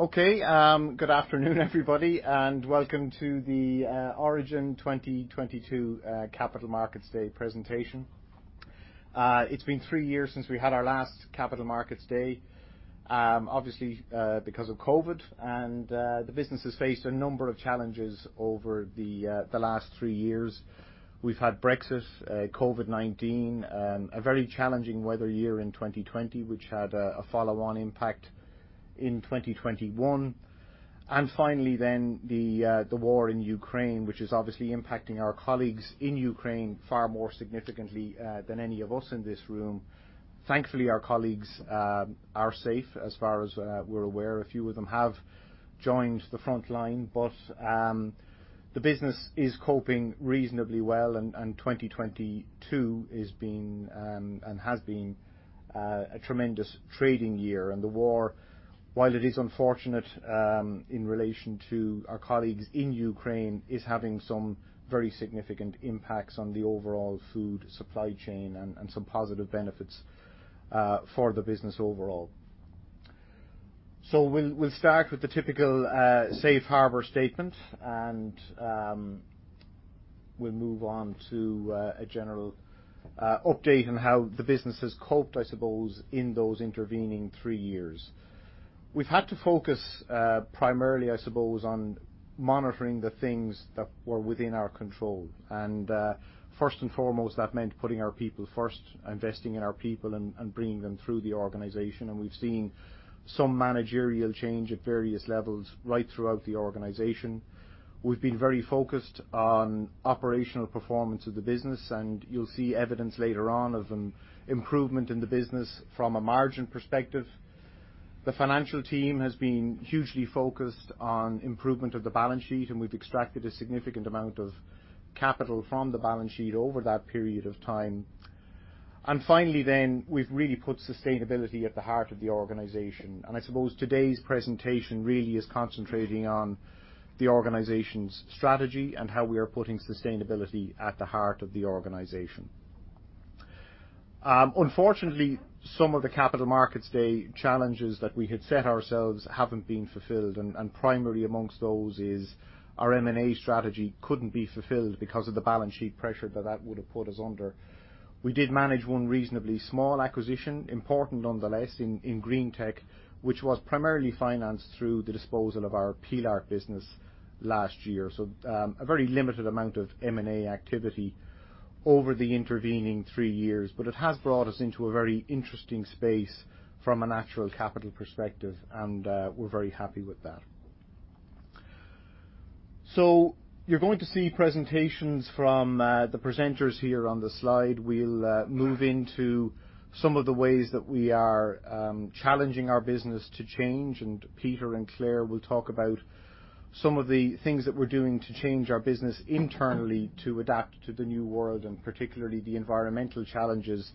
Okay. Good afternoon, everybody, and welcome to the Origin 2022 Capital Markets Day presentation. It's been three years since we had our last Capital Markets Day, obviously, because of COVID, and the business has faced a number of challenges over the last three years. We've had Brexit, COVID-19, a very challenging weather year in 2020, which had a follow-on impact in 2021. Finally then, the war in Ukraine, which is obviously impacting our colleagues in Ukraine far more significantly than any of us in this room. Thankfully, our colleagues are safe as far as we're aware. A few of them have joined the frontline, but the business is coping reasonably well and 2022 has been a tremendous trading year. The war, while it is unfortunate, in relation to our colleagues in Ukraine, is having some very significant impacts on the overall food supply chain and some positive benefits for the business overall. We'll start with the typical safe harbor statement and we'll move on to a general update on how the business has coped, I suppose, in those intervening three years. We've had to focus primarily, I suppose, on monitoring the things that were within our control. First and foremost, that meant putting our people first, investing in our people, and bringing them through the organization. We've seen some managerial change at various levels right throughout the organization. We've been very focused on operational performance of the business, and you'll see evidence later on of an improvement in the business from a margin perspective. The financial team has been hugely focused on improvement of the balance sheet, and we've extracted a significant amount of capital from the balance sheet over that period of time. Finally then, we've really put sustainability at the heart of the organization. I suppose today's presentation really is concentrating on the organization's strategy and how we are putting sustainability at the heart of the organization. Unfortunately, some of the Capital Markets Day challenges that we had set ourselves haven't been fulfilled, and primary amongst those is our M&A strategy couldn't be fulfilled because of the balance sheet pressure that that would have put us under. We did manage one reasonably small acquisition, important nonetheless in Green-tech, which was primarily financed through the disposal of our Pilart business last year. A very limited amount of M&A activity over the intervening three years, but it has brought us into a very interesting space from a natural capital perspective, and we're very happy with that. You're going to see presentations from the presenters here on the slide. We'll move into some of the ways that we are challenging our business to change, and Peter and Claire will talk about some of the things that we're doing to change our business internally to adapt to the new world, and particularly the environmental challenges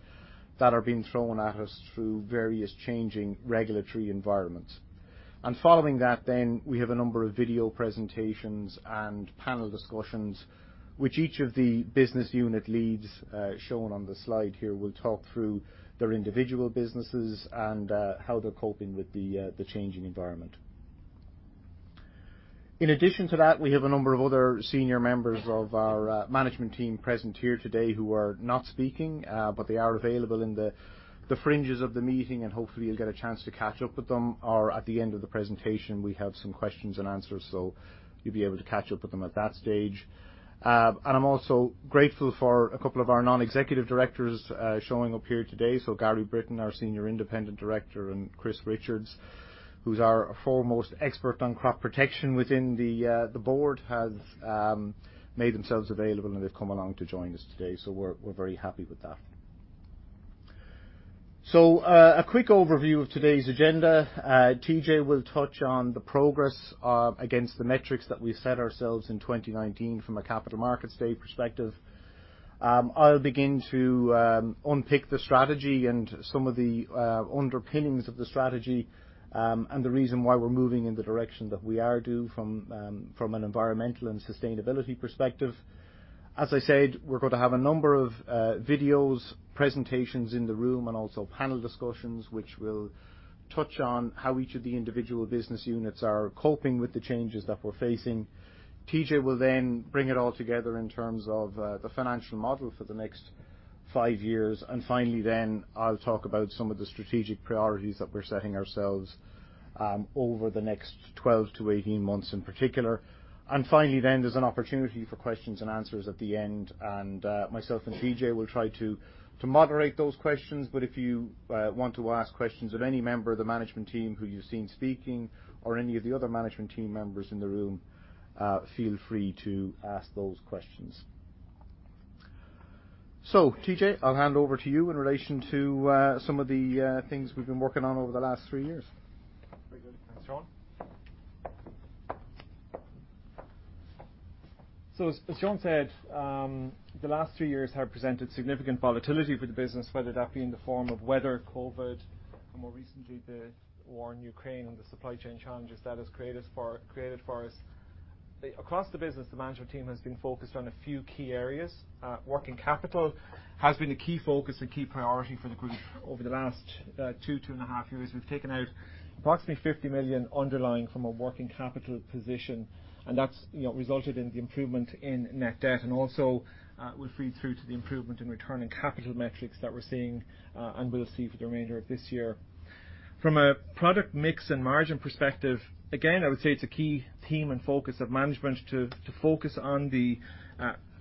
that are being thrown at us through various changing regulatory environments. Following that then, we have a number of video presentations and panel discussions, which each of the business unit leads shown on the slide here will talk through their individual businesses and how they're coping with the changing environment. In addition to that, we have a number of other senior members of our management team present here today who are not speaking, but they are available in the fringes of the meeting, and hopefully you'll get a chance to catch up with them. At the end of the presentation, we have some questions and answers, so you'll be able to catch up with them at that stage. I'm also grateful for a couple of our non-executive directors showing up here today. Gary Britton, our Senior Independent Director, and Chris Richards, who's our foremost expert on crop protection within the board, have made themselves available, and they've come along to join us today, so we're very happy with that. A quick overview of today's agenda. TJ will touch on the progress against the metrics that we set ourselves in 2019 from a Capital Markets Day perspective. I'll begin to unpick the strategy and some of the underpinnings of the strategy, and the reason why we're moving in the direction that we are from an environmental and sustainability perspective. As I said, we're gonna have a number of videos, presentations in the room, and also panel discussions which will touch on how each of the individual business units are coping with the changes that we're facing. TJ will then bring it all together in terms of the financial model for the next five years. Finally then, I'll talk about some of the strategic priorities that we're setting ourselves over the next 12-18 months in particular. Finally then, there's an opportunity for questions and answers at the end, and myself and TJ will try to moderate those questions. If you want to ask questions of any member of the management team who you've seen speaking or any of the other management team members in the room, feel free to ask those questions. TJ, I'll hand over to you in relation to some of the things we've been working on over the last 3 years. Very good. Thanks, Sean. As Sean said, the last three years have presented significant volatility for the business, whether that be in the form of weather, COVID, and more recently, the war in Ukraine and the supply chain challenges that has created for us. Across the business, the management team has been focused on a few key areas. Working capital has been a key focus, a key priority for the group over the last two and a half years. We've taken out approximately 50 million underlying from a working capital position, and that's, you know, resulted in the improvement in net debt and also will feed through to the improvement in return on capital metrics that we're seeing and will see for the remainder of this year. From a product mix and margin perspective, again, I would say it's a key theme and focus of management to focus on the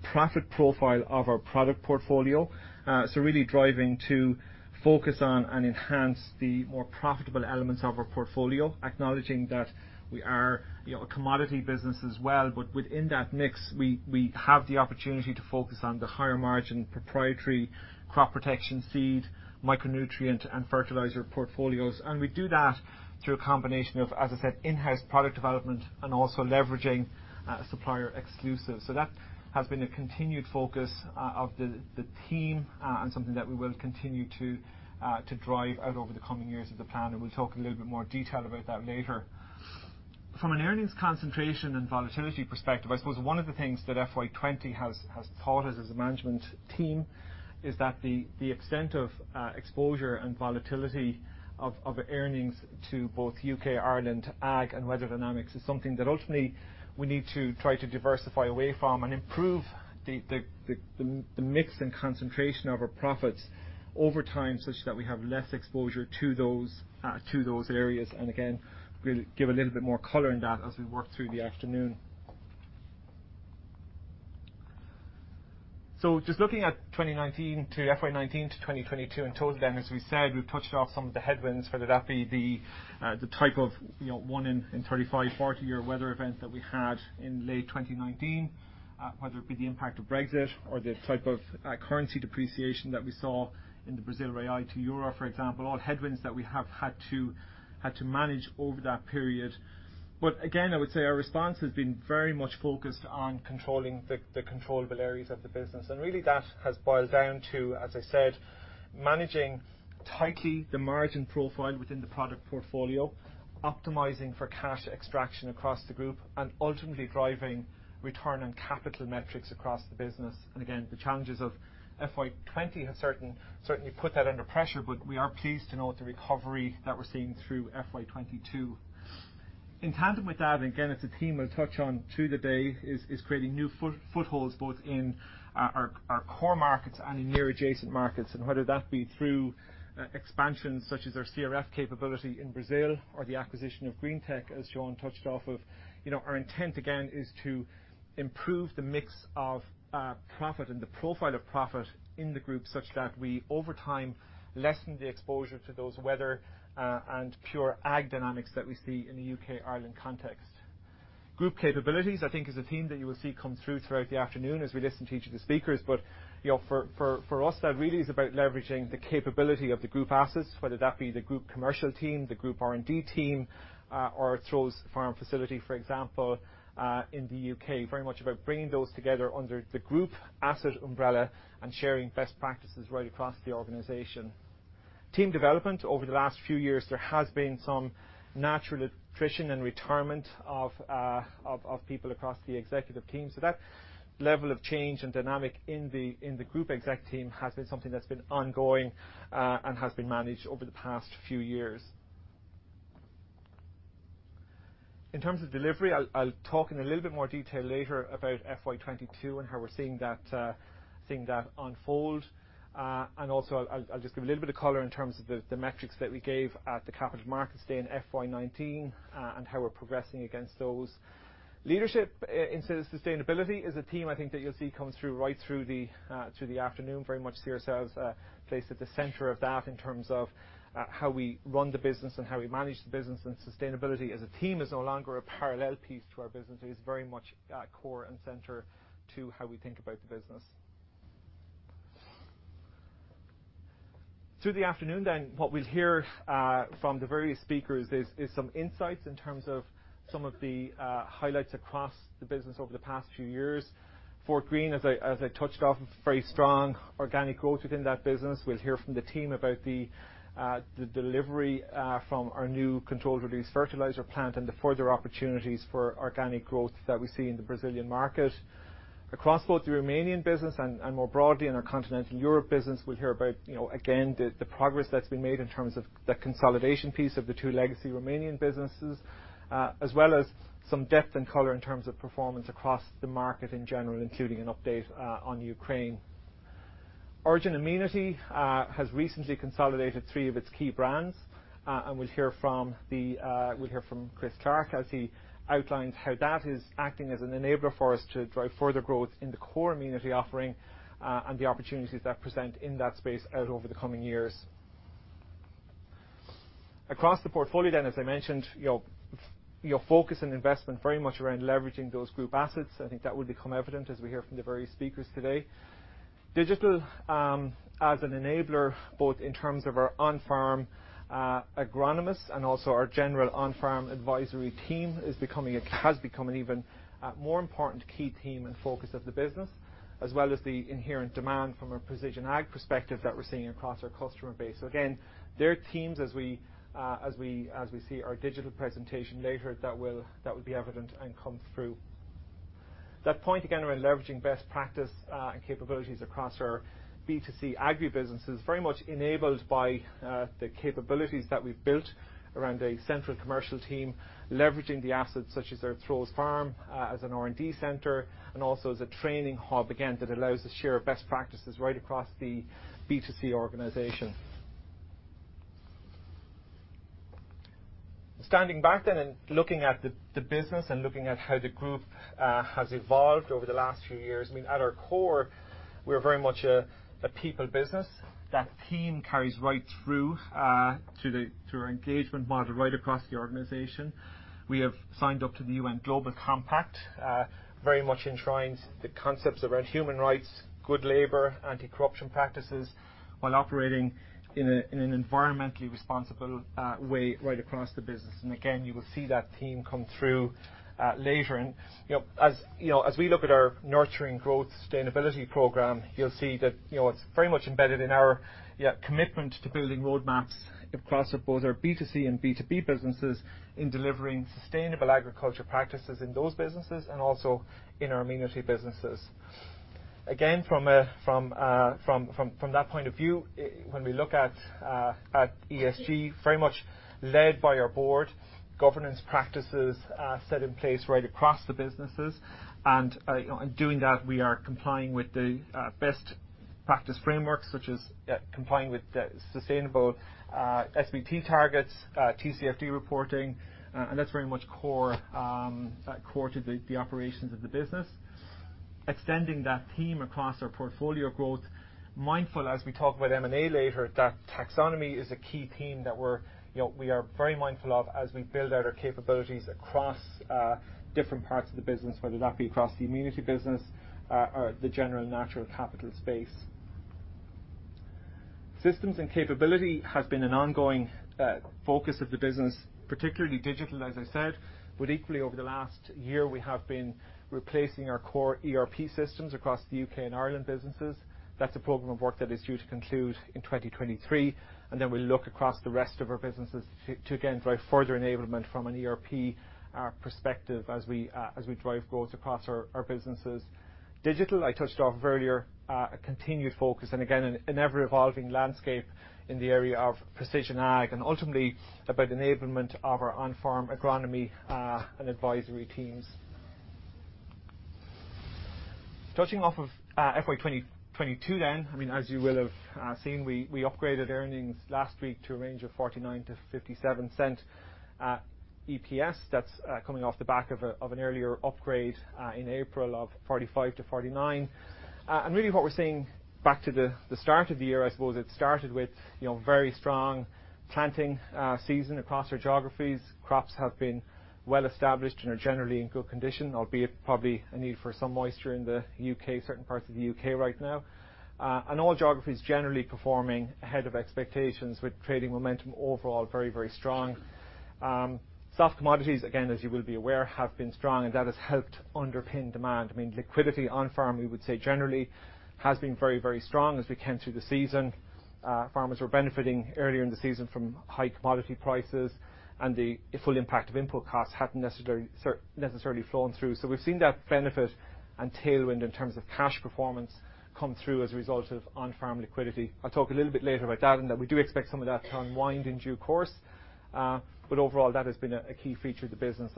profit profile of our product portfolio. So really driving to focus on and enhance the more profitable elements of our portfolio, acknowledging that we are, you know, a commodity business as well. Within that mix, we have the opportunity to focus on the higher margin proprietary crop protection, seed, micronutrient, and fertilizer portfolios. We do that through a combination of, as I said, in-house product development and also leveraging supplier exclusives. That has been a continued focus of the team, and something that we will continue to drive out over the coming years of the plan. We'll talk in a little bit more detail about that later. From an earnings concentration and volatility perspective, I suppose one of the things that FY 2020 has taught us as a management team is that the extent of exposure and volatility of earnings to both UK, Ireland, ag, and weather dynamics is something that ultimately we need to try to diversify away from and improve the mix and concentration of our profits over time, such that we have less exposure to those areas. We'll give a little bit more color on that as we work through the afternoon. Just looking at 2019 to... FY19 to 2022 in total then, as we said, we've touched off some of the headwinds, whether that be the type of one in 35- to 40-year weather events that we had in late 2019, whether it be the impact of Brexit or the type of currency depreciation that we saw in the Brazilian real to euro, for example, all headwinds that we have had to manage over that period. I would say our response has been very much focused on controlling the controllable areas of the business. Really that has boiled down to, as I said, managing tightly the margin profile within the product portfolio, optimizing for cash extraction across the group, and ultimately driving return on capital metrics across the business. Again, the challenges of FY 2020 have certainly put that under pressure, but we are pleased to note the recovery that we're seeing through FY 2022. In tandem with that, and again, it's a theme we'll touch on through the day, is creating new footholds both in our core markets and in near adjacent markets. Whether that be through expansion such as our CRF capability in Brazil or the acquisition of Green-tech, as Sean touched on, you know, our intent, again, is to improve the mix of profit and the profile of profit in the group such that we, over time, lessen the exposure to those weather and pure ag dynamics that we see in the UK, Ireland context. Group capabilities, I think, is a theme that you will see come through throughout the afternoon as we listen to each of the speakers. You know, for us, that really is about leveraging the capability of the group assets, whether that be the group commercial team, the group R&D team, or Throws Farm facility, for example, in the UK. Very much about bringing those together under the group asset umbrella and sharing best practices right across the organization. Team development. Over the last few years, there has been some natural attrition and retirement of people across the executive team. That level of change and dynamic in the group exec team has been something that's been ongoing and has been managed over the past few years. In terms of delivery, I'll talk in a little bit more detail later about FY 2022 and how we're seeing that unfold. Also I'll just give a little bit of color in terms of the metrics that we gave at the capital markets day in FY 2019 and how we're progressing against those. Leadership in sustainability is a theme I think that you'll see come through right through the afternoon. Very much see ourselves placed at the center of that in terms of how we run the business and how we manage the business. Sustainability as a theme is no longer a parallel piece to our business. It is very much core and center to how we think about the business. Through the afternoon, what we'll hear from the various speakers is some insights in terms of some of the highlights across the business over the past few years. Fortgreen, as I touched on, very strong organic growth within that business. We'll hear from the team about the delivery from our new controlled release fertilizer plant and the further opportunities for organic growth that we see in the Brazilian market. Across both the Romanian business and more broadly in our continental Europe business, we'll hear about, you know, again, the progress that's been made in terms of the consolidation piece of the two legacy Romanian businesses, as well as some depth and color in terms of performance across the market in general, including an update on Ukraine. Origin Amenity has recently consolidated three of its key brands, and we'll hear from Chris Clarke as he outlines how that is acting as an enabler for us to drive further growth in the core amenity offering, and the opportunities that present in that space out over the coming years. Across the portfolio then, as I mentioned, focus and investment very much around leveraging those group assets. I think that will become evident as we hear from the various speakers today. Digital, as an enabler, both in terms of our on-farm agronomists and also our general on-farm advisory team, has become an even more important key theme and focus of the business, as well as the inherent demand from a precision ag perspective that we're seeing across our customer base. Again, their teams as we see our digital presentation later, that will be evident and come through. That point, again, around leveraging best practice and capabilities across our B2C agri business is very much enabled by the capabilities that we've built around a central commercial team leveraging the assets such as our Throws Farm as an R&D center and also as a training hub, again, that allows the share of best practices right across the B2C organization. Standing back and looking at the business and looking at how the group has evolved over the last few years, I mean, at our core, we're very much a people business. That theme carries right through our engagement model right across the organization. We have signed up to the UN Global Compact, very much enshrines the concepts around human rights, good labor, anti-corruption practices while operating in an environmentally responsible way right across the business. Again, you will see that theme come through later. You know, as we look at our Nurturing Growth sustainability program, you'll see that, you know, it's very much embedded in our commitment to building roadmaps across both our B2C and B2B businesses in delivering sustainable agriculture practices in those businesses and also in our amenity businesses. Again, from that point of view, when we look at ESG, very much led by our board governance practices set in place right across the businesses. You know, in doing that, we are complying with the best practice frameworks such as complying with the sustainable SBT targets, TCFD reporting, and that's very much core to the operations of the business. Extending that theme across our portfolio growth, mindful as we talk about M&A later, that taxonomy is a key theme that we are very mindful of as we build out our capabilities across different parts of the business, whether that be across the amenity business or the general natural capital space. Systems and capability has been an ongoing focus of the business, particularly digital, as I said, but equally over the last year we have been replacing our core ERP systems across the UK and Ireland businesses. That's a program of work that is due to conclude in 2023, and then we'll look across the rest of our businesses to again drive further enablement from an ERP perspective as we drive growth across our businesses. Digital, I touched on earlier, a continued focus and again, an ever-evolving landscape in the area of precision ag and ultimately about enablement of our on-farm agronomy and advisory teams. Touching on FY 2022 then, I mean, as you will have seen, we upgraded earnings last week to a range of 0.49 to 0.57 EPS. That's coming off the back of an earlier upgrade in April of 0.45 to 0.49. Really what we're seeing back to the start of the year, I suppose it started with you know very strong planting season across our geographies. Crops have been well established and are generally in good condition, albeit probably a need for some moisture in the UK, certain parts of the UK right now. All geographies generally performing ahead of expectations with trading momentum overall very, very strong. Soft commodities, again, as you will be aware, have been strong and that has helped underpin demand. I mean, liquidity on farm, we would say generally has been very, very strong as we came through the season. Farmers were benefiting earlier in the season from high commodity prices, and the full impact of input costs hadn't necessarily flown through. We've seen that benefit and tailwind in terms of cash performance come through as a result of on-farm liquidity. I'll talk a little bit later about that, and we do expect some of that to unwind in due course. Overall, that has been a key feature of the business.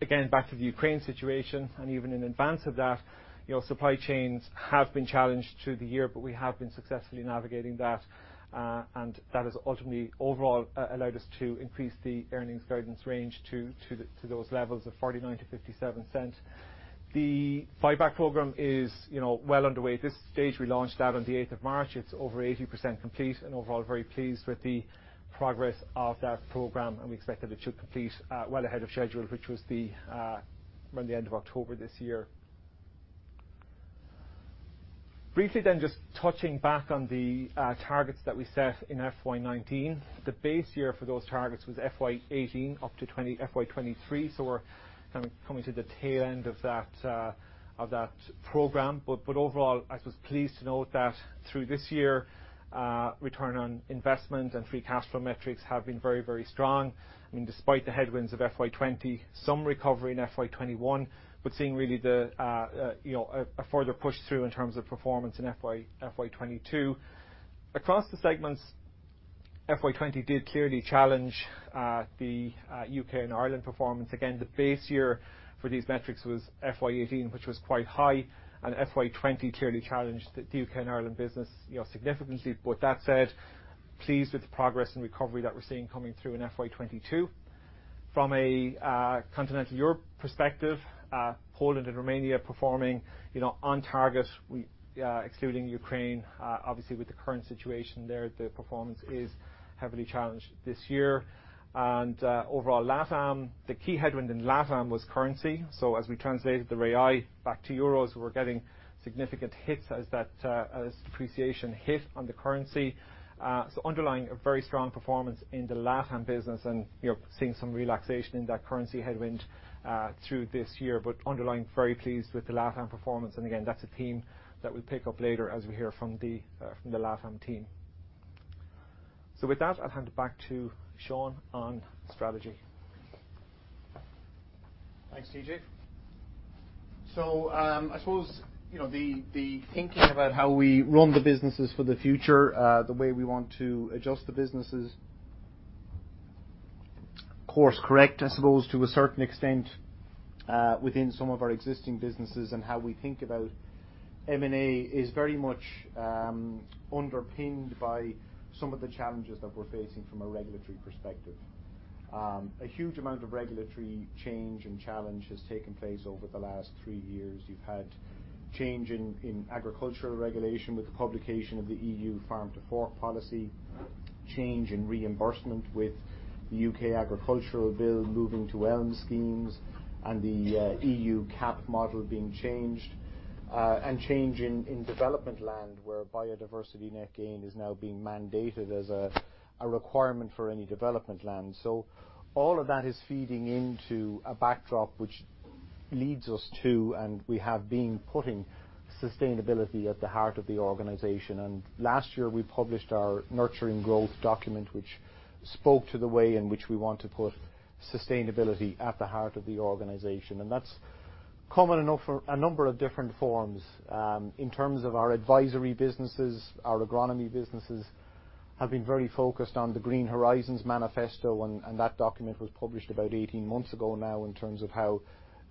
Again, back to the Ukraine situation, and even in advance of that, you know, supply chains have been challenged through the year, but we have been successfully navigating that. That has ultimately overall allowed us to increase the earnings guidance range to those levels of 0.49 to 0.57. The buyback program is, you know, well underway at this stage. We launched that on the eighth of March. It's over 80% complete, and overall, very pleased with the progress of that program, and we expect that it should complete well ahead of schedule, which was around the end of October this year. Briefly, just touching back on the targets that we set in FY 2019. The base year for those targets was FY 2018 up to FY 2023, so we're kind of coming to the tail end of that program. Overall, I was pleased to note that through this year, return on investment and free cash flow metrics have been very, very strong. I mean, despite the headwinds of FY 2020, some recovery in FY 2021, but seeing really a further push through in terms of performance in FY 2022. Across the segments, FY 20 did clearly challenge the UK and Ireland performance. Again, the base year for these metrics was FY 18, which was quite high, and FY 20 clearly challenged the UK and Ireland business, you know, significantly. That said, pleased with the progress and recovery that we're seeing coming through in FY 22. From a continental Europe perspective, Poland and Romania performing, you know, on target. Excluding Ukraine, obviously with the current situation there, the performance is heavily challenged this year. Overall LatAm, the key headwind in LatAm was currency. So as we translated the real back to euros, we're getting significant hits as that depreciation hit on the currency. Underlying a very strong performance in the LatAm business and, you know, seeing some relaxation in that currency headwind through this year, but underlying very pleased with the LatAm performance. Again, that's a theme that we'll pick up later as we hear from the LatAm team. With that, I'll hand it back to Sean on strategy. Thanks, TJ. I suppose, you know, the thinking about how we run the businesses for the future, the way we want to adjust the businesses, course correct, I suppose, to a certain extent, within some of our existing businesses and how we think about M&A is very much underpinned by some of the challenges that we're facing from a regulatory perspective. A huge amount of regulatory change and challenge has taken place over the last three years. You've had change in agricultural regulation with the publication of the EU Farm to Fork policy, change in reimbursement with the UK Agricultural Bill moving to ELM schemes, and the EU CAP model being changed, and change in development land, where biodiversity net gain is now being mandated as a requirement for any development land. All of that is feeding into a backdrop which leads us to, and we have been putting sustainability at the heart of the organization. Last year, we published our Nurturing Growth document, which spoke to the way in which we want to put sustainability at the heart of the organization, and that's common in a number of different forms. In terms of our advisory businesses, our agronomy businesses have been very focused on the Green Horizons manifesto, and that document was published about 18 months ago now in terms of how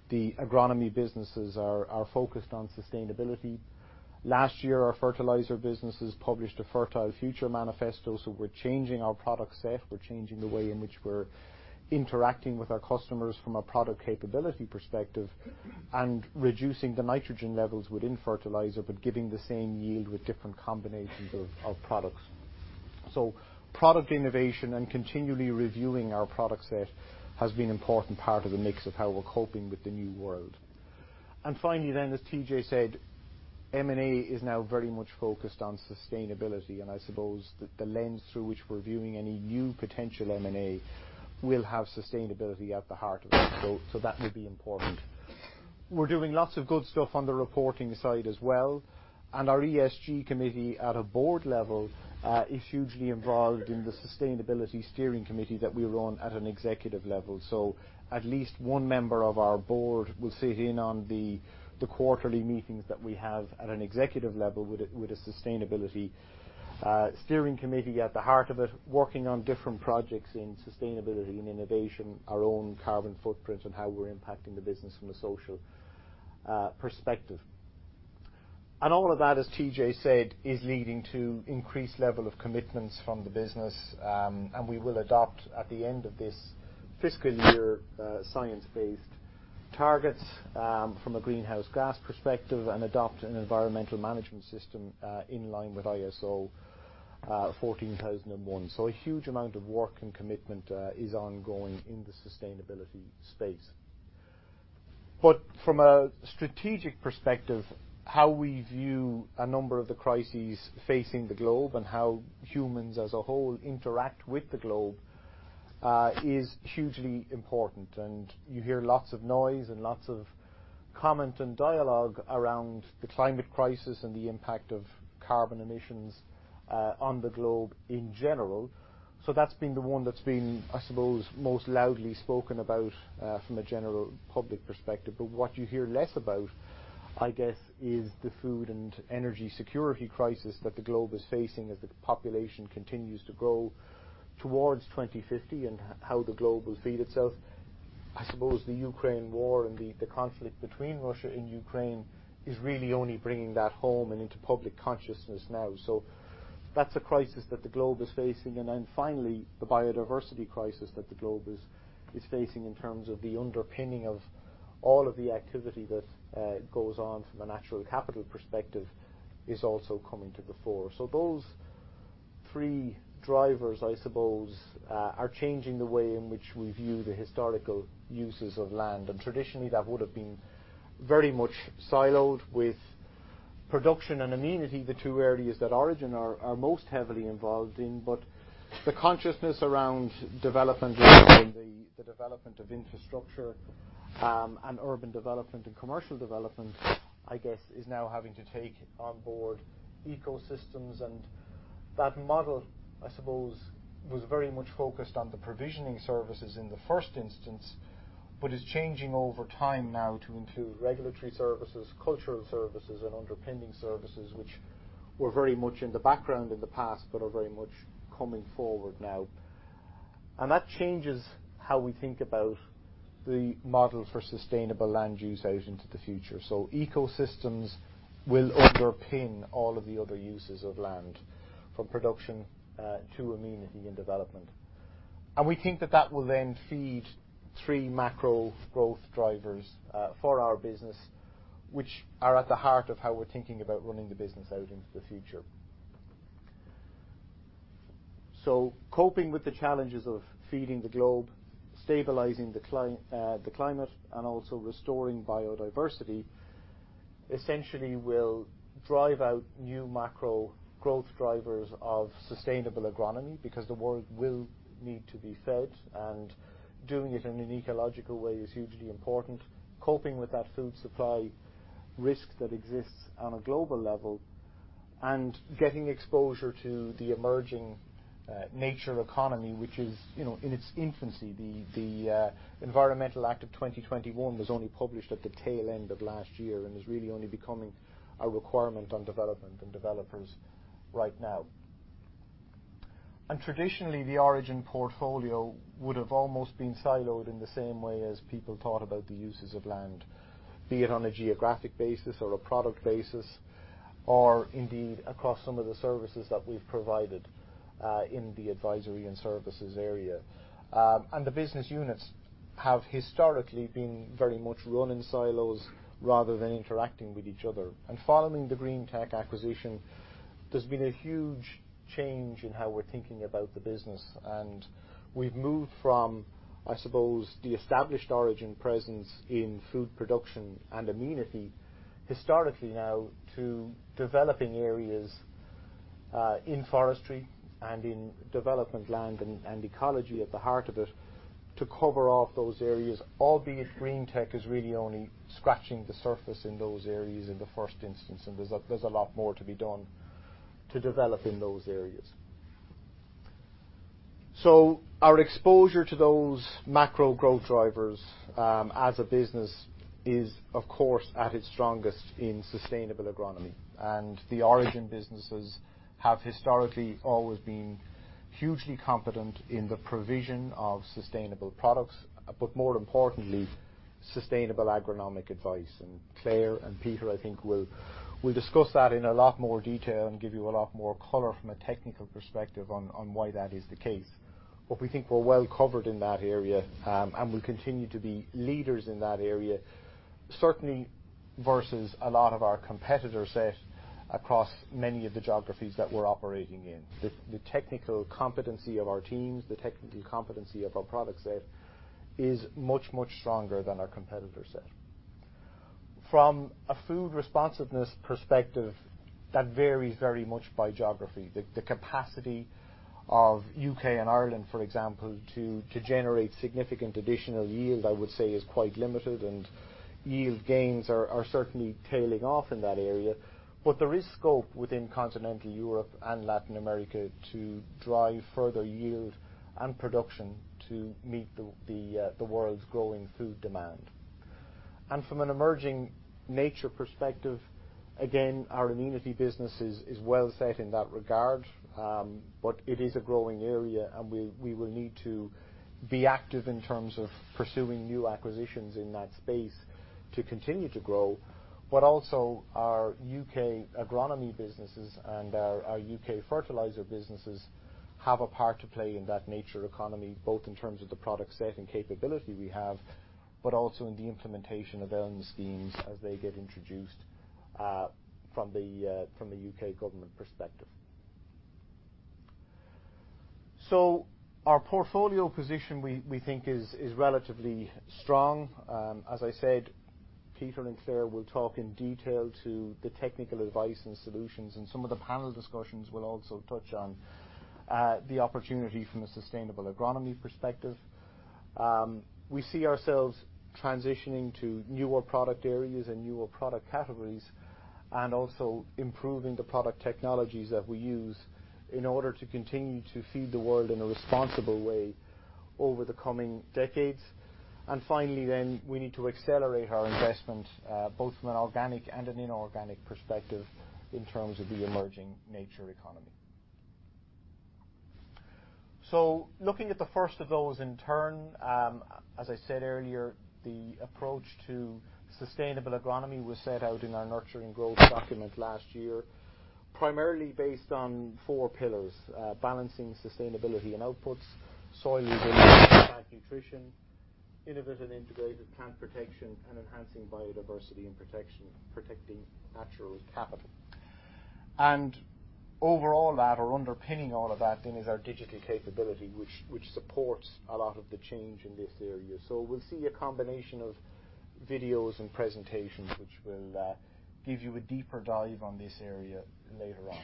the agronomy businesses are focused on sustainability. Last year, our fertilizer businesses published a Fertile Future manifesto, we're changing our product set, we're changing the way in which we're interacting with our customers from a product capability perspective, and reducing the nitrogen levels within fertilizer, but giving the same yield with different combinations of products. Product innovation and continually reviewing our product set has been important part of the mix of how we're coping with the new world. As TJ said, M&A is now very much focused on sustainability, and I suppose the lens through which we're viewing any new potential M&A will have sustainability at the heart of it. That will be important. We're doing lots of good stuff on the reporting side as well, and our ESG committee at a board level is hugely involved in the sustainability steering committee that we run at an executive level. At least one member of our board will sit in on the quarterly meetings that we have at an executive level with a sustainability steering committee at the heart of it, working on different projects in sustainability and innovation, our own carbon footprint, and how we're impacting the business from a social perspective. All of that, as TJ said, is leading to increased level of commitments from the business, and we will adopt at the end of this fiscal year science-based targets from a greenhouse gas perspective and adopt an environmental management system in line with ISO 14001. A huge amount of work and commitment is ongoing in the sustainability space. From a strategic perspective, how we view a number of the crises facing the globe and how humans as a whole interact with the globe is hugely important. You hear lots of noise and lots of comment and dialogue around the climate crisis and the impact of carbon emissions on the globe in general. That's been the one that's been, I suppose, most loudly spoken about from a general public perspective. What you hear less about, I guess, is the food and energy security crisis that the globe is facing as the population continues to grow towards 2050 and how the globe will feed itself. I suppose the Ukraine war and the conflict between Russia and Ukraine is really only bringing that home and into public consciousness now. That's a crisis that the globe is facing. Finally, the biodiversity crisis that the globe is facing in terms of the underpinning of all of the activity that goes on from a natural capital perspective is also coming to the fore. Those three drivers, I suppose, are changing the way in which we view the historical uses of land, and traditionally, that would have been very much siloed with production and amenity, the two areas that Origin are most heavily involved in. The consciousness around development and the development of infrastructure, and urban development and commercial development, I guess, is now having to take on board ecosystems. That model, I suppose, was very much focused on the provisioning services in the first instance, but is changing over time now to include regulatory services, cultural services, and underpinning services, which were very much in the background in the past, but are very much coming forward now. That changes how we think about the model for sustainable land use out into the future. Ecosystems will underpin all of the other uses of land, from production, to amenity and development. We think that that will then feed three macro growth drivers, for our business, which are at the heart of how we're thinking about running the business out into the future. Coping with the challenges of feeding the globe, stabilizing the climate, and also restoring biodiversity essentially will drive out new macro growth drivers of sustainable agronomy because the world will need to be fed, and doing it in an ecological way is hugely important. Coping with that food supply risk that exists on a global level, and getting exposure to the emerging, nature economy, which is, you know, in its infancy. The Environment Act 2021 was only published at the tail end of last year and is really only becoming a requirement on development and developers right now. Traditionally, the Origin portfolio would have almost been siloed in the same way as people thought about the uses of land, be it on a geographic basis or a product basis, or indeed across some of the services that we've provided, in the advisory and services area. The business units have historically been very much run in silos rather than interacting with each other. Following the Green-tech acquisition, there's been a huge change in how we're thinking about the business. We've moved from, I suppose, the established Origin presence in food production and amenity historically now to developing areas in forestry and in development land and ecology at the heart of it to cover off those areas, albeit Green-tech is really only scratching the surface in those areas in the first instance, and there's a lot more to be done to develop in those areas. Our exposure to those macro growth drivers, as a business is, of course, at its strongest in sustainable agronomy. The Origin businesses have historically always been hugely competent in the provision of sustainable products, but more importantly, sustainable agronomic advice. Claire and Peter, I think, will discuss that in a lot more detail and give you a lot more color from a technical perspective on why that is the case. We think we're well covered in that area, and we continue to be leaders in that area, certainly versus a lot of our competitor set across many of the geographies that we're operating in. The technical competency of our teams, the technical competency of our product set is much, much stronger than our competitor set. From a food responsiveness perspective, that varies very much by geography. The capacity of UK and Ireland, for example, to generate significant additional yield, I would say, is quite limited, and yield gains are certainly tailing off in that area. There is scope within Continental Europe and Latin America to drive further yield and production to meet the world's growing food demand. From an emerging nature perspective, again, our amenity business is well set in that regard, but it is a growing area, and we will need to be active in terms of pursuing new acquisitions in that space to continue to grow. Our UK agronomy businesses and our UK fertilizer businesses have a part to play in that nature economy, both in terms of the product set and capability we have, but also in the implementation of ELMS schemes as they get introduced, from the UK government perspective. Our portfolio position we think is relatively strong. As I said, Peter and Claire will talk in detail to the technical advice and solutions, and some of the panel discussions will also touch on the opportunity from a sustainable agronomy perspective. We see ourselves transitioning to newer product areas and newer product categories and also improving the product technologies that we use in order to continue to feed the world in a responsible way over the coming decades. Finally, then, we need to accelerate our investment, both from an organic and an inorganic perspective in terms of the emerging nature economy. Looking at the first of those in turn, as I said earlier, the approach to sustainable agronomy was set out in our Nurturing Growth document last year, primarily based on four pillars, balancing sustainability and outputs, soil and plant nutrition, innovative and integrated plant protection, and enhancing biodiversity and protection, protecting natural capital. Over all that, or underpinning all of that then is our digital capability, which supports a lot of the change in this area. We'll see a combination of videos and presentations which will give you a deeper dive on this area later on.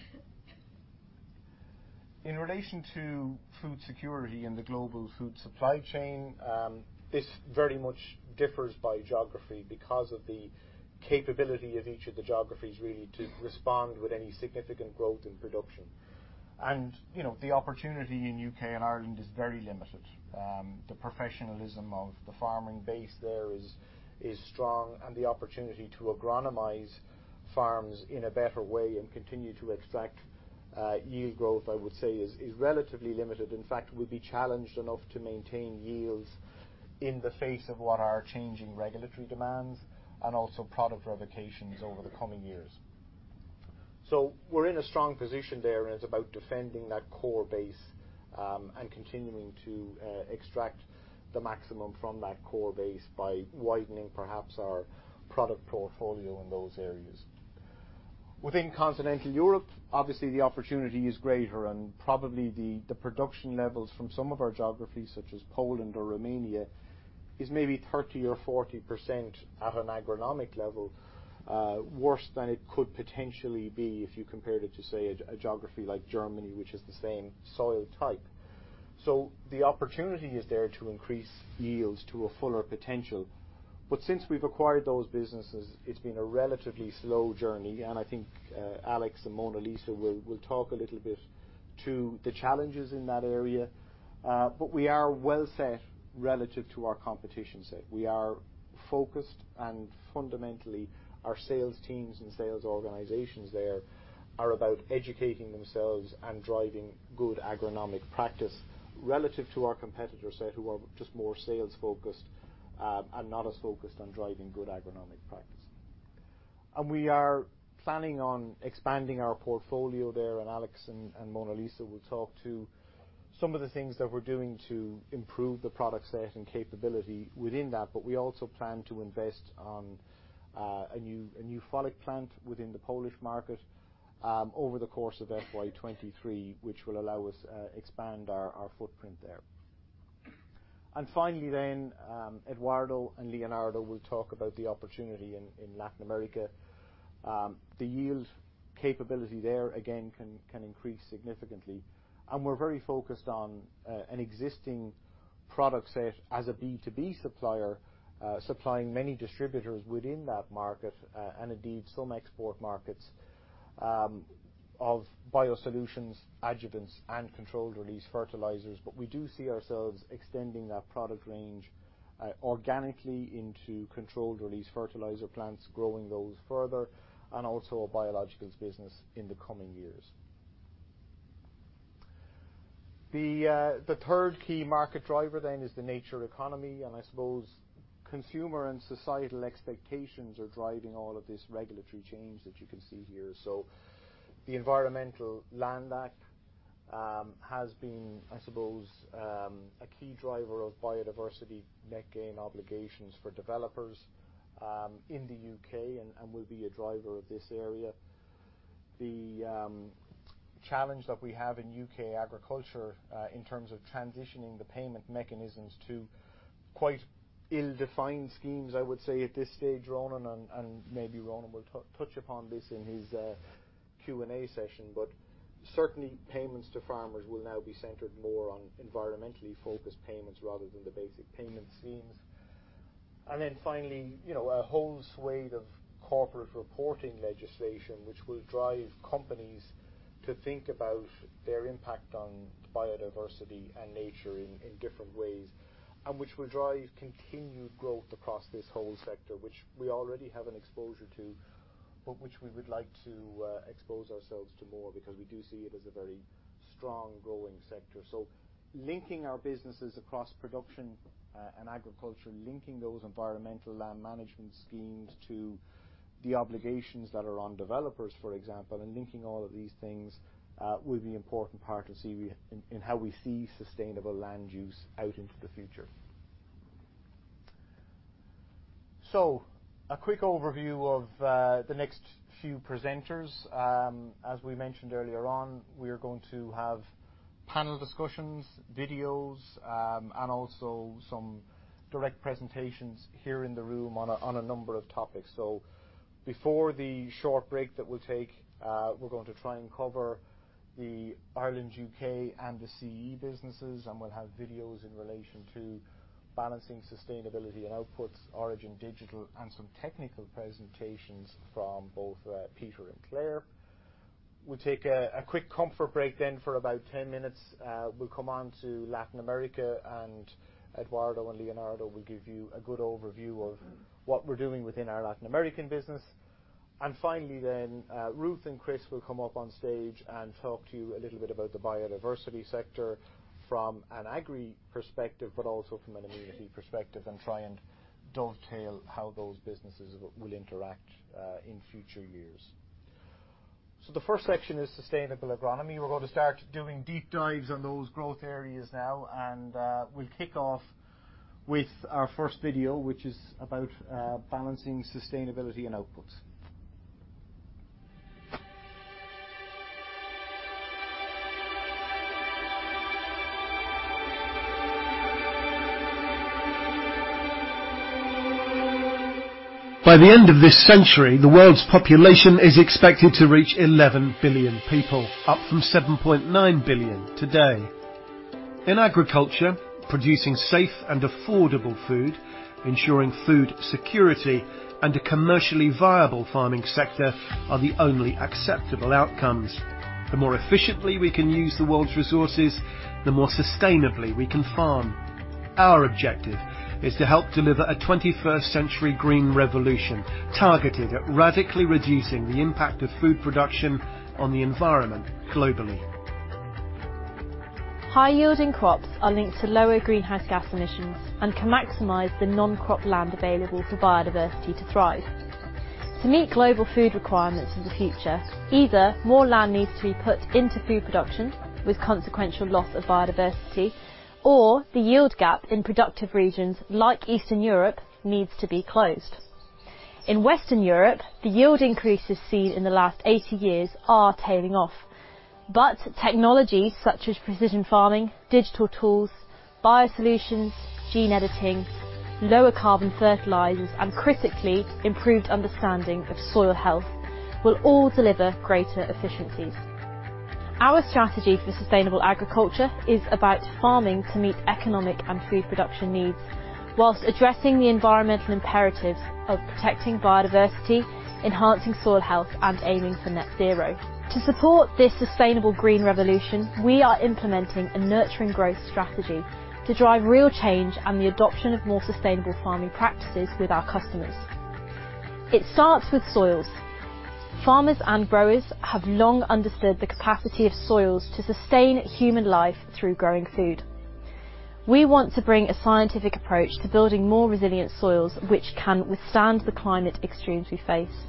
In relation to food security and the global food supply chain, this very much differs by geography because of the capability of each of the geographies really to respond with any significant growth in production. You know, the opportunity in UK and Ireland is very limited. The professionalism of the farming base there is strong, and the opportunity to agronomize farms in a better way and continue to extract yield growth, I would say, is relatively limited. In fact, it will be challenged enough to maintain yields in the face of what are changing regulatory demands and also product revocations over the coming years. We're in a strong position there, and it's about defending that core base, and continuing to extract the maximum from that core base by widening perhaps our product portfolio in those areas. Within Continental Europe, obviously, the opportunity is greater and probably the production levels from some of our geographies, such as Poland or Romania, is maybe 30% or 40% at an agronomic level, worse than it could potentially be if you compared it to, say, a geography like Germany, which is the same soil type. The opportunity is there to increase yields to a fuller potential. Since we've acquired those businesses, it's been a relatively slow journey, and I think Alex and Mona Lisa will talk a little bit to the challenges in that area. We are well set relative to our competition set. We are focused and fundamentally our sales teams and sales organizations there are about educating themselves and driving good agronomic practice relative to our competitor set, who are just more sales focused, and not as focused on driving good agronomic practice. We are planning on expanding our portfolio there, and Alex and Mona Lisa will talk to some of the things that we're doing to improve the product set and capability within that. We also plan to invest on a new foliar plant within the Polish market over the course of FY 2023, which will allow us expand our footprint there. Finally then, Eduardo and Leonardo will talk about the opportunity in Latin America. The yield capability there again can increase significantly. We're very focused on an existing product set as a B2B supplier, supplying many distributors within that market, and indeed some export markets, of biosolutions, adjuvants, and controlled-release fertilizers. We do see ourselves extending that product range, organically into controlled-release fertilizer plants, growing those further, and also a biologicals business in the coming years. The third key market driver then is the nature economy, and I suppose consumer and societal expectations are driving all of this regulatory change that you can see here. The Environment Act 2021 has been, I suppose, a key driver of biodiversity net gain obligations for developers, in the UK and will be a driver of this area. The challenge that we have in U.K. agriculture, in terms of transitioning the payment mechanisms to quite ill-defined schemes, I would say at this stage, Ronan, and maybe Ronan will touch upon this in his Q&A session. Certainly payments to farmers will now be centered more on environmentally focused payments rather than the basic payment schemes. Finally, you know, a whole swathe of corporate reporting legislation, which will drive companies to think about their impact on biodiversity and nature in different ways, and which will drive continued growth across this whole sector, which we already have an exposure to, but which we would like to expose ourselves to more, because we do see it as a very strong growing sector. Linking our businesses across production and agriculture, linking those Environmental Land Management schemes to the obligations that are on developers, for example, and linking all of these things will be an important part in how we see sustainable land use out into the future. A quick overview of the next few presenters. As we mentioned earlier on, we're going to have panel discussions, videos, and also some direct presentations here in the room on a number of topics. Before the short break that we'll take, we're going to try and cover the Ireland, UK, and the CE businesses, and we'll have videos in relation to balancing sustainability and outputs, Origin Digital, and some technical presentations from both Peter and Claire. We'll take a quick comfort break then for about 10 minutes. We'll come on to Latin America, and Eduardo and Leonardo will give you a good overview of what we're doing within our Latin American business. Finally, Ruth and Chris will come up on stage and talk to you a little bit about the biodiversity sector from an agri perspective, but also from an amenity perspective, and try and dovetail how those businesses will interact in future years. The first section is sustainable agronomy. We're going to start doing deep dives on those growth areas now, and we'll kick off with our first video, which is about balancing sustainability and outputs. By the end of this century, the world's population is expected to reach 11 billion people, up from 7.9 billion today. In agriculture, producing safe and affordable food, ensuring food security and a commercially viable farming sector are the only acceptable outcomes. The more efficiently we can use the world's resources, the more sustainably we can farm. Our objective is to help deliver a twenty-first century green revolution, targeted at radically reducing the impact of food production on the environment globally. High yielding crops are linked to lower greenhouse gas emissions and can maximize the non-crop land available for biodiversity to thrive. To meet global food requirements in the future, either more land needs to be put into food production with consequential loss of biodiversity, or the yield gap in productive regions like Eastern Europe needs to be closed. In Western Europe, the yield increases seen in the last 80 years are tailing off. Technology such as precision farming, digital tools, biosolutions, gene editing, lower carbon fertilizers and, critically, improved understanding of soil health will all deliver greater efficiencies. Our strategy for sustainable agriculture is about farming to meet economic and food production needs, while addressing the environmental imperatives of protecting biodiversity, enhancing soil health, and aiming for net zero. To support this sustainable green revolution, we are implementing a Nurturing Growth strategy to drive real change and the adoption of more sustainable farming practices with our customers. It starts with soils. Farmers and growers have long understood the capacity of soils to sustain human life through growing food. We want to bring a scientific approach to building more resilient soils which can withstand the climate extremes we face.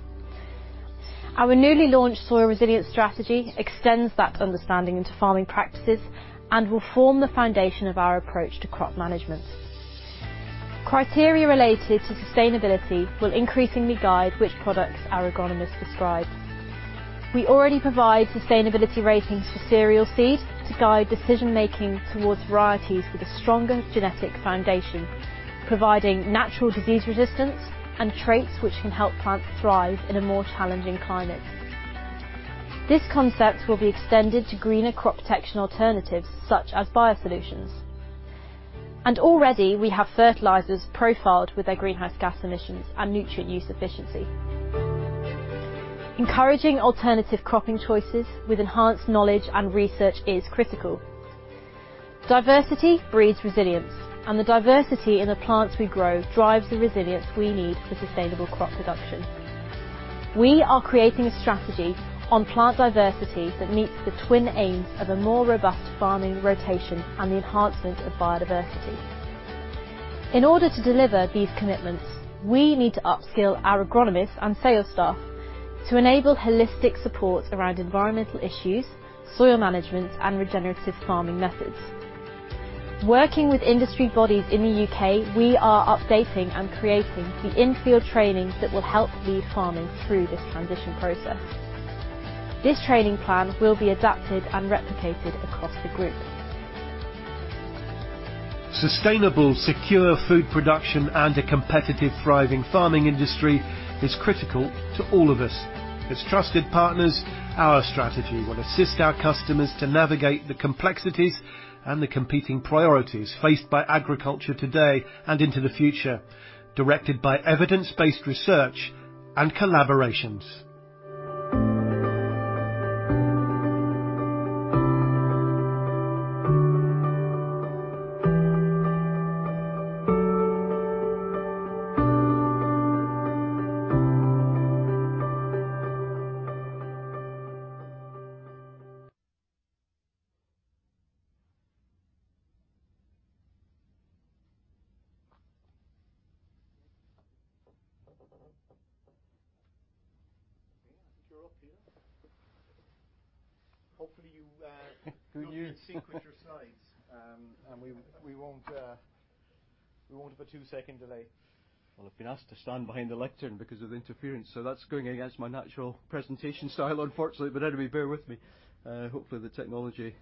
Our newly launched soil resilience strategy extends that understanding into farming practices and will form the foundation of our approach to crop management. Criteria related to sustainability will increasingly guide which products our agronomists prescribe. We already provide sustainability ratings for cereal seed to guide decision-making towards varieties with a stronger genetic foundation, providing natural disease resistance and traits which can help plants thrive in a more challenging climate. This concept will be extended to greener crop protection alternatives such as biosolutions. Already, we have fertilizers profiled with their greenhouse gas emissions and nutrient use efficiency. Encouraging alternative cropping choices with enhanced knowledge and research is critical. Diversity breeds resilience, and the diversity in the plants we grow drives the resilience we need for sustainable crop production. We are creating a strategy on plant diversity that meets the twin aims of a more robust farming rotation and the enhancement of biodiversity. In order to deliver these commitments, we need to upskill our agronomists and sales staff to enable holistic support around environmental issues, soil management, and regenerative farming methods. Working with industry bodies in the UK, we are updating and creating the in-field training that will help lead farming through this transition process. This training plan will be adapted and replicated across the group. Sustainable, secure food production and a competitive thriving farming industry is critical to all of us. As trusted partners, our strategy will assist our customers to navigate the complexities and the competing priorities faced by agriculture today and into the future, directed by evidence-based research and collaborations. Okay, I think you're up, Peter. Hopefully, you, Good news. you can sync with your slides. We won't have a two-second delay. Well, I've been asked to stand behind the lectern because of the interference, so that's going against my natural presentation style unfortunately. Anyway, bear with me. Hopefully the technology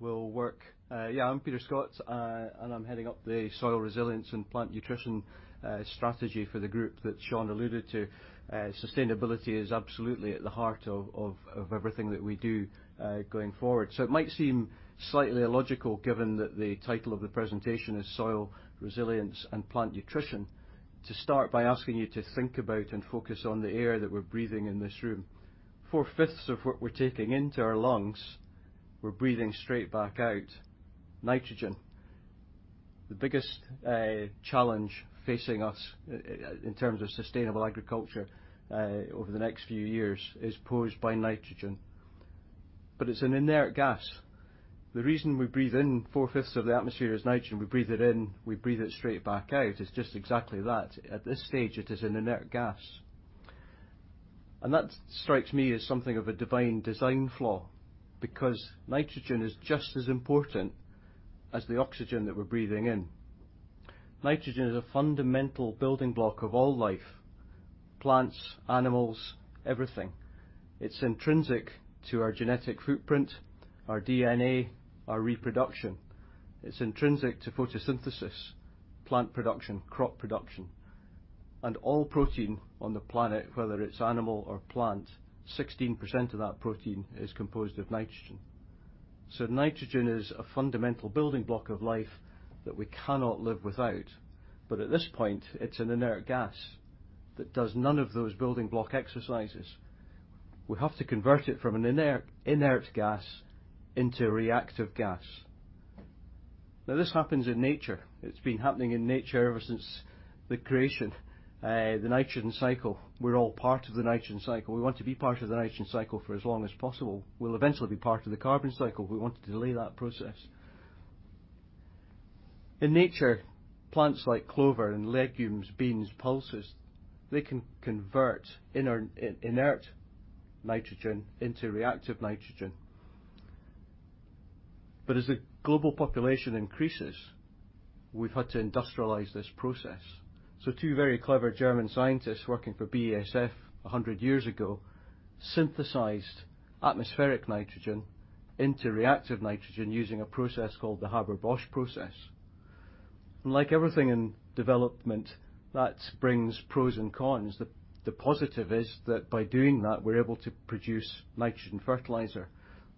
will work. Yeah, I'm Peter Scott, and I'm heading up the Soil Resilience and Plant Nutrition strategy for the group that Sean alluded to. Sustainability is absolutely at the heart of everything that we do, going forward. It might seem slightly illogical, given that the title of the presentation is Soil Resilience and Plant Nutrition, to start by asking you to think about and focus on the air that we're breathing in this room. 4/5 of what we're taking into our lungs, we're breathing straight back out, nitrogen. The biggest challenge facing us in terms of sustainable agriculture over the next few years is posed by nitrogen. It's an inert gas. The reason we breathe in, 4/5 of the atmosphere is nitrogen, we breathe it in, we breathe it straight back out, is just exactly that. At this stage, it is an inert gas. That strikes me as something of a divine design flaw, because nitrogen is just as important as the oxygen that we're breathing in. Nitrogen is a fundamental building block of all life, plants, animals, everything. It's intrinsic to our genetic footprint, our DNA, our reproduction. It's intrinsic to photosynthesis, plant production, crop production. All protein on the planet, whether it's animal or plant, 16% of that protein is composed of nitrogen. Nitrogen is a fundamental building block of life that we cannot live without. At this point, it's an inert gas that does none of those building block exercises. We have to convert it from an inert gas into reactive gas. Now, this happens in nature. It's been happening in nature ever since the creation. The nitrogen cycle, we're all part of the nitrogen cycle. We want to be part of the nitrogen cycle for as long as possible. We'll eventually be part of the carbon cycle, we want to delay that process. In nature, plants like clover and legumes, beans, pulses, they can convert inert nitrogen into reactive nitrogen. But as the global population increases, we've had to industrialize this process. So two very clever German scientists working for BASF a hundred years ago synthesized atmospheric nitrogen into reactive nitrogen using a process called the Haber-Bosch process. Like everything in development, that brings pros and cons. The positive is that by doing that, we're able to produce nitrogen fertilizer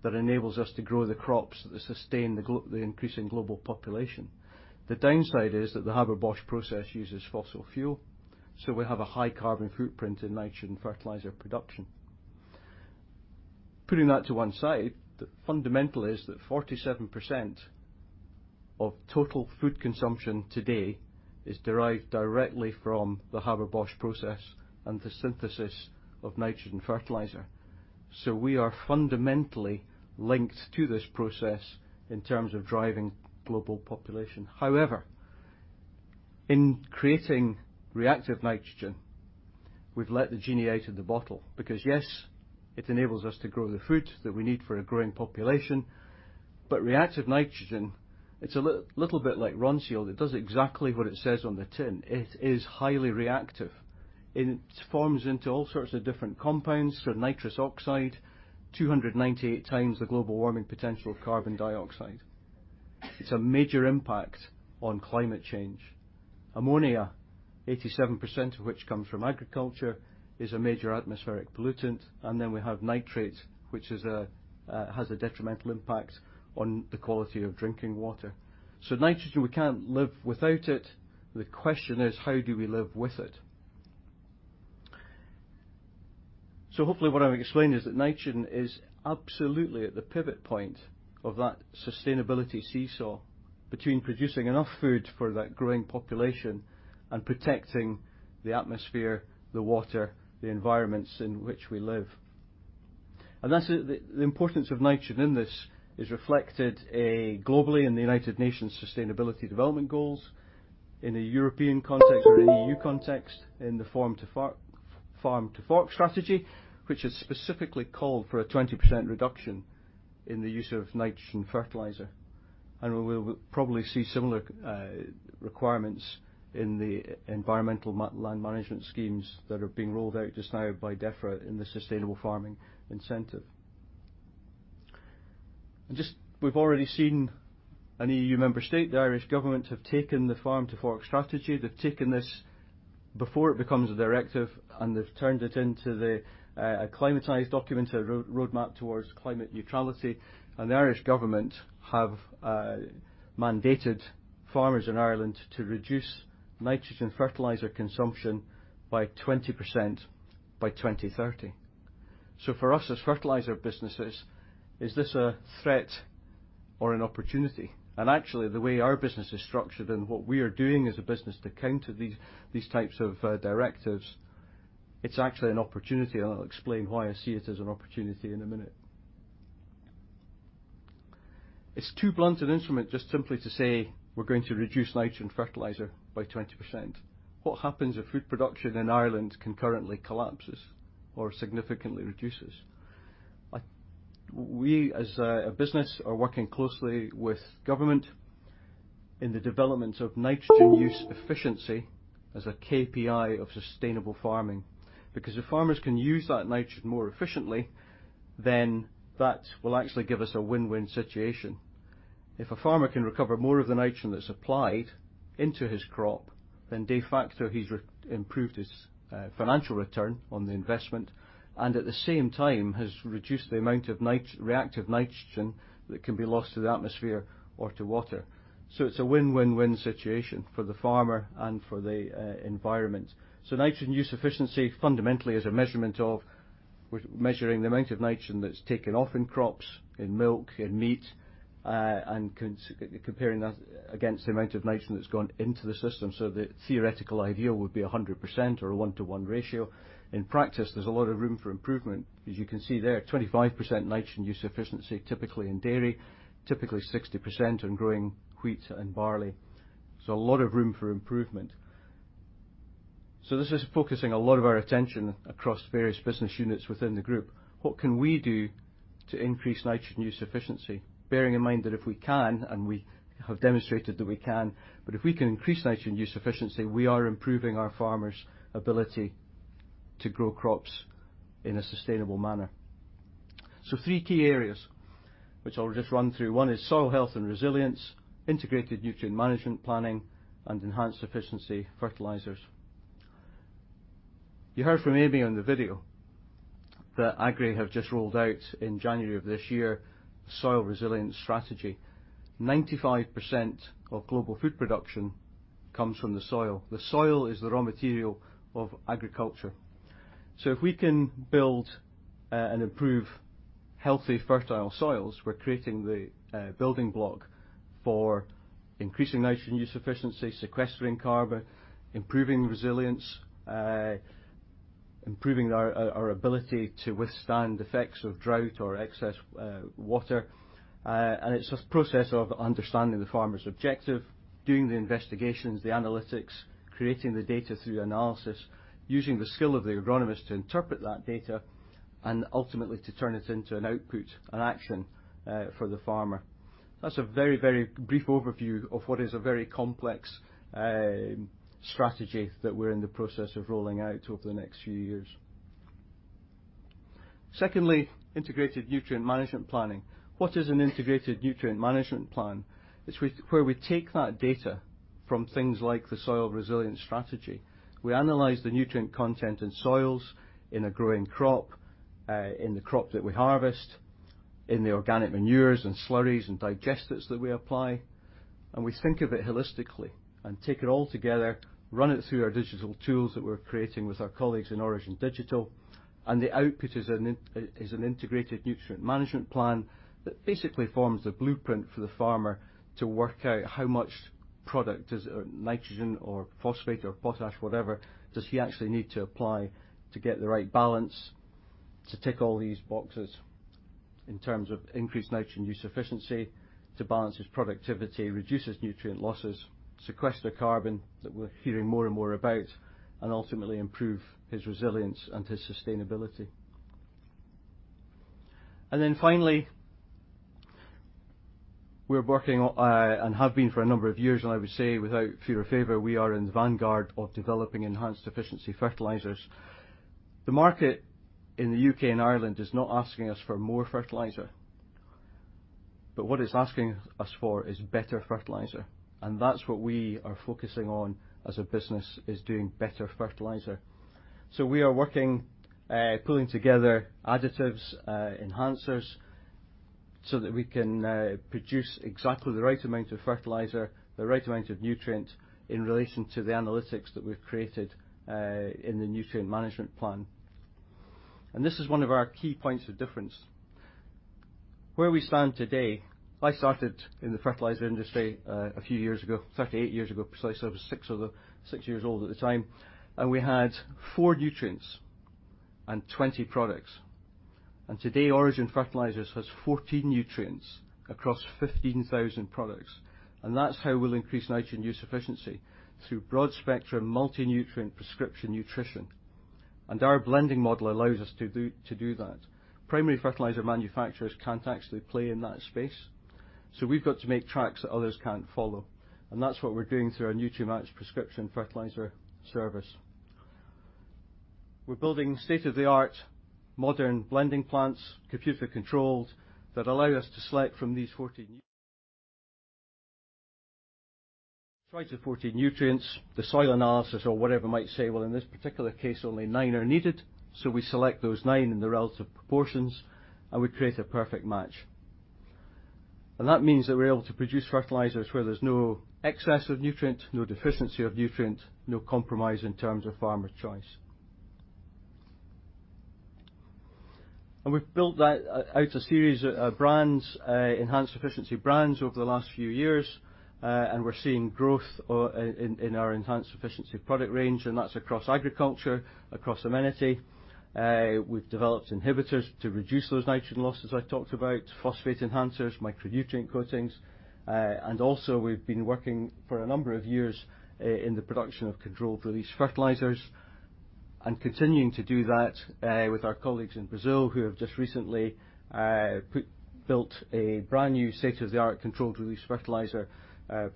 that enables us to grow the crops that sustain the increasing global population. The downside is that the Haber-Bosch process uses fossil fuel, so we have a high carbon footprint in nitrogen fertilizer production. Putting that to one side, the fundamental is that 47% of total food consumption today is derived directly from the Haber-Bosch process and the synthesis of nitrogen fertilizer. We are fundamentally linked to this process in terms of driving global population. However, in creating reactive nitrogen, we've let the genie out of the bottle because, yes, it enables us to grow the food that we need for a growing population, but reactive nitrogen, it's a little bit like Ronseal. It does exactly what it says on the tin. It is highly reactive, and it forms into all sorts of different compounds from nitrous oxide, 298 times the global warming potential of carbon dioxide. It's a major impact on climate change. Ammonia, 87% of which comes from agriculture, is a major atmospheric pollutant, and then we have nitrate, which has a detrimental impact on the quality of drinking water. Nitrogen, we can't live without it. The question is how do we live with it? Hopefully what I've explained is that nitrogen is absolutely at the pivot point of that sustainability seesaw between producing enough food for that growing population and protecting the atmosphere, the water, the environments in which we live. That's it. The importance of nitrogen in this is reflected globally in the United Nations Sustainable Development Goals, in a European context or an EU context, in the Farm to Fork Strategy, which has specifically called for a 20% reduction in the use of nitrogen fertilizer. We'll probably see similar requirements in the environmental land management schemes that are being rolled out just now by Defra in the Sustainable Farming Incentive. We've just already seen an EU member state, the Irish government, have taken the Farm to Fork Strategy. They've taken this before it becomes a directive, and they've turned it into a climate roadmap towards climate neutrality. The Irish government have mandated farmers in Ireland to reduce nitrogen fertilizer consumption by 20% by 2030. For us as fertilizer businesses, is this a threat or an opportunity? Actually, the way our business is structured and what we are doing as a business to counter these types of directives, it's actually an opportunity, and I'll explain why I see it as an opportunity in a minute. It's too blunt an instrument just simply to say we're going to reduce nitrogen fertilizer by 20%. What happens if food production in Ireland concurrently collapses or significantly reduces? We, as a business, are working closely with government in the development of nitrogen use efficiency as a KPI of sustainable farming. Because if farmers can use that nitrogen more efficiently, then that will actually give us a win-win situation. If a farmer can recover more of the nitrogen that's applied into his crop, then de facto, he's improved his financial return on the investment and at the same time has reduced the amount of nit-reactive nitrogen that can be lost to the atmosphere or to water. It's a win-win-win situation for the farmer and for the environment. Nitrogen use efficiency fundamentally is a measurement of we're measuring the amount of nitrogen that's taken off in crops, in milk, in meat, and comparing that against the amount of nitrogen that's gone into the system. The theoretical ideal would be 100% or a one-to-one ratio. In practice, there's a lot of room for improvement. As you can see there, 25% nitrogen use efficiency, typically in dairy, typically 60% in growing wheat and barley. A lot of room for improvement. This is focusing a lot of our attention across various business units within the group. What can we do to increase nitrogen use efficiency? Bearing in mind that if we can, and we have demonstrated that we can, but if we can increase nitrogen use efficiency, we are improving our farmers' ability to grow crops in a sustainable manner. Three key areas which I'll just run through. One is soil health and resilience, integrated nutrient management planning, and enhanced efficiency fertilizers. You heard from Amy on the video that Agrii have just rolled out in January of this year, Soil Resilience Strategy. 95% of global food production comes from the soil. The soil is the raw material of agriculture. If we can build and improve healthy, fertile soils, we're creating the building block for increasing nitrogen use efficiency, sequestering carbon, improving resilience, improving our ability to withstand the effects of drought or excess water. It's this process of understanding the farmer's objective, doing the investigations, the analytics, creating the data through analysis, using the skill of the agronomist to interpret that data and ultimately to turn it into an output and action for the farmer. That's a very, very brief overview of what is a very complex strategy that we're in the process of rolling out over the next few years. Secondly, integrated nutrient management planning. What is an integrated nutrient management plan? It's where we take that data from things like the Soil Resilience Strategy. We analyze the nutrient content in soils, in a growing crop, in the crop that we harvest, in the organic manures and slurries and digesters that we apply, and we think of it holistically and take it all together, run it through our digital tools that we're creating with our colleagues in Origin Digital, and the output is an integrated nutrient management plan that basically forms a blueprint for the farmer to work out how much product is, nitrogen or phosphate or potash, whatever, does he actually need to apply to get the right balance to tick all these boxes in terms of increased nitrogen use efficiency, to balance his productivity, reduce his nutrient losses, sequester carbon that we're hearing more and more about, and ultimately improve his resilience and his sustainability. Then finally, we're working and have been for a number of years, and I would say without fear or favor, we are in the vanguard of developing enhanced efficiency fertilizers. The market in the UK and Ireland is not asking us for more fertilizer. What it's asking us for is better fertilizer, and that's what we are focusing on as a business, is doing better fertilizer. We are working, pulling together additives, enhancers, so that we can produce exactly the right amount of fertilizer, the right amount of nutrient in relation to the analytics that we've created, in the nutrient management plan. This is one of our key points of difference. Where we stand today, I started in the fertilizer industry, a few years ago, 38 years ago, precisely. I was 6 years old at the time. We had 4 nutrients and 20 products. Today, Origin Fertilisers has 14 nutrients across 15,000 products. That's how we'll increase nitrogen use efficiency, through broad-spectrum, multi-nutrient prescription nutrition. Our blending model allows us to do that. Primary fertilizer manufacturers can't actually play in that space. We've got to make tracks that others can't follow. That's what we're doing through our NutriMatch prescription fertilizer service. We're building state-of-the-art, modern blending plants, computer-controlled, that allow us to select from these choice of 14 nutrients, the soil analysis or whatever might say, "Well, in this particular case, only 9 are needed." We select those 9 in the relative proportions, and we create a perfect match. That means that we're able to produce fertilizers where there's no excess of nutrient, no deficiency of nutrient, no compromise in terms of farmer choice. We've built out a series of brands, enhanced efficiency brands over the last few years, and we're seeing growth in our enhanced efficiency product range, and that's across agriculture, across amenity. We've developed inhibitors to reduce those nitrogen losses I talked about, phosphate enhancers, micronutrient coatings. Also we've been working for a number of years in the production of controlled-release fertilizers and continuing to do that with our colleagues in Brazil who have just recently built a brand-new state-of-the-art controlled-release fertilizer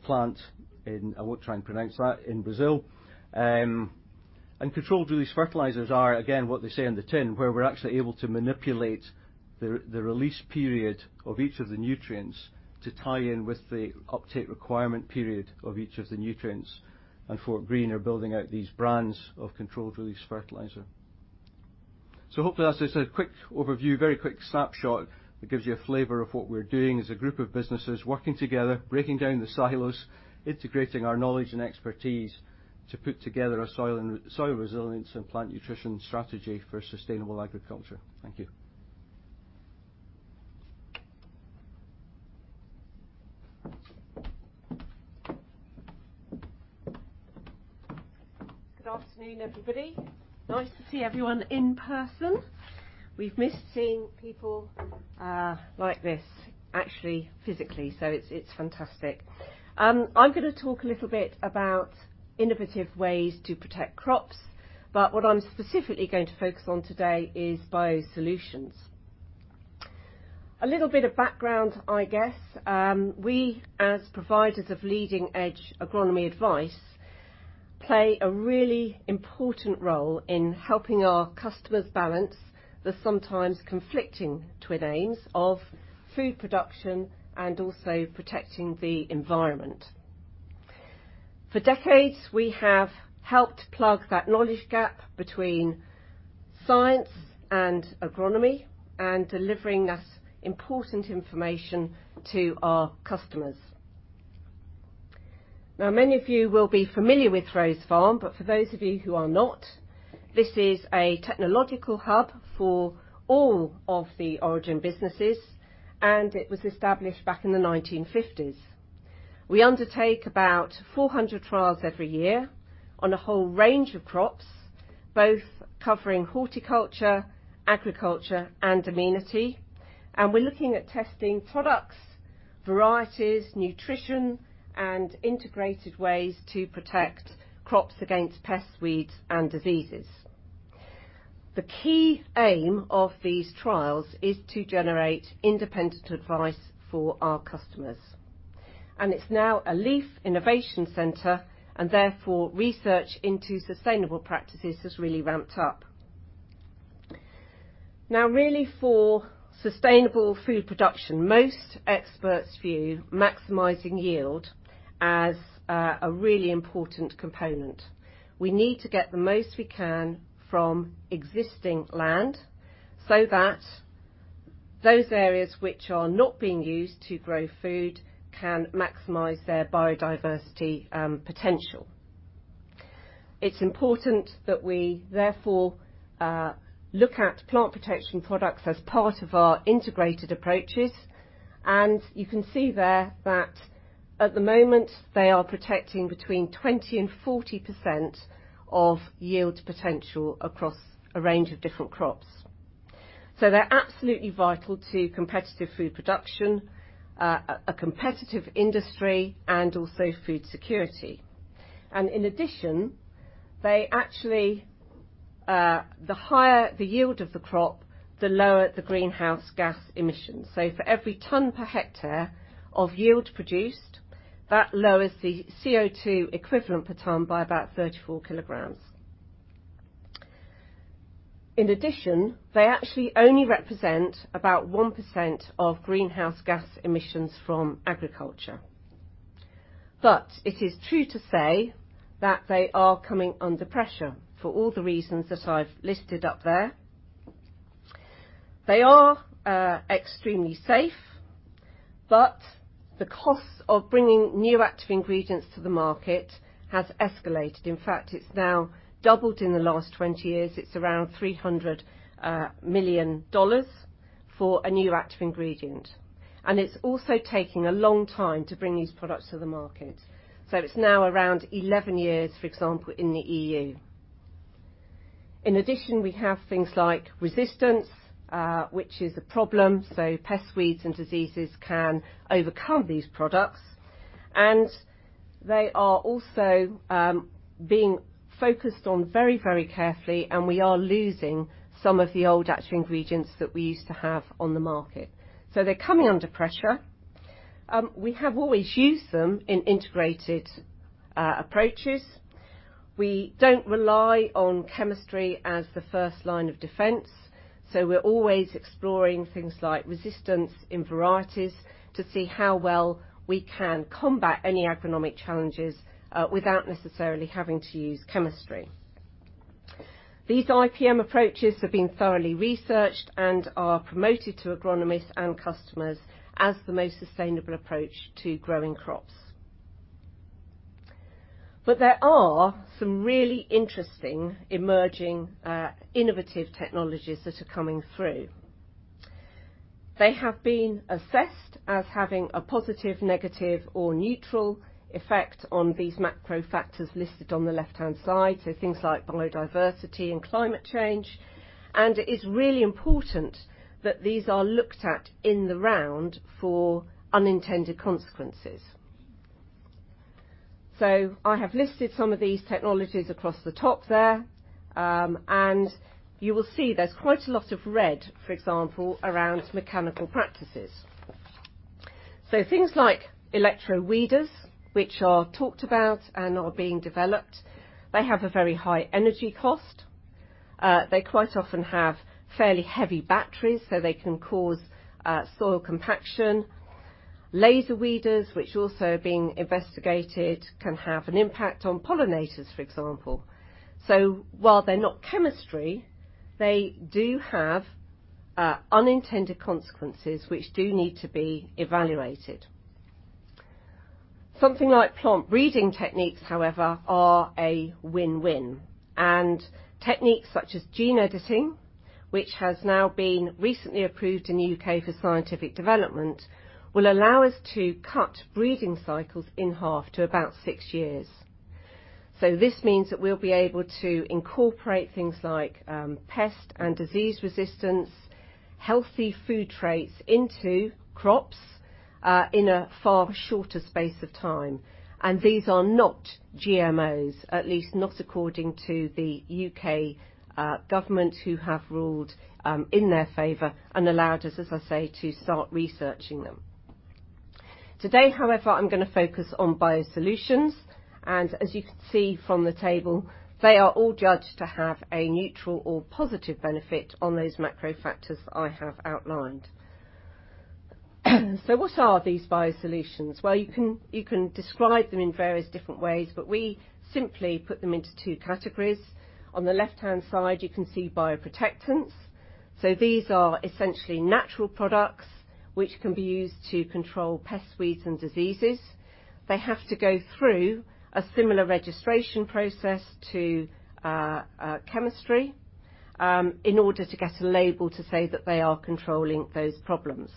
plant in, I won't try and pronounce that, in Brazil. Controlled-release fertilizers are, again, what they say on the tin, where we're actually able to manipulate the release period of each of the nutrients to tie in with the uptake requirement period of each of the nutrients. Fortgreen are building out these brands of controlled-release fertilizer. Hopefully that's just a quick overview, very quick snapshot that gives you a flavor of what we're doing as a group of businesses working together, breaking down the silos, integrating our knowledge and expertise to put together a soil resilience and plant nutrition strategy for sustainable agriculture. Thank you. Good afternoon, everybody. Nice to see everyone in person. We've missed seeing people like this, actually, physically, so it's fantastic. I'm gonna talk a little bit about innovative ways to protect crops, but what I'm specifically going to focus on today is biosolutions. A little bit of background, I guess. We, as providers of leading-edge agronomy advice, play a really important role in helping our customers balance the sometimes conflicting twin aims of food production and also protecting the environment. For decades, we have helped plug that knowledge gap between science and agronomy, and delivering this important information to our customers. Now, many of you will be familiar with Throws Farm, but for those of you who are not, this is a technological hub for all of the Origin businesses, and it was established back in the 1950s. We undertake about 400 trials every year on a whole range of crops, both covering horticulture, agriculture, and amenity, and we're looking at testing products, varieties, nutrition, and integrated ways to protect crops against pests, weeds, and diseases. The key aim of these trials is to generate independent advice for our customers. It's now a LEAF Innovation Center, and therefore research into sustainable practices has really ramped up. Now really for sustainable food production, most experts view maximizing yield as, a really important component. We need to get the most we can from existing land so that those areas which are not being used to grow food can maximize their biodiversity, potential. It's important that we therefore look at plant protection products as part of our integrated approaches, and you can see there that at the moment, they are protecting between 20% and 40% of yield potential across a range of different crops. They're absolutely vital to competitive food production, a competitive industry, and also food security. In addition, they actually the higher the yield of the crop, the lower the greenhouse gas emissions. For every ton per hectare of yield produced, that lowers the CO2 equivalent per ton by about 34 kilograms. In addition, they actually only represent about 1% of greenhouse gas emissions from agriculture. It is true to say that they are coming under pressure for all the reasons that I've listed up there. They are extremely safe, but the cost of bringing new active ingredients to the market has escalated. In fact, it's now doubled in the last 20 years. It's around $300 million for a new active ingredient, and it's also taking a long time to bring these products to the market. It's now around 11 years, for example, in the EU. In addition, we have things like resistance, which is a problem, so pest weeds and diseases can overcome these products. They are also being focused on very, very carefully, and we are losing some of the old active ingredients that we used to have on the market. They're coming under pressure. We have always used them in integrated approaches. We don't rely on chemistry as the first line of defense, so we're always exploring things like resistance in varieties to see how well we can combat any agronomic challenges without necessarily having to use chemistry. These IPM approaches have been thoroughly researched and are promoted to agronomists and customers as the most sustainable approach to growing crops. There are some really interesting emerging innovative technologies that are coming through. They have been assessed as having a positive, negative, or neutral effect on these macro factors listed on the left-hand side, so things like biodiversity and climate change. It is really important that these are looked at in the round for unintended consequences. I have listed some of these technologies across the top there, and you will see there's quite a lot of red, for example, around mechanical practices. Things like electro weeders, which are talked about and are being developed, they have a very high energy cost. They quite often have fairly heavy batteries, so they can cause soil compaction. Laser weeders, which also are being investigated, can have an impact on pollinators, for example. While they're not chemistry, they do have unintended consequences which do need to be evaluated. Something like plant breeding techniques, however, are a win-win, and techniques such as gene editing, which has now been recently approved in the U.K. for scientific development, will allow us to cut breeding cycles in half to about six years. This means that we'll be able to incorporate things like pest and disease resistance, healthy food traits into crops in a far shorter space of time. These are not GMOs, at least not according to the U.K. government, who have ruled in their favor and allowed us, as I say, to start researching them. Today, however, I'm gonna focus on biosolutions, and as you can see from the table, they are all judged to have a neutral or positive benefit on those macro factors that I have outlined. What are these biosolutions? Well, you can describe them in various different ways, but we simply put them into two categories. On the left-hand side, you can see bioprotectants. These are essentially natural products which can be used to control pests, weeds and diseases. They have to go through a similar registration process to chemistry in order to get a label to say that they are controlling those problems.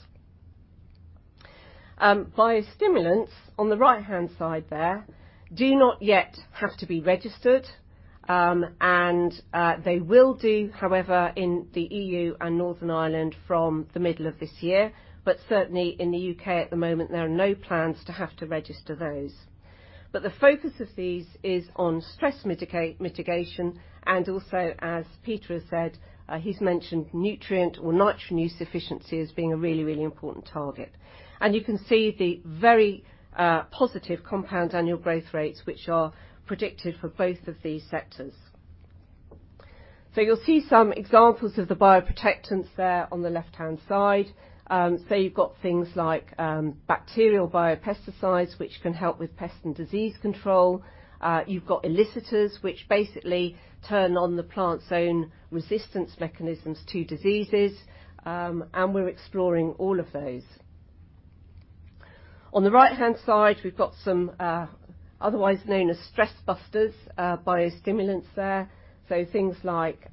Biostimulants, on the right-hand side there, do not yet have to be registered. They will do, however, in the EU and Northern Ireland from the middle of this year. Certainly, in the U.K. at the moment, there are no plans to have to register those. The focus of these is on stress mitigation, and also, as Peter has said, he's mentioned nutrient or nitrogen use efficiency as being a really important target. You can see the very positive compound annual growth rates, which are predicted for both of these sectors. You'll see some examples of the bioprotectants there on the left-hand side. Say you've got things like bacterial biopesticides, which can help with pest and disease control. You've got elicitors, which basically turn on the plant's own resistance mechanisms to diseases, and we're exploring all of those. On the right-hand side, we've got some, otherwise known as stress busters, biostimulants there, so things like,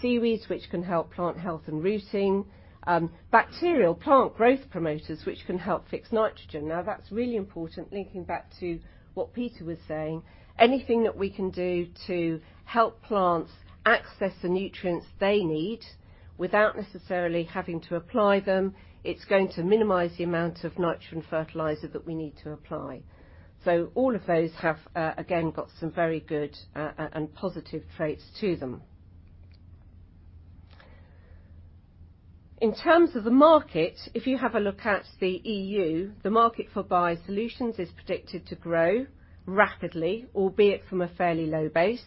seaweeds, which can help plant health and rooting, bacterial plant growth promoters, which can help fix nitrogen. Now, that's really important, linking back to what Peter was saying. Anything that we can do to help plants access the nutrients they need without necessarily having to apply them, it's going to minimize the amount of nitrogen fertilizer that we need to apply. All of those have, again, got some very good, and positive traits to them. In terms of the market, if you have a look at the EU, the market for biosolutions is predicted to grow rapidly, albeit from a fairly low base,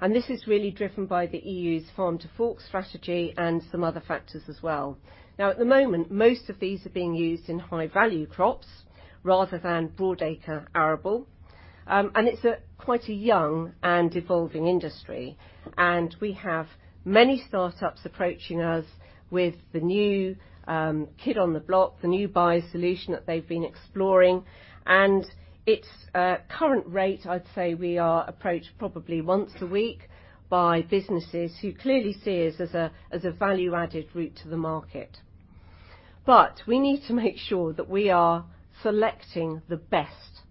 and this is really driven by the EU's Farm to Fork Strategy and some other factors as well. Now, at the moment, most of these are being used in high-value crops rather than broad acre arable. It's quite a young and evolving industry, and we have many start-ups approaching us with the new kid on the block, the new biosolution that they've been exploring. At its current rate, I'd say we are approached probably once a week by businesses who clearly see us as a value-added route to the market. We need to make sure that we are selecting the best.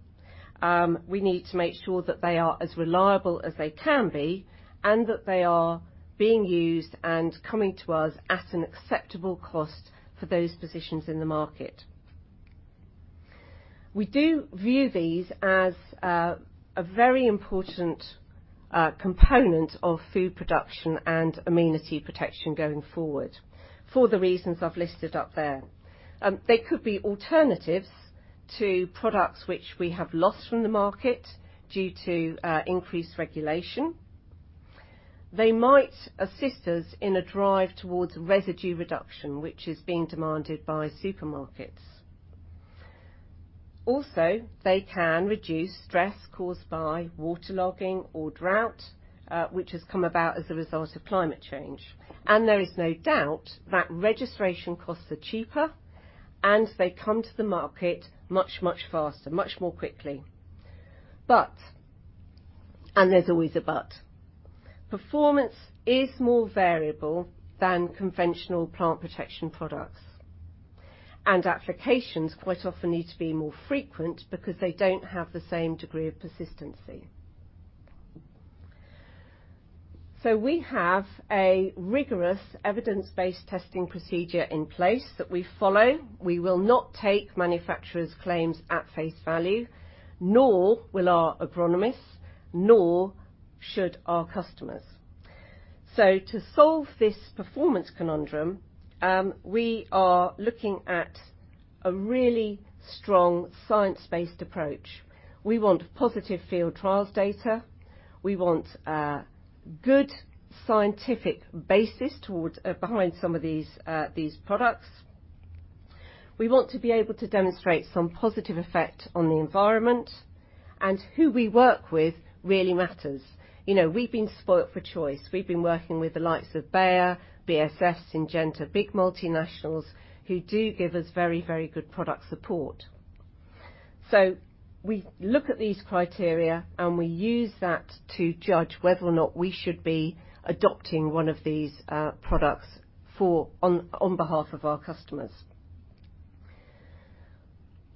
We need to make sure that they are as reliable as they can be and that they are being used and coming to us at an acceptable cost for those positions in the market. We do view these as a very important component of food production and amenity protection going forward for the reasons I've listed up there. They could be alternatives to products which we have lost from the market due to increased regulation. They might assist us in a drive towards residue reduction, which is being demanded by supermarkets. Also, they can reduce stress caused by waterlogging or drought, which has come about as a result of climate change. There is no doubt that registration costs are cheaper, and they come to the market much, much faster, much more quickly. There's always a but, performance is more variable than conventional plant protection products. Applications quite often need to be more frequent because they don't have the same degree of persistency. We have a rigorous evidence-based testing procedure in place that we follow. We will not take manufacturers' claims at face value, nor will our agronomists, nor should our customers. To solve this performance conundrum, we are looking at a really strong science-based approach. We want positive field trials data. We want a good scientific basis behind some of these products. We want to be able to demonstrate some positive effect on the environment. Who we work with really matters. You know, we've been spoiled for choice. We've been working with the likes of Bayer, BASF, Syngenta, big multinationals who do give us very, very good product support. We look at these criteria, and we use that to judge whether or not we should be adopting one of these products on behalf of our customers.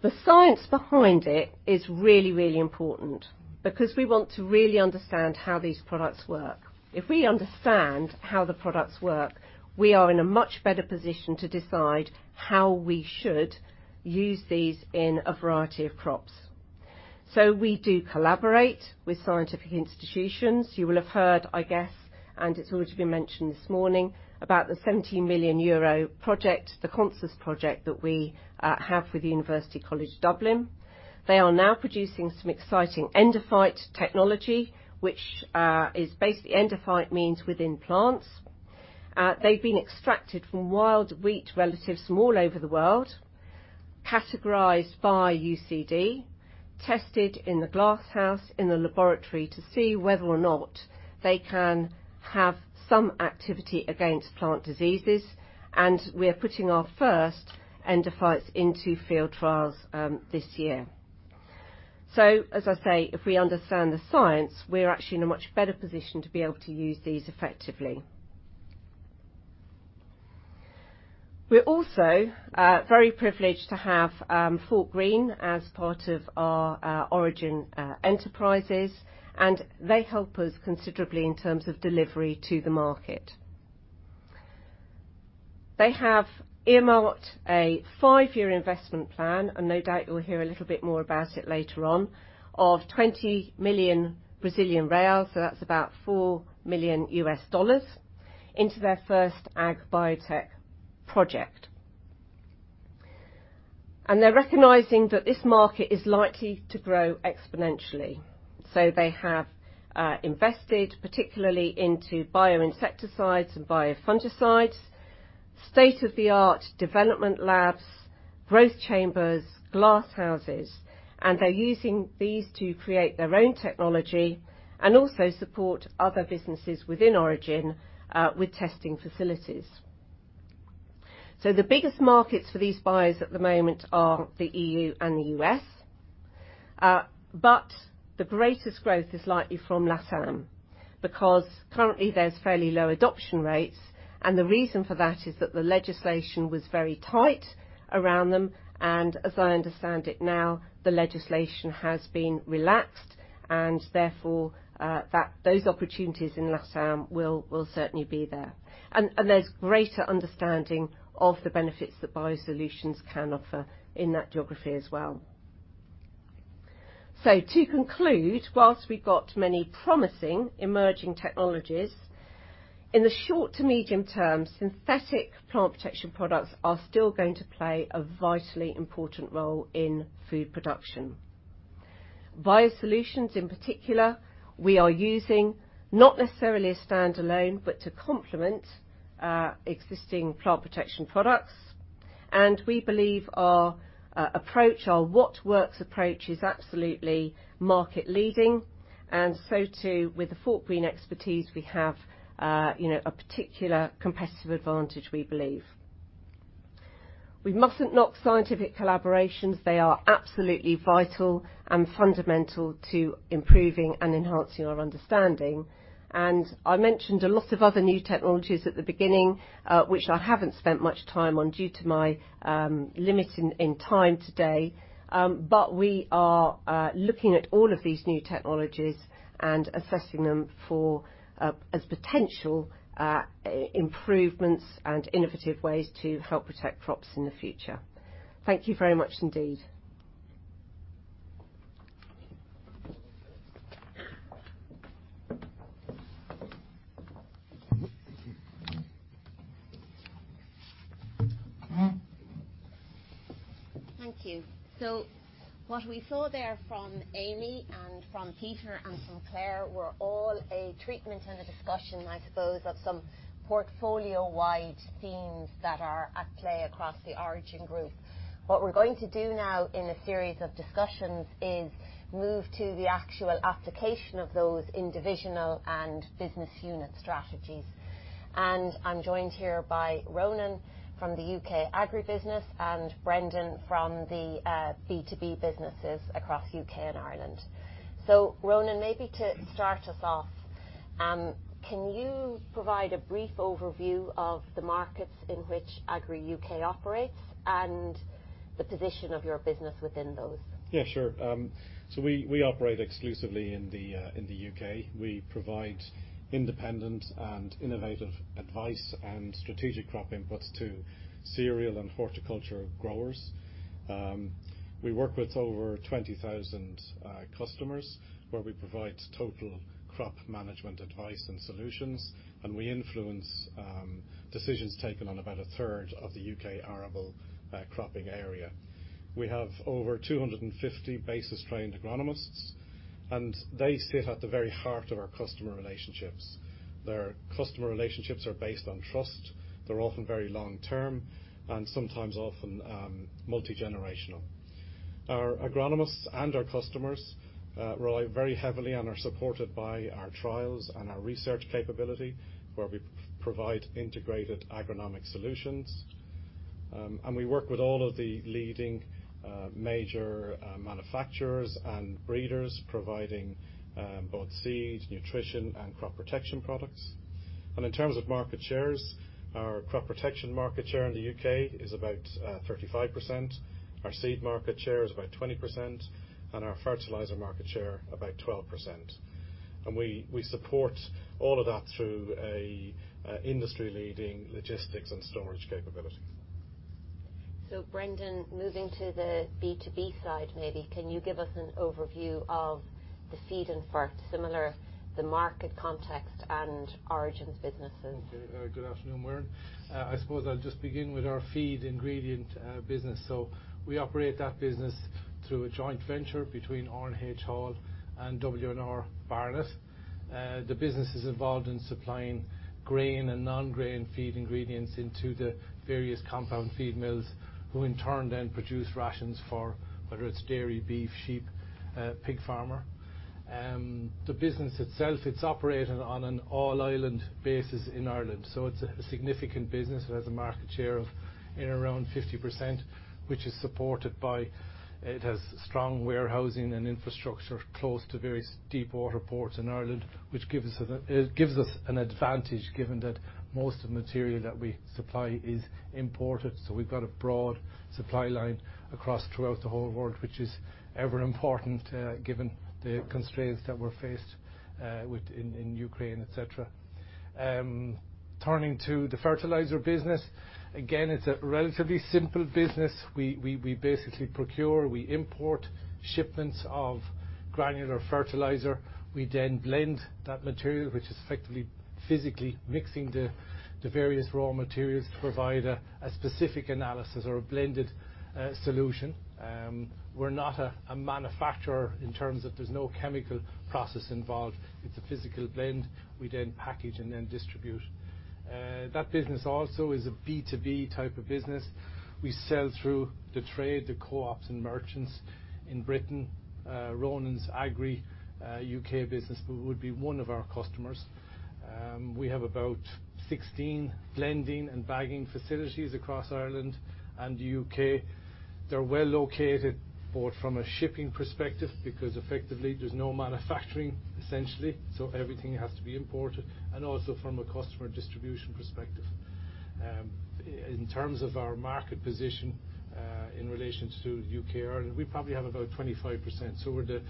The science behind it is really, really important because we want to really understand how these products work. If we understand how the products work, we are in a much better position to decide how we should use these in a variety of crops. We do collaborate with scientific institutions. You will have heard, I guess, and it's already been mentioned this morning, about the 70 million euro project, the CONSUS project that we have with University College Dublin. They are now producing some exciting endophyte technology, which is basically, endophyte means within plants. They've been extracted from wild wheat relatives from all over the world, categorized by UCD, tested in the glasshouse, in the laboratory to see whether or not they can have some activity against plant diseases. We are putting our first endophytes into field trials this year. As I say, if we understand the science, we're actually in a much better position to be able to use these effectively. We're also very privileged to have Fortgreen as part of our Origin Enterprises, and they help us considerably in terms of delivery to the market. They have earmarked a five-year investment plan, and no doubt you'll hear a little bit more about it later on, of 20 million Brazilian reais, so that's about $4 million, into their first ag biotech project. They're recognizing that this market is likely to grow exponentially, so they have invested particularly into bio insecticides and bio fungicides, state-of-the-art development labs, growth chambers, glass houses, and they're using these to create their own technology and also support other businesses within Origin with testing facilities. The biggest markets for these bios at the moment are the EU and the U.S. The greatest growth is likely from LATAM, because currently there's fairly low adoption rates, and the reason for that is that the legislation was very tight around them, and as I understand it now, the legislation has been relaxed and therefore those opportunities in LATAM will certainly be there. There's greater understanding of the benefits that biosolutions can offer in that geography as well. To conclude, while we've got many promising emerging technologies, in the short to medium term, synthetic plant protection products are still going to play a vitally important role in food production. Biosolutions, in particular, we are using not necessarily a standalone, but to complement, existing plant protection products, and we believe our approach, our what works approach, is absolutely market leading, and so too with the Fortgreen expertise we have, you know, a particular competitive advantage, we believe. We mustn't knock scientific collaborations. They are absolutely vital and fundamental to improving and enhancing our understanding. I mentioned a lot of other new technologies at the beginning, which I haven't spent much time on due to my limiting in time today. We are looking at all of these new technologies and assessing them for as potential improvements and innovative ways to help protect crops in the future. Thank you very much indeed. Thank you. What we saw there from Amy and from Peter and from Claire were all a treatment and a discussion, I suppose, of some portfolio-wide themes that are at play across the Origin group. What we're going to do now in a series of discussions is move to the actual application of those in divisional and business unit strategies. I'm joined here by Ronan from the UK Agrii business and Brendan from the B2B businesses across UK and Ireland. Ronan, maybe to start us off, can you provide a brief overview of the markets in which Agrii UK operates and the position of your business within those? Yeah, sure. We operate exclusively in the UK. We provide independent and innovative advice and strategic crop inputs to cereal and horticulture growers. We work with over 20,000 customers where we provide total crop management advice and solutions, and we influence decisions taken on about a third of the UK arable cropping area. We have over 250 BASIS-trained agronomists, and they sit at the very heart of our customer relationships. Their customer relationships are based on trust. They're often very long-term and sometimes multi-generational. Our agronomists and our customers rely very heavily and are supported by our trials and our research capability, where we provide integrated agronomic solutions. We work with all of the leading major manufacturers and breeders, providing both seed, nutrition and crop protection products. In terms of market shares, our crop protection market share in the UK is about 35%, our seed market share is about 20%, and our fertilizer market share about 12%. We support all of that through an industry-leading logistics and storage capability. Brendan, moving to the B2B side, maybe can you give us an overview of the seed and fert similar, the market context and Origin's businesses? Good afternoon, Muireann. I suppose I'll just begin with our feed ingredient business. We operate that business through a joint venture between R&H Hall and W&R Barnett. The business is involved in supplying grain and non-grain feed ingredients into the various compound feed mills, who in turn then produce rations for whether it's dairy, beef, sheep, pig farmer. The business itself, it's operating on an all island basis in Ireland. It's a significant business. It has a market share of in and around 50%, which is supported by, it has strong warehousing and infrastructure close to various deep water ports in Ireland, which gives us an advantage given that most of the material that we supply is imported. We've got a broad supply line across throughout the whole world, which is ever important, given the constraints that we're faced with, in Ukraine, et cetera. Turning to the fertilizer business. Again, it's a relatively simple business. We basically procure, we import shipments of granular fertilizer. We then blend that material, which is effectively physically mixing the various raw materials to provide a specific analysis or a blended solution. We're not a manufacturer in terms of there's no chemical process involved. It's a physical blend. We package and distribute. That business also is a B2B type of business. We sell through the trade, the co-ops and merchants in Britain. Ronan's Agrii UK business would be one of our customers. We have about 16 blending and bagging facilities across Ireland and the UK. They're well located both from a shipping perspective, because effectively there's no manufacturing, essentially, so everything has to be imported, and also from a customer distribution perspective. In terms of our market position, in relation to UK or Ireland, we probably have about 25%, so we're the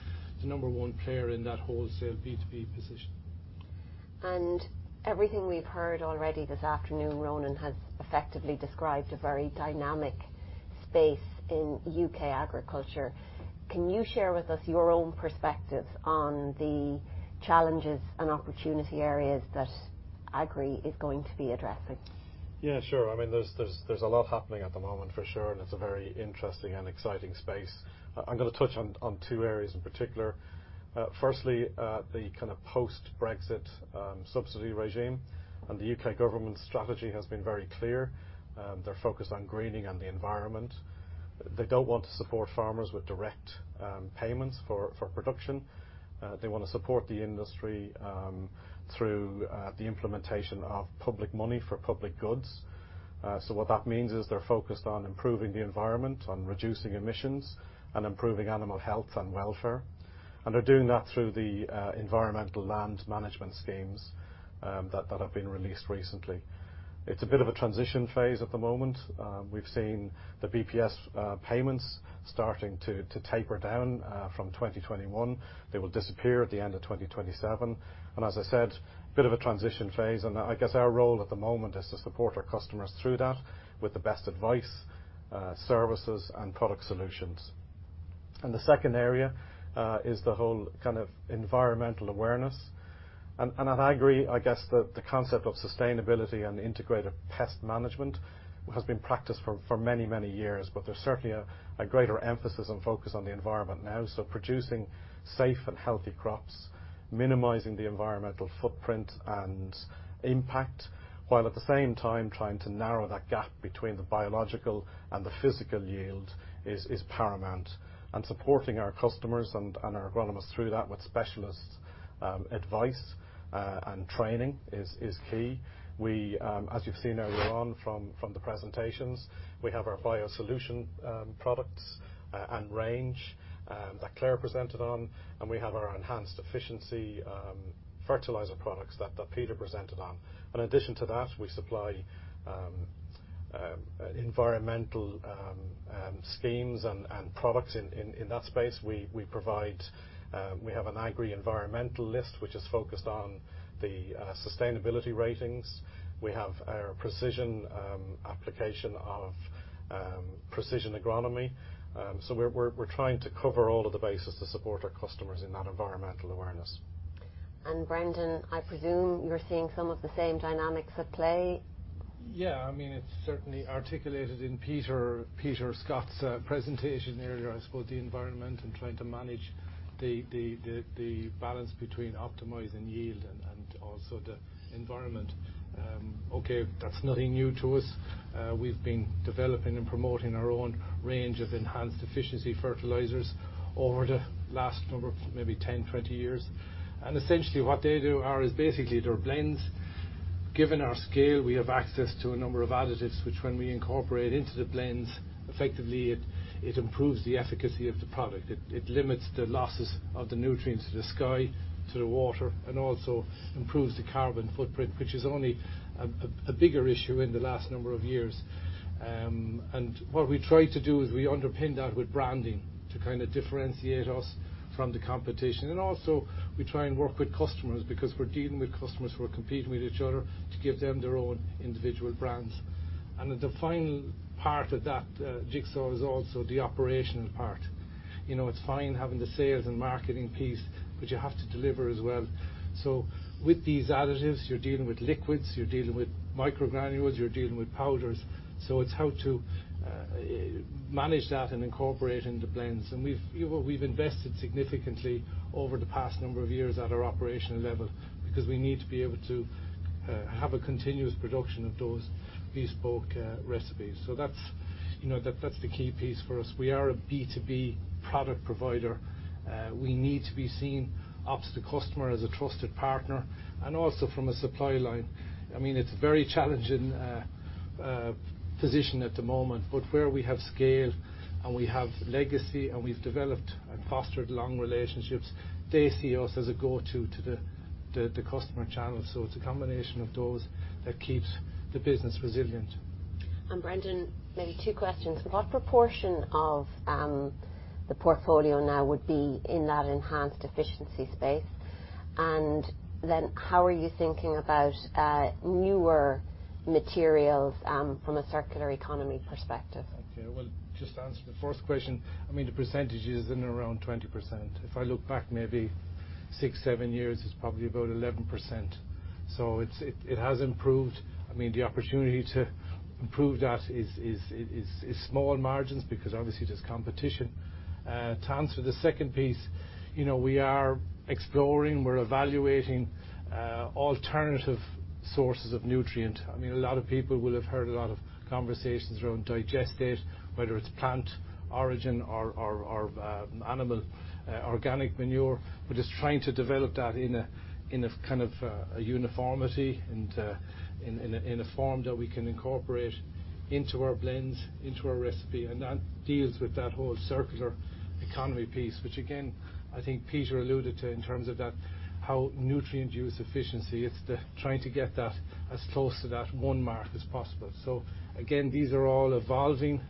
number one player in that wholesale B2B position. Everything we've heard already this afternoon, Ronan has effectively described a very dynamic space in UK agriculture. Can you share with us your own perspective on the challenges and opportunity areas that Agrii is going to be addressing? Yeah, sure. I mean, there's a lot happening at the moment for sure, and it's a very interesting and exciting space. I'm gonna touch on two areas in particular. Firstly, the kind of post-Brexit subsidy regime and the U.K. government strategy has been very clear. They're focused on greening and the environment. They don't want to support farmers with direct payments for production. They wanna support the industry through the implementation of public money for public goods. So what that means is they're focused on improving the environment, on reducing emissions, and improving animal health and welfare, and they're doing that through the environmental land management schemes that have been released recently. It's a bit of a transition phase at the moment. We've seen the BPS payments starting to taper down from 2021. They will disappear at the end of 2027. As I said, a bit of a transition phase. I guess our role at the moment is to support our customers through that with the best advice, services, and product solutions. The second area is the whole kind of environmental awareness. At Agrii, I guess the concept of sustainability and integrated pest management has been practiced for many years. There's certainly a greater emphasis and focus on the environment now, so producing safe and healthy crops, minimizing the environmental footprint and impact, while at the same time trying to narrow that gap between the biological and the physical yield is paramount. Supporting our customers and our agronomists through that with specialist advice and training is key. We, as you've seen earlier on from the presentations, have our biosolution products and range that Claire presented on, and we have our enhanced efficiency fertilizer products that Peter presented on. In addition to that, we supply environmental schemes and products in that space. We have an Agrii Environmental List, which is focused on the sustainability ratings. We have our precision application of precision agronomy. We're trying to cover all of the bases to support our customers in that environmental awareness. Brendan, I presume you're seeing some of the same dynamics at play? I mean, it's certainly articulated in Peter Scott's presentation earlier, I suppose the environment and trying to manage the balance between optimizing yield and also the environment. Okay, that's nothing new to us. We've been developing and promoting our own range of enhanced efficiency fertilizers over the last number of maybe 10, 20 years. Essentially what they do is basically they're blends. Given our scale, we have access to a number of additives which when we incorporate into the blends, effectively it improves the efficacy of the product. It limits the losses of the nutrients to the sky, to the water, and also improves the carbon footprint, which is only a bigger issue in the last number of years. What we try to do is we underpin that with branding to kind of differentiate us from the competition. Also we try and work with customers because we're dealing with customers who are competing with each other to give them their own individual brands. The final part of that jigsaw is also the operational part. You know, it's fine having the sales and marketing piece, but you have to deliver as well. With these additives, you're dealing with liquids, you're dealing with microgranules, you're dealing with powders. It's how to manage that and incorporate into blends. We've, you know, invested significantly over the past number of years at our operational level because we need to be able to have a continuous production of those bespoke recipes. That's, you know, the key piece for us. We are a B2B product provider. We need to be seen up to the customer as a trusted partner and also from a supply line. I mean, it's very challenging position at the moment, but where we have scale and we have legacy and we've developed and fostered long relationships, they see us as a go-to to the customer channel. It's a combination of those that keeps the business resilient. Brendan, maybe two questions. What proportion of the portfolio now would be in that enhanced efficiency space? How are you thinking about newer materials from a circular economy perspective? Okay. Well, just answer the first question. I mean, the percentage is in around 20%. If I look back maybe six-seven years, it's probably about 11%. It has improved. I mean, the opportunity to improve that is small margins because obviously there's competition. To answer the second piece, you know, we are exploring, we're evaluating alternative sources of nutrient. I mean, a lot of people will have heard a lot of conversations around digestate, whether it's plant origin or animal organic manure. We're just trying to develop that in a kind of uniformity and in a form that we can incorporate into our blends, into our recipe, and that deals with that whole circular economy piece, which again, I think Peter alluded to in terms of that, how nutrient use efficiency, it's trying to get that as close to that one mark as possible. These are all evolving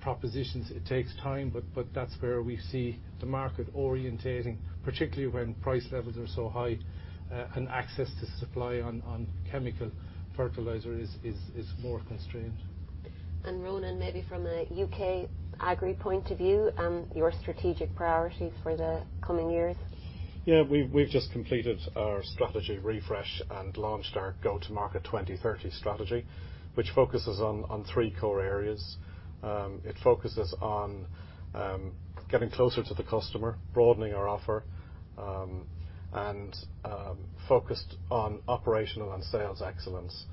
propositions. It takes time, but that's where we see the market orienting, particularly when price levels are so high and access to supply on chemical fertilizer is more constrained. Ronan, maybe from a U.K. Agri point of view, your strategic priorities for the coming years. Yeah. We've just completed our strategy refresh and launched our Go to Market 2030 strategy, which focuses on three core areas. It focuses on getting closer to the customer, broadening our offer, and focused on operational and sales excellence.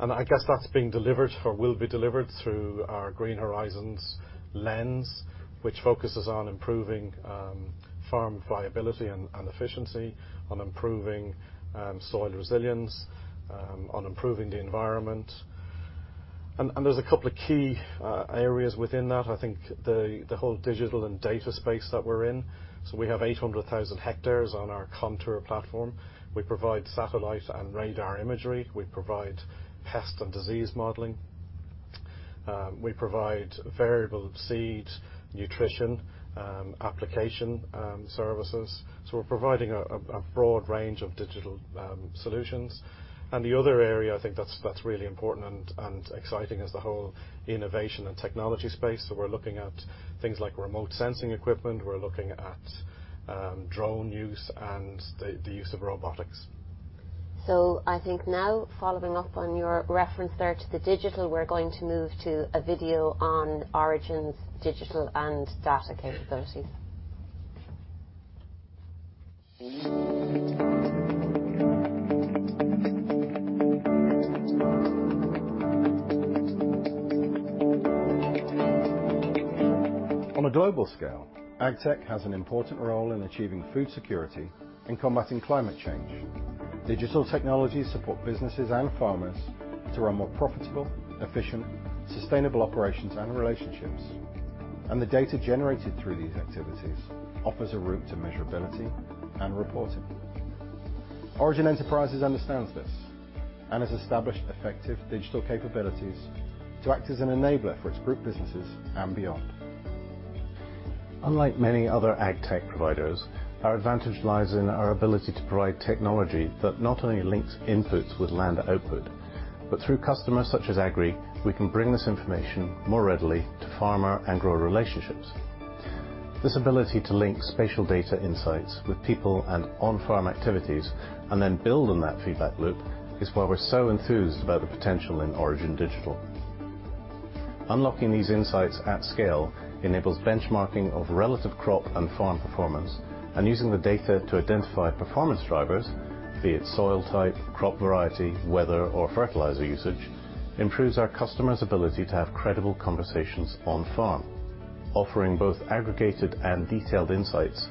I guess that's being delivered or will be delivered through our Green Horizons lens, which focuses on improving farm viability and efficiency, on improving soil resilience, on improving the environment. There's a couple of key areas within that. I think the whole digital and data space that we're in. We have 800,000 hectares on our Contour platform. We provide satellite and radar imagery. We provide pest and disease modeling. We provide variable seed nutrition application services. We're providing a broad range of digital solutions. The other area I think that's really important and exciting is the whole innovation and technology space. We're looking at things like remote sensing equipment. We're looking at drone use and the use of robotics. I think now following up on your reference there to the digital, we're going to move to a video on Origin's digital and data capabilities. On a global scale, AgTech has an important role in achieving food security and combating climate change. Digital technologies support businesses and farmers to run more profitable, efficient, sustainable operations and relationships. The data generated through these activities offers a route to measurability and reporting. Origin Enterprises understands this and has established effective digital capabilities to act as an enabler for its group businesses and beyond. Unlike many other AgTech providers, our advantage lies in our ability to provide technology that not only links inputs with land output, but through customers such as Agrii, we can bring this information more readily to farmer and grower relationships. This ability to link spatial data insights with people and on-farm activities and then build on that feedback loop is why we're so enthused about the potential in Origin Digital. Unlocking these insights at scale enables benchmarking of relative crop and farm performance. Using the data to identify performance drivers, be it soil type, crop variety, weather, or fertilizer usage, improves our customer's ability to have credible conversations on farm. Offering both aggregated and detailed insights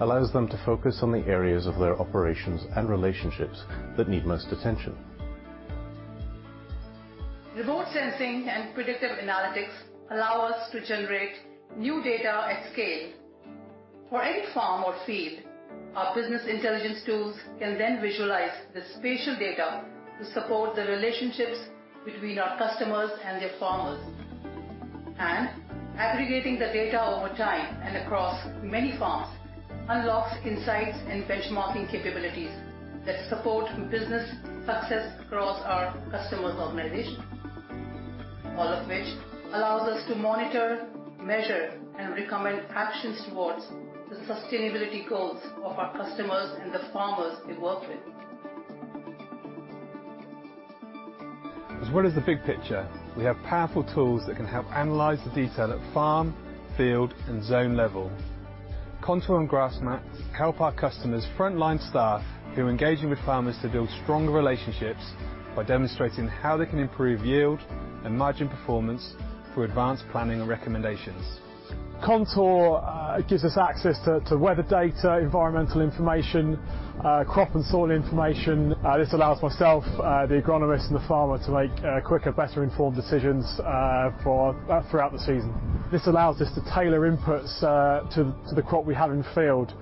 allows them to focus on the areas of their operations and relationships that need most attention. Remote sensing and predictive analytics allow us to generate new data at scale. For any farm or field, our business intelligence tools can then visualize the spatial data to support the relationships between our customers and their farmers. Aggregating the data over time and across many farms unlocks insights and benchmarking capabilities that support business success across our customers' organization, all of which allows us to monitor, measure, and recommend actions towards the sustainability goals of our customers and the farmers they work with. What is the big picture, we have powerful tools that can help analyze the detail at farm, field, and zone level. Contour and GrassMax help our customers' frontline staff who are engaging with farmers to build stronger relationships by demonstrating how they can improve yield and margin performance through advanced planning and recommendations. Contour gives us access to weather data, environmental information, crop and soil information. This allows myself, the agronomist and the farmer to make quicker, better informed decisions throughout the season. This allows us to tailor inputs to the crop we have in field,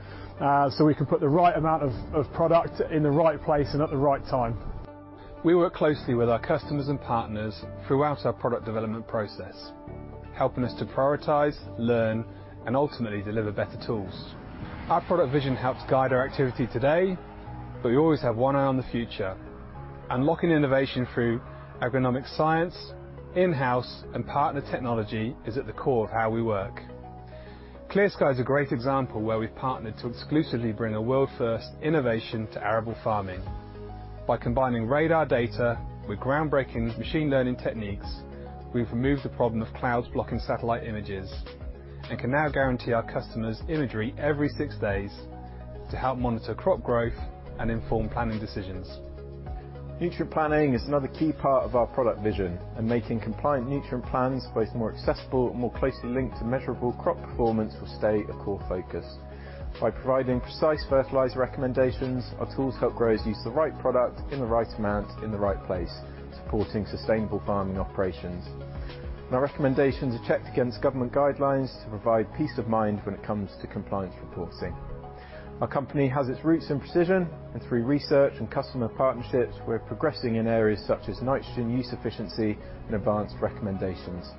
so we can put the right amount of product in the right place and at the right time. We work closely with our customers and partners throughout our product development process, helping us to prioritize, learn, and ultimately deliver better tools. Our product vision helps guide our activity today, but we always have one eye on the future. Unlocking innovation through agronomic science, in-house and partner technology is at the core of how we work. ClearSky is a great example where we've partnered to exclusively bring a world-first innovation to arable farming. By combining radar data with groundbreaking machine learning techniques, we've removed the problem of clouds blocking satellite images and can now guarantee our customers imagery every six days to help monitor crop growth and inform planning decisions. Nutrient planning is another key part of our product vision, and making compliant nutrient plans both more accessible and more closely linked to measurable crop performance will stay a core focus. By providing precise fertilizer recommendations, our tools help growers use the right product in the right amount in the right place, supporting sustainable farming operations. Our recommendations are checked against government guidelines to provide peace of mind when it comes to compliance reporting. Our company has its roots in precision, and through research and customer partnerships, we're progressing in areas such as nitrogen use efficiency and advanced recommendations.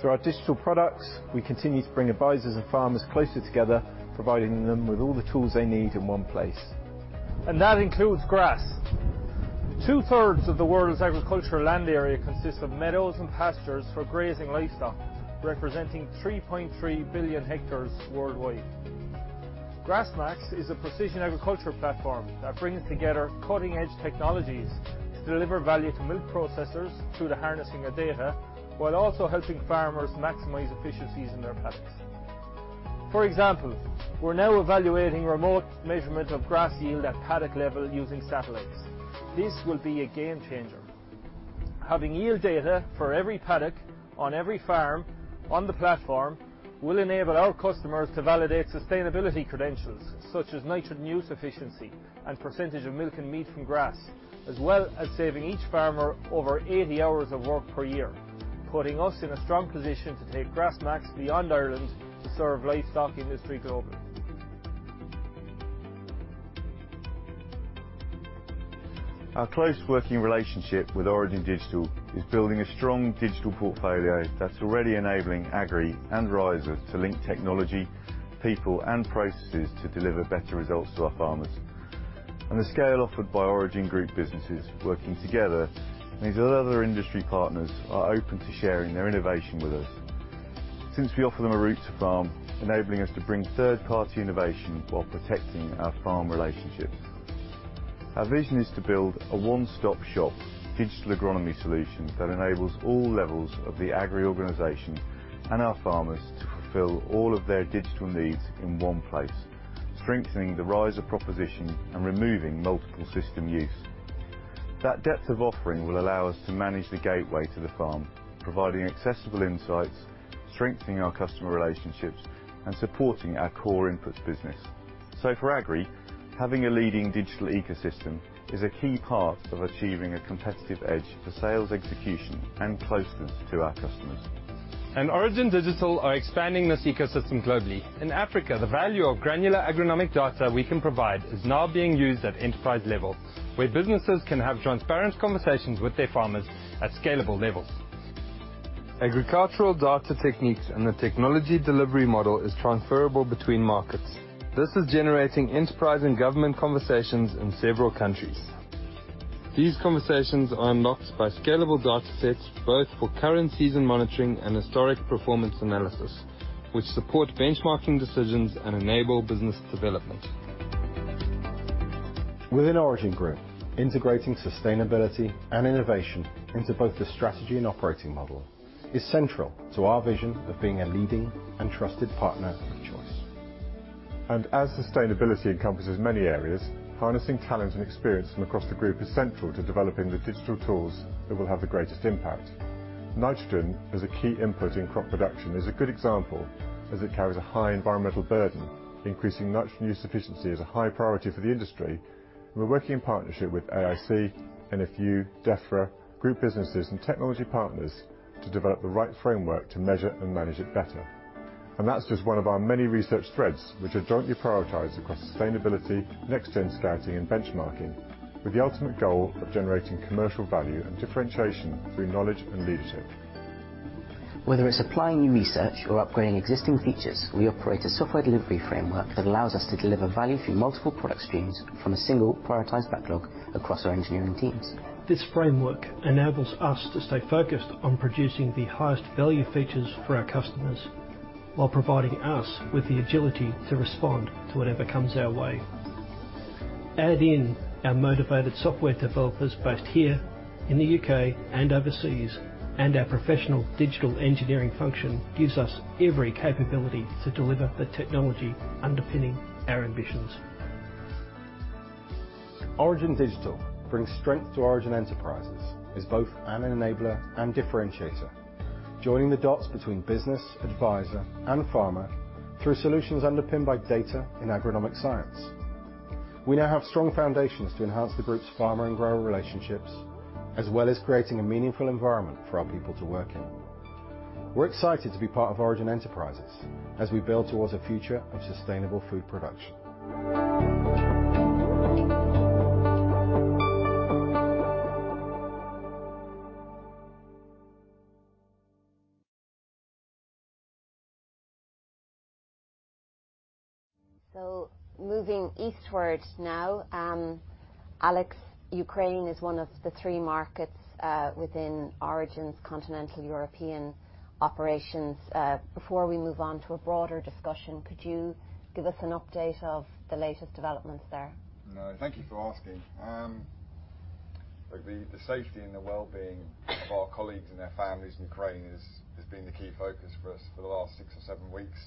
Through our digital products, we continue to bring advisors and farmers closer together, providing them with all the tools they need in one place. That includes grass. Two-thirds of the world's agricultural land area consists of meadows and pastures for grazing livestock, representing 3.3 billion hectares worldwide. GrassMax is a precision agricultural platform that brings together cutting-edge technologies to deliver value to milk processors through the harnessing of data, while also helping farmers maximize efficiencies in their paddocks. For example, we're now evaluating remote measurement of grass yield at paddock level using satellites. This will be a game changer. Having yield data for every paddock on every farm on the platform will enable our customers to validate sustainability credentials such as nitrogen use efficiency and percentage of milk and meat from grass, as well as saving each farmer over 80 hours of work per year, putting us in a strong position to take GrassMax beyond Ireland to serve livestock industry globally. Our close working relationship with Origin Digital is building a strong digital portfolio that's already enabling Agrii and Rhiza to link technology, people, and processes to deliver better results to our farmers. The scale offered by Origin Group businesses working together means that other industry partners are open to sharing their innovation with us since we offer them a route to farm, enabling us to bring third-party innovation while protecting our farm relationships. Our vision is to build a one-stop shop digital agronomy solution that enables all levels of the Agrii organization and our farmers to fulfill all of their digital needs in one place, strengthening the Rhiza proposition and removing multiple system use. That depth of offering will allow us to manage the gateway to the farm, providing accessible insights, strengthening our customer relationships, and supporting our core inputs business. For Agrii, having a leading digital ecosystem is a key part of achieving a competitive edge for sales execution and closeness to our customers. Origin Digital are expanding this ecosystem globally. In Africa, the value of granular agronomic data we can provide is now being used at enterprise level, where businesses can have transparent conversations with their farmers at scalable levels. Agricultural data techniques and the technology delivery model is transferable between markets. This is generating enterprise and government conversations in several countries. These conversations are unlocked by scalable data sets, both for current season monitoring and historic performance analysis, which support benchmarking decisions and enable business development. Within Origin Enterprises, integrating sustainability and innovation into both the strategy and operating model is central to our vision of being a leading and trusted partner of choice. Sustainability encompasses many areas, harnessing talent and experience from across the group is central to developing the digital tools that will have the greatest impact. Nitrogen as a key input in crop production is a good example, as it carries a high environmental burden. Increasing nitrogen use efficiency is a high priority for the industry. We're working in partnership with AIC, NFU, Defra, group businesses, and technology partners to develop the right framework to measure and manage it better. That's just one of our many research threads which are jointly prioritized across sustainability, next gen scouting, and benchmarking, with the ultimate goal of generating commercial value and differentiation through knowledge and leadership. Whether it's applying new research or upgrading existing features, we operate a software delivery framework that allows us to deliver value through multiple product streams from a single prioritized backlog across our engineering teams. This framework enables us to stay focused on producing the highest value features for our customers while providing us with the agility to respond to whatever comes our way. Add in our motivated software developers, based here in the UK and overseas, and our professional digital engineering function gives us every capability to deliver the technology underpinning our ambitions. Origin Digital brings strength to Origin Enterprises as both an enabler and differentiator, joining the dots between business, advisor, and farmer through solutions underpinned by data in agronomic science. We now have strong foundations to enhance the group's farmer and grower relationships, as well as creating a meaningful environment for our people to work in. We're excited to be part of Origin Enterprises as we build towards a future of sustainable food production. Moving eastward now, Alex, Ukraine is one of the three markets within Origin's continental European operations. Before we move on to a broader discussion, could you give us an update of the latest developments there? No, thank you for asking. The safety and the well-being of our colleagues and their families in Ukraine has been the key focus for us for the last 6 or 7 weeks.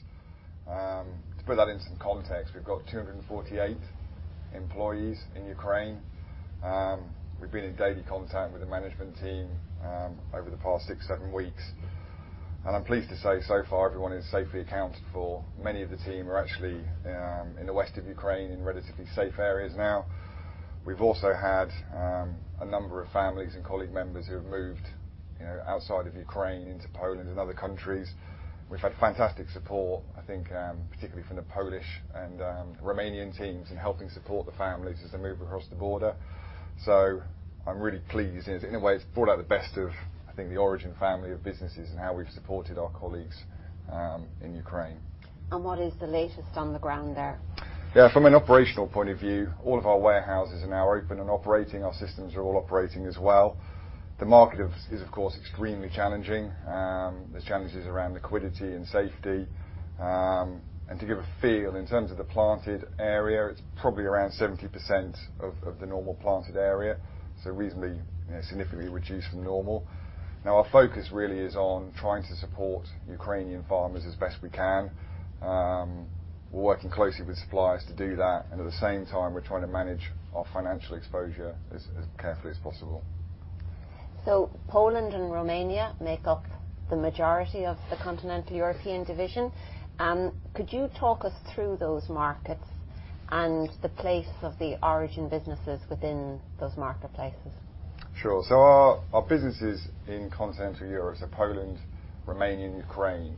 To put that in some context, we've got 248 employees in Ukraine. We've been in daily contact with the management team over the past 6, 7 weeks. I'm pleased to say so far, everyone is safely accounted for. Many of the team are actually in the west of Ukraine in relatively safe areas now. We've also had a number of families and colleague members who have moved, you know, outside of Ukraine into Poland and other countries. We've had fantastic support, I think, particularly from the Polish and Romanian teams in helping support the families as they move across the border. I'm really pleased. In a way, it's brought out the best of, I think, the Origin family of businesses and how we've supported our colleagues in Ukraine. What is the latest on the ground there? From an operational point of view, all of our warehouses are now open and operating. Our systems are all operating as well. The market is of course extremely challenging. There's challenges around liquidity and safety. To give a feel in terms of the planted area, it's probably around 70% of the normal planted area, so reasonably, you know, significantly reduced from normal. Our focus really is on trying to support Ukrainian farmers as best we can. We're working closely with suppliers to do that, and at the same time, we're trying to manage our financial exposure as carefully as possible. Poland and Romania make up the majority of the continental European division. Could you talk us through those markets and the place of the Origin businesses within those marketplaces? Sure. Our businesses in continental Europe, so Poland, Romania, and Ukraine,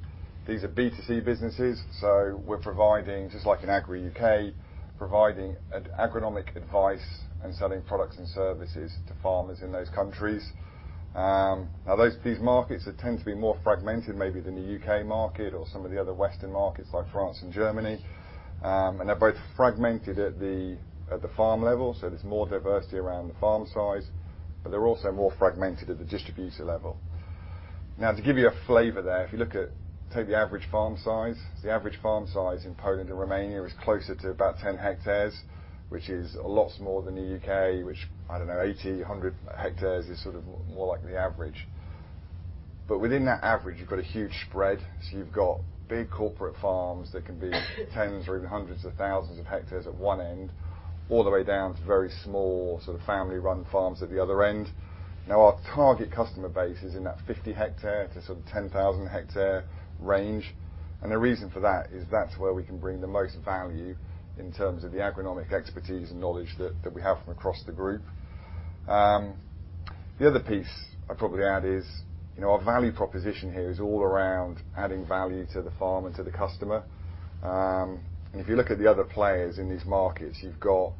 these are B2C businesses. We're providing, just like in Agrii UK, providing an agronomic advice and selling products and services to farmers in those countries. Now those, these markets tend to be more fragmented maybe than the UK market or some of the other Western markets like France and Germany. They're both fragmented at the farm level, so there's more diversity around the farm size, but they're also more fragmented at the distributor level. Now, to give you a flavor there, take the average farm size in Poland and Romania is closer to about 10 hectares, which is lots more than the UK, which, I don't know, 80, 100 hectares is sort of more like the average. Within that average, you've got a huge spread. You've got big corporate farms that can be tens or even hundreds of thousands of hectares at one end, all the way down to very small sort of family-run farms at the other end. Now, our target customer base is in that 50 hectare to sort of 10,000 hectare range. The reason for that is that's where we can bring the most value in terms of the agronomic expertise and knowledge that we have from across the group. The other piece I'd probably add is, you know, our value proposition here is all around adding value to the farmer, to the customer. If you look at the other players in these markets, you've got,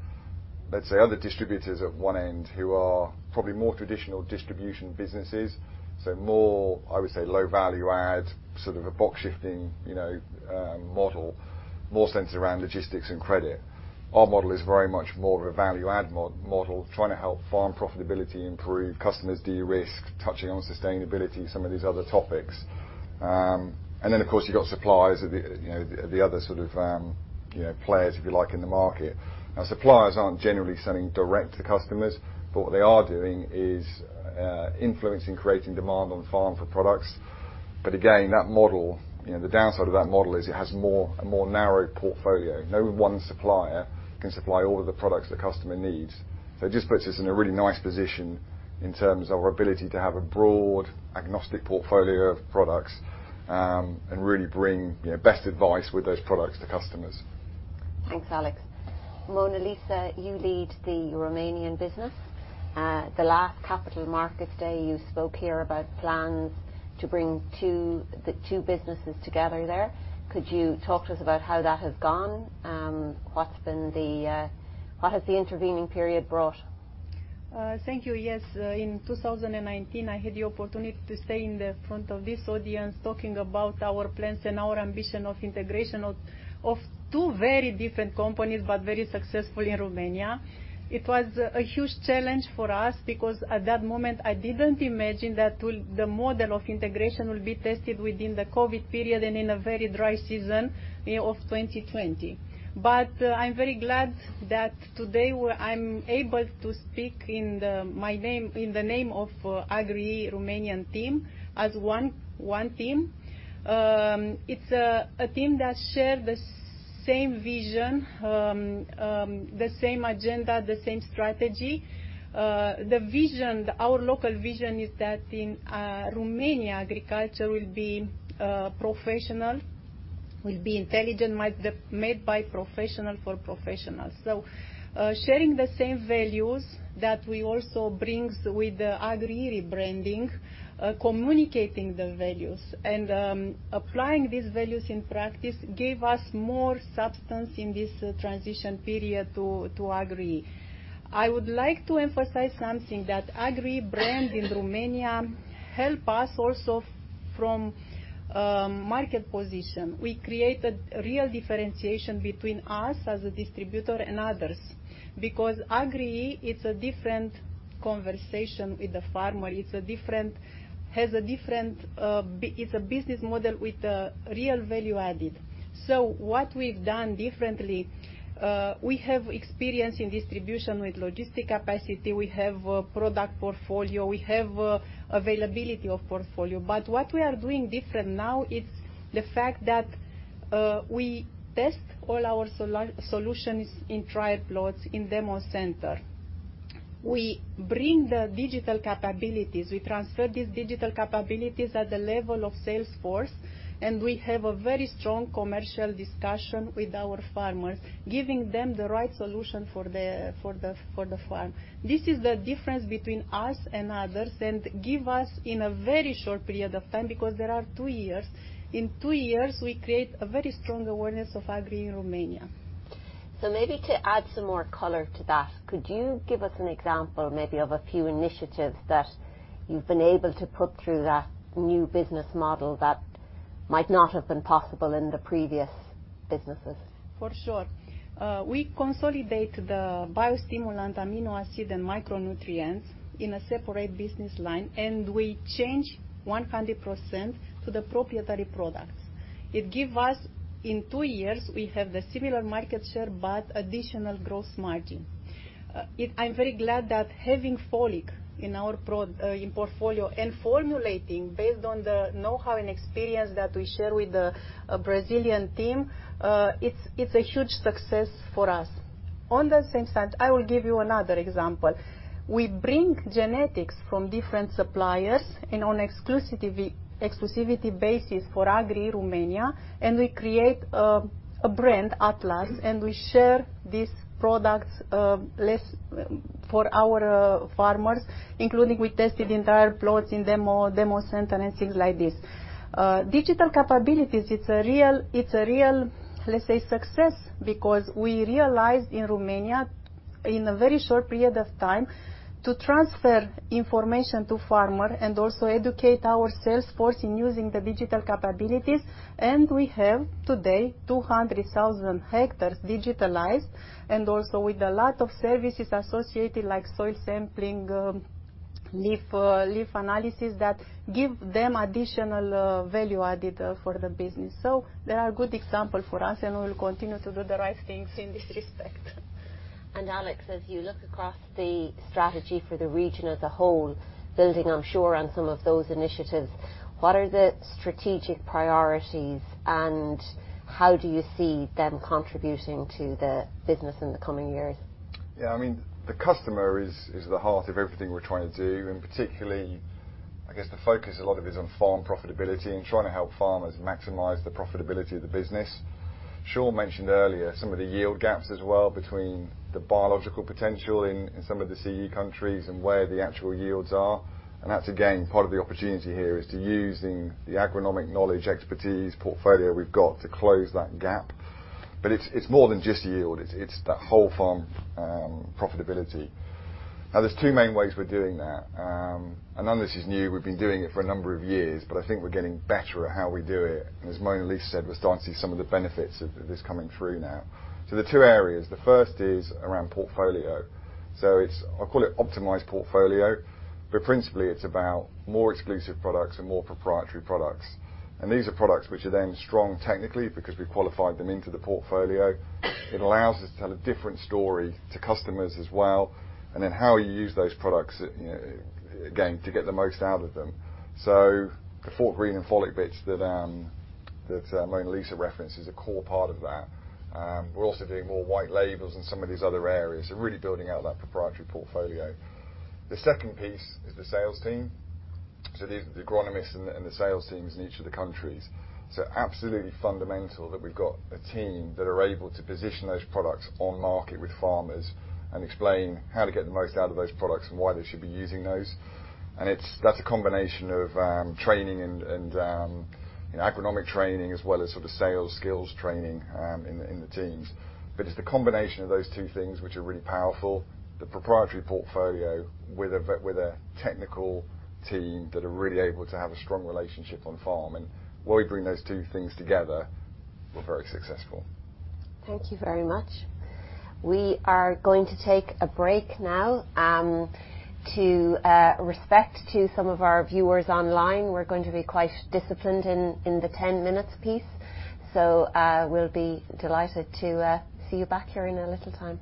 let's say, other distributors at one end who are probably more traditional distribution businesses. More, I would say, low value add, sort of a box shifting, you know, model, more centered around logistics and credit. Our model is very much more of a value add model, trying to help farm profitability improve, customers de-risk, touching on sustainability, some of these other topics. Of course, you've got suppliers at the, you know, the other sort of, you know, players, if you like, in the market. Suppliers aren't generally selling direct to customers, but what they are doing is influencing, creating demand on farm for products. Again, that model, you know, the downside of that model is it has a more narrow portfolio. No one supplier can supply all of the products the customer needs. It just puts us in a really nice position in terms of our ability to have a broad agnostic portfolio of products, and really bring best advice with those products to customers. Thanks, Alex. Mona Lisa, you lead the Romanian business. The last capital market day, you spoke here about plans to bring the two businesses together there. Could you talk to us about how that has gone? What has the intervening period brought? Thank you. Yes. In 2019, I had the opportunity to stand in front of this audience talking about our plans and our ambition of integration of two very different companies, but very successful in Romania. It was a huge challenge for us because at that moment I didn't imagine that the model of integration will be tested within the COVID period and in a very dry season, you know, of 2020. I'm very glad that today I'm able to speak in my name, in the name of Agrii Romanian team as one team. It's a team that shares the same vision, the same agenda, the same strategy. The vision, our local vision is that in Romania, agriculture will be professional, will be intelligent, made by professionals for professionals. Sharing the same values that we also brings with the Agrii rebranding, communicating the values and applying these values in practice gave us more substance in this transition period to Agrii. I would like to emphasize something, that Agrii brand in Romania help us also from market position, we created real differentiation between us as a distributor and others. Because Agrii is a different conversation with the farmer, it's a different. Has a different, it's a business model with a real value added. What we've done differently, we have experience in distribution with logistic capacity, we have a product portfolio, we have availability of portfolio. But what we are doing different now is the fact that we test all our solutions in trial plots in demo center. We bring the digital capabilities, we transfer these digital capabilities at the level of sales force, and we have a very strong commercial discussion with our farmers, giving them the right solution for the farm. This is the difference between us and others, and give us in a very short period of time, because there are two years, in two years we create a very strong awareness of Agrii in Romania. Maybe to add some more color to that, could you give us an example maybe of a few initiatives that you've been able to put through that new business model that might not have been possible in the previous businesses? For sure. We consolidate the biostimulant amino acid and micronutrients in a separate business line, and we change 100% to the proprietary products. It give us, in two years, we have the similar market share, but additional gross margin. I'm very glad that having foliar in our portfolio and formulating based on the know-how and experience that we share with the Brazilian team, it's a huge success for us. On the same sense, I will give you another example. We bring genetics from different suppliers in an exclusivity basis for Agrii Romania, and we create a brand, Atlas, and we share these products less for our farmers, including we tested entire plots in demo center and things like this. Digital capabilities, it's a real, let's say, success because we realized in Romania in a very short period of time to transfer information to farmer and also educate our sales force in using the digital capabilities. We have today 200,000 hectares digitalized, and also with a lot of services associated like soil sampling, leaf analysis that give them additional value added for the business. They are good example for us, and we'll continue to do the right things in this respect. Alex, as you look across the strategy for the region as a whole, building, I'm sure, on some of those initiatives, what are the strategic priorities, and how do you see them contributing to the business in the coming years? I mean, the customer is the heart of everything we're trying to do, and particularly, I guess, the focus a lot of is on farm profitability and trying to help farmers maximize the profitability of the business. Sean mentioned earlier some of the yield gaps as well between the biological potential in some of the CE countries and where the actual yields are. That's again part of the opportunity here is to using the agronomic knowledge, expertise, portfolio we've got to close that gap. It's more than just yield, it's that whole farm profitability. Now, there's two main ways we're doing that. None of this is new, we've been doing it for a number of years, but I think we're getting better at how we do it. As Mona Lisa said, we're starting to see some of the benefits of this coming through now. The two areas, the first is around portfolio. It's, I call it optimized portfolio, but principally it's about more exclusive products and more proprietary products. These are products which are then strong technically because we qualified them into the portfolio. It allows us to tell a different story to customers as well, and then how you use those products, you know, again, to get the most out of them. The Fortgreen and foliar products that Mona Lisa referenced is a core part of that. We're also doing more white labels in some of these other areas, so really building out that proprietary portfolio. The second piece is the sales team. These are the agronomists and the sales teams in each of the countries. It's absolutely fundamental that we've got a team that are able to position those products on market with farmers and explain how to get the most out of those products and why they should be using those. It's a combination of training and agronomic training as well as sort of sales skills training in the teams. It's the combination of those two things which are really powerful, the proprietary portfolio with a technical team that are really able to have a strong relationship on farm. Where we bring those two things together, we're very successful. Thank you very much. We are going to take a break now. To respect some of our viewers online, we're going to be quite disciplined in the 10-minute piece. We'll be delighted to see you back here in a little time.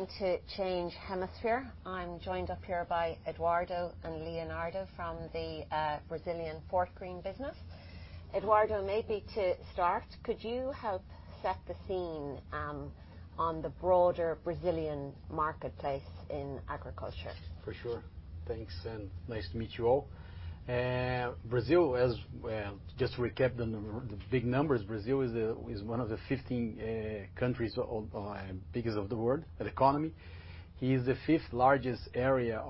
Thank you. Now we're going to change hemisphere. I'm joined up here by Eduardo and Leonardo from the Brazilian Fortgreen business. Eduardo, maybe to start, could you help set the scene, on the broader Brazilian marketplace in agriculture? For sure. Thanks, and nice to meet you all. Brazil, well, just to recap the big numbers, Brazil is one of the 15 biggest economies in the world. It is the fifth largest surface area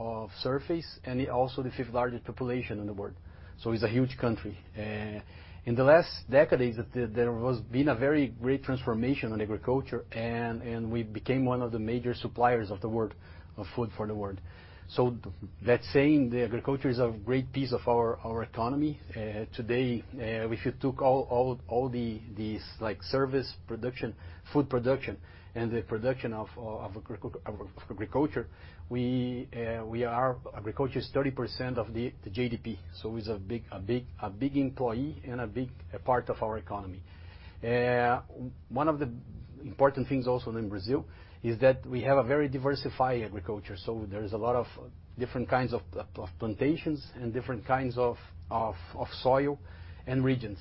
and also the fifth largest population in the world. It's a huge country. In the last decades, there has been a very great transformation in agriculture and we became one of the major suppliers of the world, of food for the world. That said, agriculture is a great piece of our economy. Today, if you took all the, like, service production, food production, and the production of agriculture, we are. Agriculture is 30% of the GDP, so it's a big employee and a big part of our economy. One of the important things also in Brazil is that we have a very diversified agriculture, so there is a lot of different kinds of plantations and different kinds of soil and regions.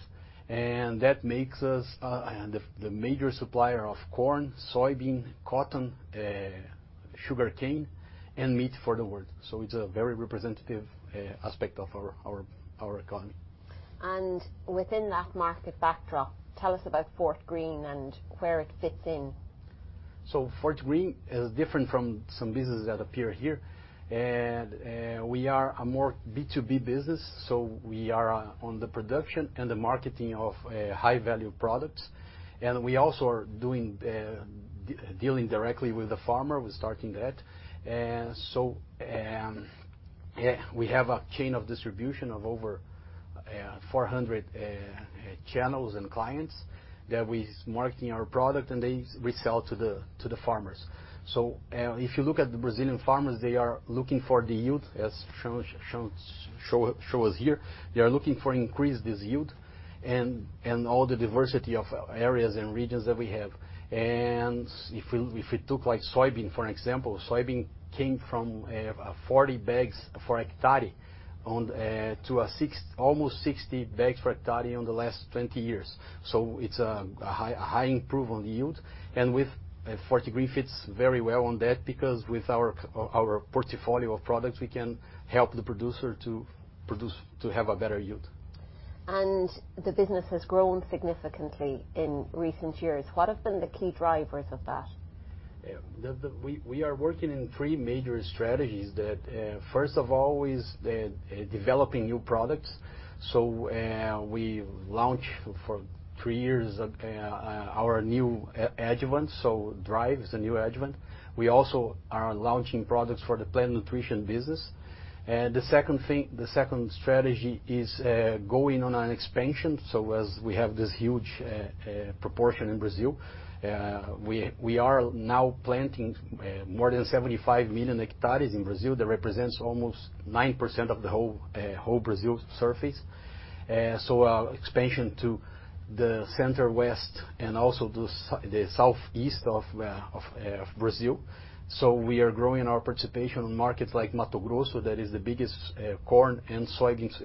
That makes us the major supplier of corn, soybean, cotton, sugarcane, and meat for the world. It's a very representative aspect of our economy. Within that market backdrop, tell us about Fortgreen and where it fits in. Fortgreen is different from some businesses that appear here. We are a more B2B business, so we are on the production and the marketing of high-value products. We also are doing dealing directly with the farmer. We're starting that. We have a chain of distribution of over 400 channels and clients that we're marketing our product, and they resell to the farmers. If you look at the Brazilian farmers, they are looking for the yield, as shown here. They are looking to increase this yield and all the diversity of areas and regions that we have. If we took like soybean, for example, soybean came from 40 bags per hectare to almost 60 bags per hectare over the last 20 years. It's a high improvement on yield. Fortgreen fits very well on that because with our portfolio of products, we can help the producer to have a better yield. The business has grown significantly in recent years. What have been the key drivers of that? We are working in three major strategies that first of all is developing new products. We launched for three years our new adjuvant, so Drive is a new adjuvant. We also are launching products for the plant nutrition business. The second strategy is going on an expansion. As we have this huge proportion in Brazil, we are now planting more than 75 million hectares in Brazil. That represents almost 9% of the whole Brazil surface. Expansion to the center west and also the southeast of Brazil. We are growing our participation in markets like Mato Grosso, that is the biggest corn and soybeans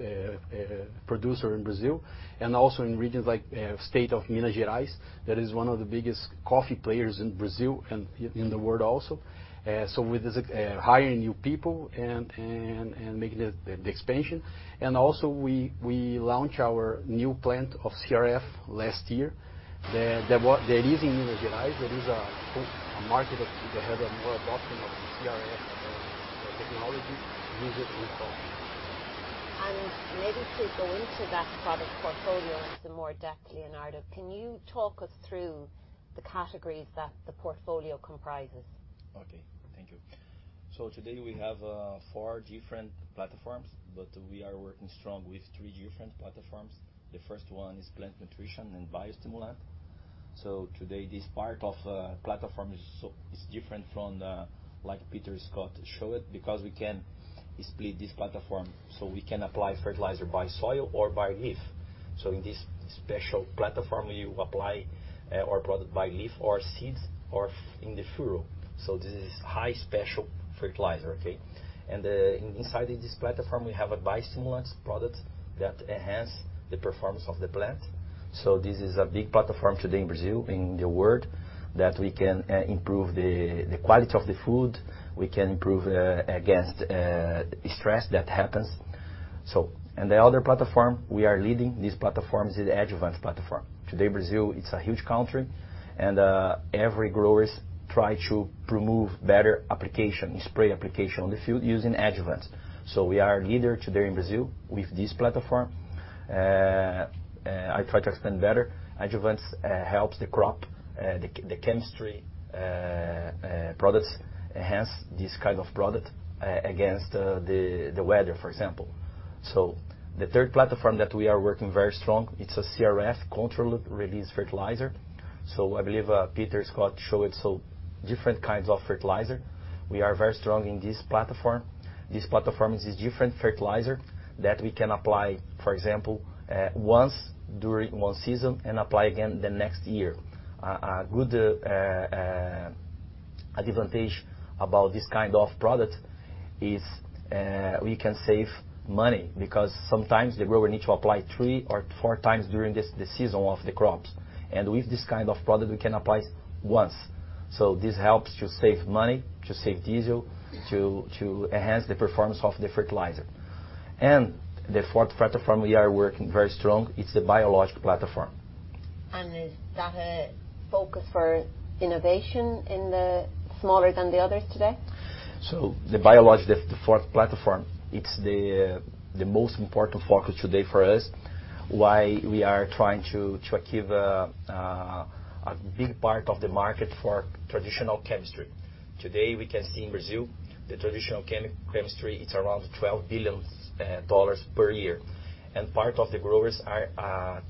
producer in Brazil, and also in regions like state of Minas Gerais, that is one of the biggest coffee players in Brazil and in the world also. We're just hiring new people and making the expansion. We launched our new plant of CRF last year. The what that is in Minas Gerais. There is a market that they have a more adoption of CRF technology used in coffee. Maybe to go into that product portfolio in some more depth, Leonardo, can you talk us through the categories that the portfolio comprises? Okay, thank you. Today we have four different platforms, but we are working strong with three different platforms. The first one is plant nutrition and biostimulant. Today this part of platform is different from, like Peter Scott showed, because we can split this platform, so we can apply fertilizer by soil or by leaf. In this special platform, you apply our product by leaf or seeds or in the furrow. This is high special fertilizer, okay? Inside this platform, we have a biostimulant product that enhance the performance of the plant. This is a big platform today in Brazil, in the world, that we can improve the quality of the food, we can improve against stress that happens. The other platform we are leading this platform is the adjuvant platform. Today, Brazil, it's a huge country, and every growers try to promote better application, spray application on the field using adjuvants. We are a leader today in Brazil with this platform. I try to explain better. Adjuvants helps the crop, the chemistry products enhance this kind of product against the weather, for example. The third platform that we are working very strong, it's a CRF, controlled-release fertilizer. I believe Peter Scott show it, so different kinds of fertilizer. We are very strong in this platform. This platform is different fertilizer that we can apply, for example, once during one season and apply again the next year. A good advantage about this kind of product is we can save money because sometimes the grower need to apply three or four times during the season of the crops. With this kind of product, we can apply once. This helps to save money, to save diesel, to enhance the performance of the fertilizer. The fourth platform we are working very strong, it's a biological platform. Is that a focus for innovation in the smaller than the others today? The biologic, the fourth platform, it's the most important focus today for us, why we are trying to achieve a big part of the market for traditional chemistry. Today, we can see in Brazil the traditional chemistry, it's around $12 billion per year. Part of the growers are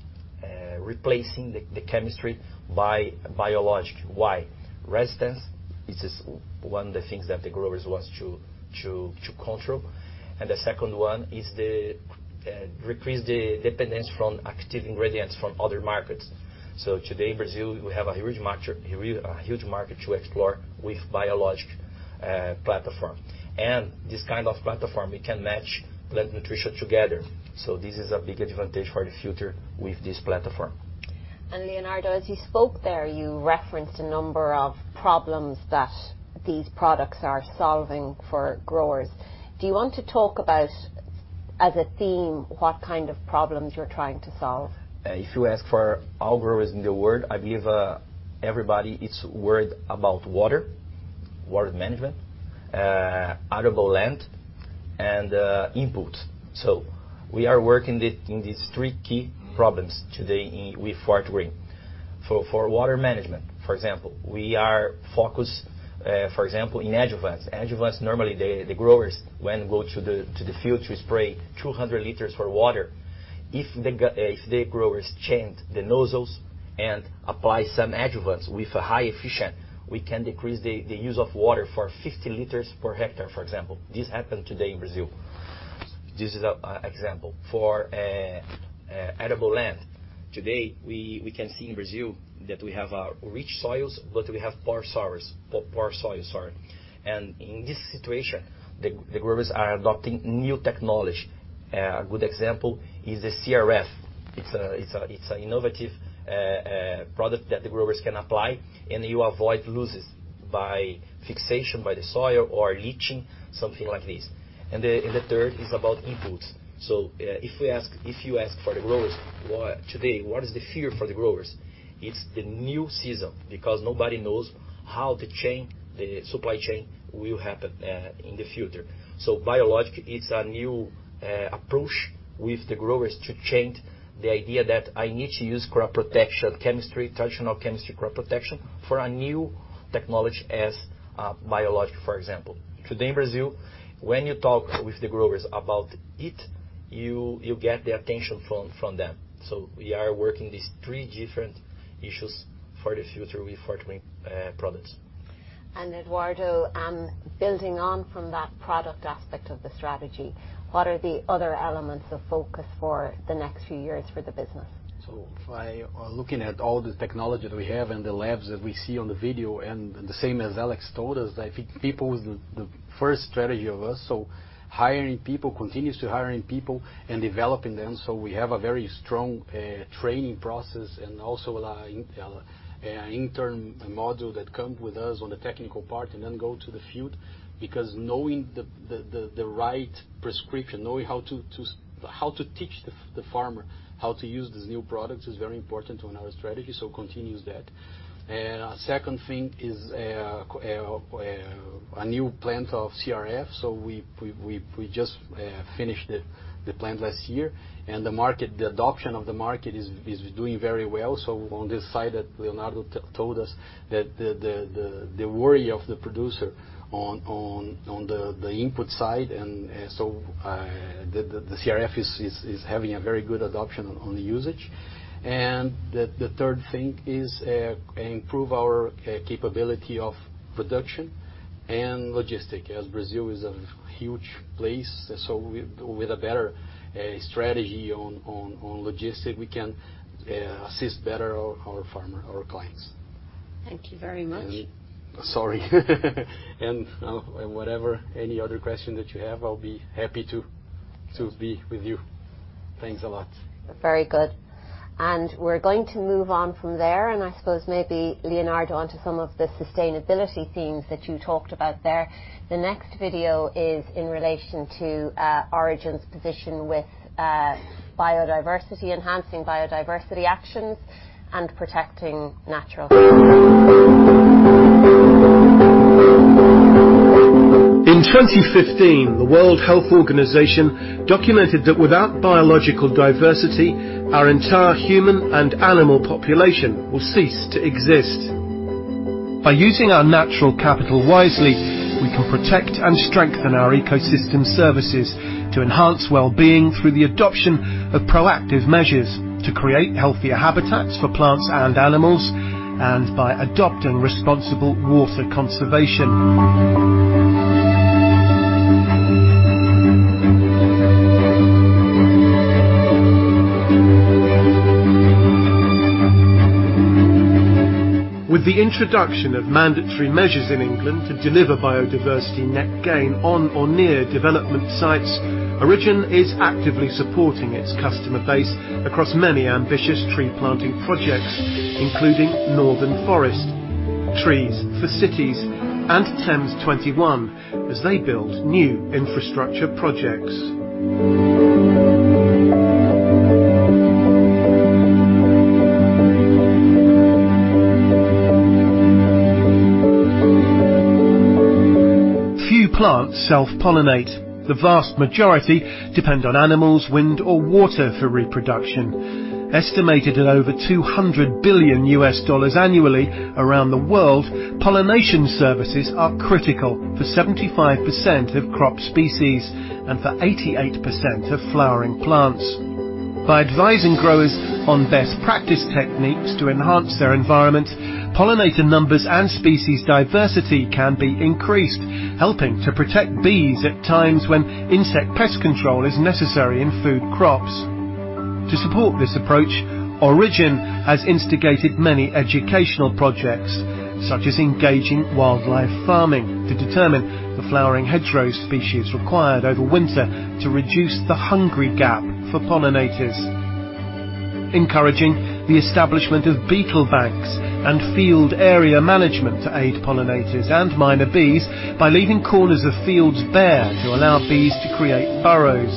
replacing the chemistry by biologic. Why? Resistance is just one of the things that the growers wants to control. The second one is the decrease the dependence from active ingredients from other markets. Today in Brazil, we have a huge market to explore with biologic platform. This kind of platform, we can match plant nutrition together, so this is a big advantage for the future with this platform. Leonardo, as you spoke there, you referenced a number of problems that these products are solving for growers. Do you want to talk about, as a theme, what kind of problems you're trying to solve? If you ask for all growers in the world, everybody is worried about water management, arable land and inputs. We are working in these three key problems today with Fortgreen. For water management, for example, we are focused in adjuvants. Adjuvants, normally the growers when go to the field to spray 200 liters of water. If the growers change the nozzles and apply some adjuvants with a highly efficient, we can decrease the use of water for 50 liters per hectare, for example. This happened today in Brazil. This is an example. For arable land, today we can see in Brazil that we have rich soils, but we have poor soils, sorry. In this situation, the growers are adopting new technology. Good example is the CRF. It's an innovative product that the growers can apply, and you avoid losses by fixation by the soil or leaching, something like this. The third is about inputs. If you ask the growers why today, what is the fear for the growers? It's the new season, because nobody knows how the chain, the supply chain will happen in the future. Biological is a new approach with the growers to change the idea that I need to use crop protection chemistry, traditional chemistry crop protection, for a new technology as biological, for example. Today in Brazil, when you talk with the growers about it, you get the attention from them. We are working these three different issues for the future with Fortgreen products. Eduardo, building on from that product aspect of the strategy, what are the other elements of focus for the next few years for the business? By looking at all the technology that we have and the labs that we see on the video, and the same as Alex told us, I think people is the first strategy of us. Hiring people, continues to hiring people and developing them, so we have a very strong training process and also allowing a intern module that come with us on the technical part and then go to the field, because knowing the right prescription, knowing how to teach the farmer how to use these new products is very important to another strategy, continues that. Our second thing is a new plant of CRF. We just finished it, the plant last year. The market adoption of the market is doing very well. On this side that Leonardo told us that the worry of the producer on the input side, and the CRF is having a very good adoption on the usage. The third thing is improve our capability of production and logistics, as Brazil is a huge place. With a better strategy on logistics, we can assist better our farmer, our clients. Thank you very much. Sorry. Any other question that you have, I'll be happy to be with you. Thanks a lot. Very good. We're going to move on from there, and I suppose maybe, Leonardo, on to some of the sustainability themes that you talked about there. The next video is in relation to Origin's position with biodiversity, enhancing biodiversity actions and protecting natural. In 2015, the World Health Organization documented that without biological diversity, our entire human and animal population will cease to exist. By using our natural capital wisely, we can protect and strengthen our ecosystem services to enhance wellbeing through the adoption of proactive measures, to create healthier habitats for plants and animals, and by adopting responsible water conservation. With the introduction of mandatory measures in England to deliver biodiversity net gain on or near development sites, Origin is actively supporting its customer base across many ambitious tree planting projects, including Northern Forest, Trees for Cities, and Thames21, as they build new infrastructure projects. Few plants self-pollinate. The vast majority depend on animals, wind, or water for reproduction. Estimated at over $200 billion annually around the world, pollination services are critical for 75% of crop species and for 88% of flowering plants. By advising growers on best practice techniques to enhance their environment, pollinator numbers and species diversity can be increased, helping to protect bees at times when insect pest control is necessary in food crops. To support this approach, Origin has instigated many educational projects, such as engaging wildlife farming to determine the flowering hedgerow species required over winter to reduce the hungry gap for pollinators, encouraging the establishment of beetle banks and field margin management to aid pollinators and mining bees by leaving corners of fields bare to allow bees to create burrows,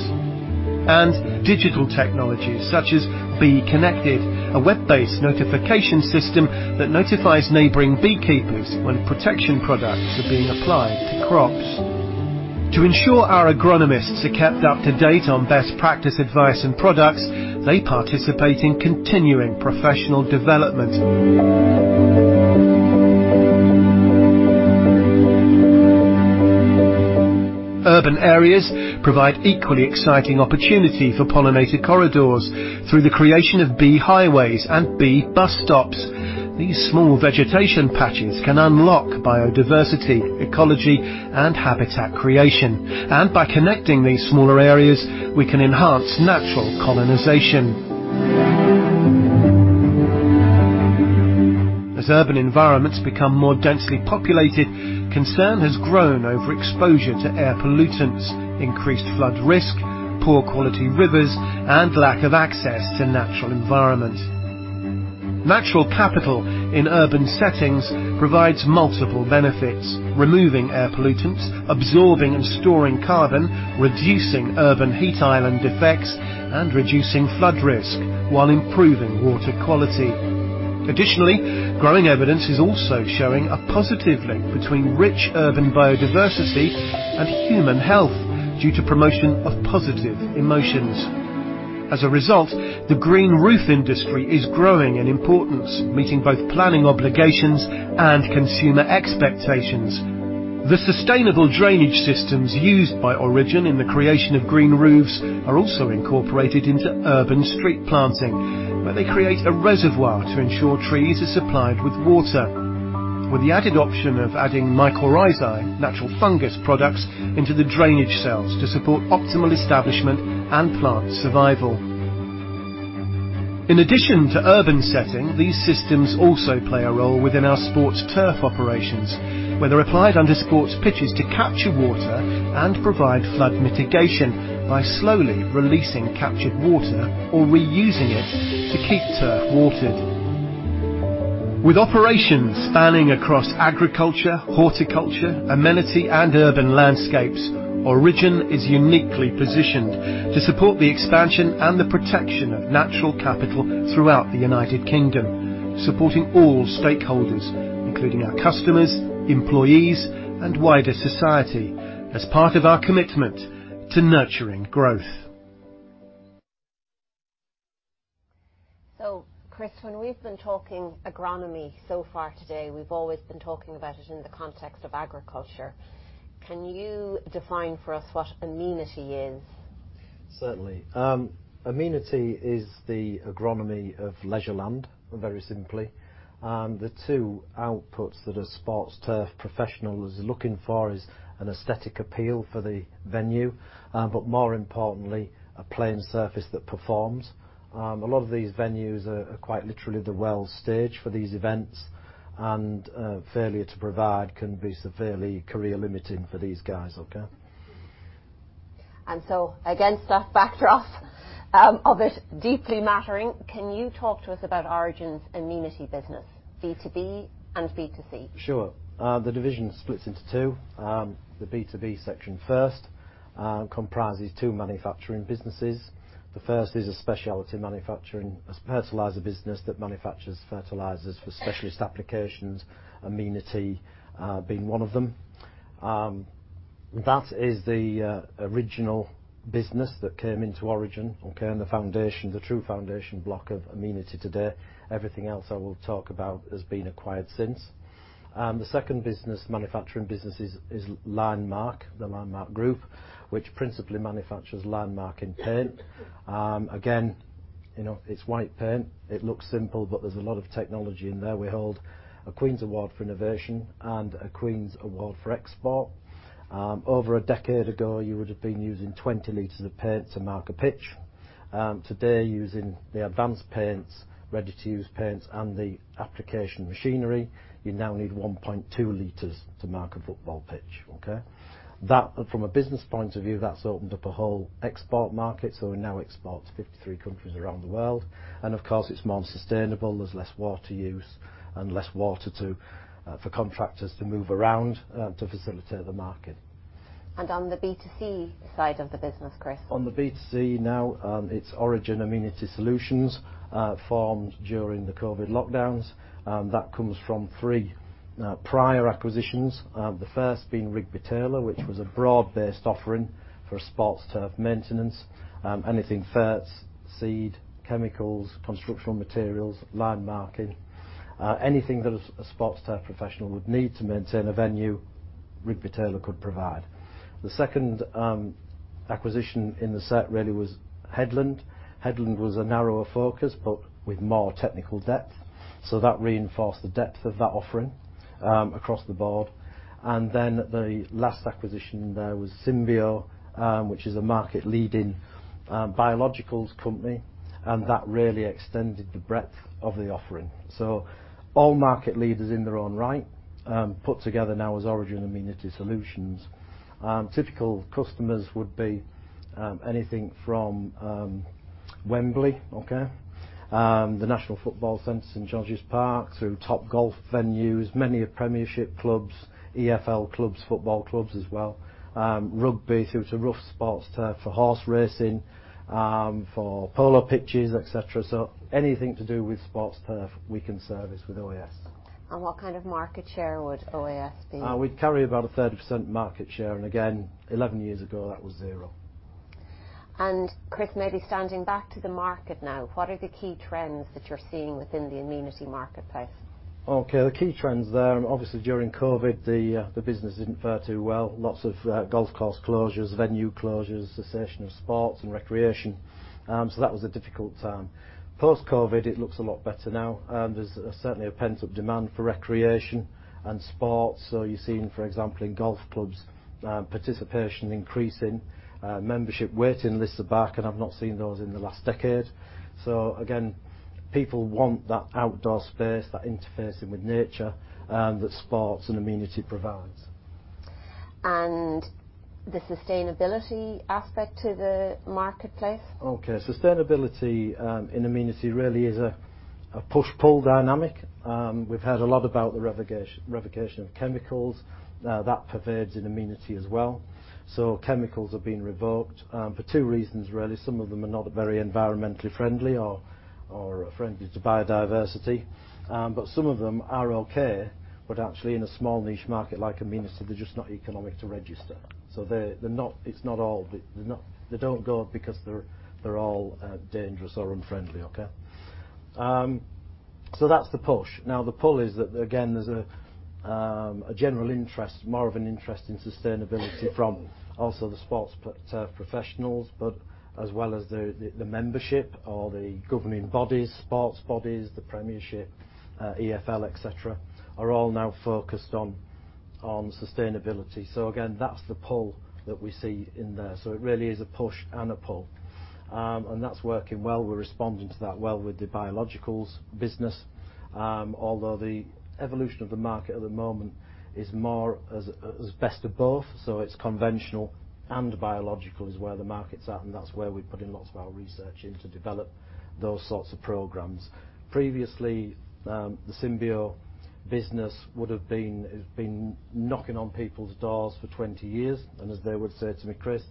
and digital technologies such as BeeConnected, a web-based notification system that notifies neighboring beekeepers when protection products are being applied to crops. To ensure our agronomists are kept up to date on best practice advice and products, they participate in continuing professional development. Urban areas provide equally exciting opportunity for pollinator corridors through the creation of bee highways and bee bus stops. These small vegetation patches can unlock biodiversity, ecology, and habitat creation. By connecting these smaller areas, we can enhance natural colonization. As urban environments become more densely populated, concern has grown over exposure to air pollutants, increased flood risk, poor quality rivers, and lack of access to natural environment. Natural capital in urban settings provides multiple benefits, removing air pollutants, absorbing and storing carbon, reducing urban heat island effects, and reducing flood risk while improving water quality. Additionally, growing evidence is also showing a positive link between rich urban biodiversity and human health due to promotion of positive emotions. As a result, the green roof industry is growing in importance, meeting both planning obligations and consumer expectations. The sustainable drainage systems used by Origin in the creation of green roofs are also incorporated into urban street planting, where they create a reservoir to ensure trees are supplied with water. With the added option of adding mycorrhizae, natural fungus products, into the drainage cells to support optimal establishment and plant survival. In addition to urban setting, these systems also play a role within our sports turf operations, where they're applied under sports pitches to capture water and provide flood mitigation by slowly releasing captured water or reusing it to keep turf watered. With operations spanning across agriculture, horticulture, amenity, and urban landscapes, Origin is uniquely positioned to support the expansion and the protection of natural capital throughout the United Kingdom. Supporting all stakeholders, including our customers, employees, and wider society, as part of our commitment to Nurturing Growth. Chris, when we've been talking agronomy so far today, we've always been talking about it in the context of agriculture. Can you define for us what amenity is? Certainly. Amenity is the agronomy of leisure land, very simply. The two outputs that a sports turf professional is looking for is an aesthetic appeal for the venue, but more importantly, a playing surface that performs. A lot of these venues are quite literally the world stage for these events, and failure to provide can be severely career limiting for these guys. Okay. Against that backdrop of it deeply mattering, can you talk to us about Origin's amenity business, B2B and B2C? Sure. The division splits into two. The B2B section first comprises two manufacturing businesses. The first is a specialty manufacturing, a personalizer business that manufactures fertilizers for specialist applications, amenity being one of them. That is the original business that came into Origin, okay, and the foundation, the true foundation block of amenity today. Everything else I will talk about has been acquired since. The second manufacturing business is Linemark, the Linemark Group, which principally manufactures line-marking paint. Again, you know, it's white paint. It looks simple, but there's a lot of technology in there. We hold a Queen's Award for Enterprise: Innovation and a Queen's Award for Enterprise: International Trade (Export). Over a decade ago, you would have been using 20 liters of paint to mark a pitch. Today, using the advanced paints, ready-to-use paints and the application machinery, you now need 1.2 liters to mark a football pitch. From a business point of view, that's opened up a whole export market, so we now export to 53 countries around the world and, of course, it's more sustainable. There's less water use and less water for contractors to move around to facilitate the market. On the B2C side of the business, Chris? On the B2C now, it's Origin Amenity Solutions, formed during the COVID lockdowns. That comes from three prior acquisitions, the first being Rigby Taylor, which was a broad-based offering for sports turf maintenance. Anything ferts, seed, chemicals, construction materials, line marking. Anything that a sports turf professional would need to maintain a venue, Rigby Taylor could provide. The second acquisition in the set really was Headland. Headland was a narrower focus, but with more technical depth, so that reinforced the depth of that offering, across the board. Then the last acquisition there was Symbio, which is a market-leading biologicals company, and that really extended the breadth of the offering. All market leaders in their own right, put together now as Origin Amenity Solutions. Typical customers would be anything from Wembley, okay? The National Football Centre in St. George's Park, through Topgolf venues, many of Premiership clubs, EFL clubs, football clubs as well, rugby through to rough sports turf for horse racing, for polo pitches, et cetera. Anything to do with sports turf, we can service with OAS. What kind of market share would OAS be? We carry about a 30% market share. Again, 11 years ago, that was 0. Chris, maybe sounding back to the market now, what are the key trends that you're seeing within the amenity marketplace? Okay. The key trends there, and obviously, during COVID, the business didn't fare too well. Lots of golf course closures, venue closures, cessation of sports and recreation. That was a difficult time. Post-COVID, it looks a lot better now, and there's certainly a pent-up demand for recreation and sports. You're seeing, for example, in golf clubs, participation increasing. Membership waiting lists are back, and I've not seen those in the last decade. Again, people want that outdoor space, that interfacing with nature, that sports and amenity provides. The sustainability aspect to the marketplace? Okay. Sustainability in amenity really is a push-pull dynamic. We've heard a lot about the revocation of chemicals. Now, that pervades in amenity as well. Chemicals are being revoked for two reasons, really. Some of them are not very environmentally friendly or friendly to biodiversity. Some of them are okay, but actually in a small niche market like amenities, they're just not economic to register. They're not all dangerous or unfriendly, okay? That's the push. Now, the pull is that, again, there's a general interest, more of an interest in sustainability from also the sports turf professionals, but as well as the membership or the governing bodies, sports bodies, the Premiership, EFL, et cetera, are all now focused on sustainability. Again, that's the pull that we see in there. It really is a push and a pull. That's working well. We're responding to that well with the biologicals business. Although the evolution of the market at the moment is more as best of both. It's conventional and biological is where the market's at, and that's where we're putting lots of our research in to develop those sorts of programs. Previously, the Symbio business would've been, it's been knocking on people's doors for 20 years and as they would say to me, "Chris,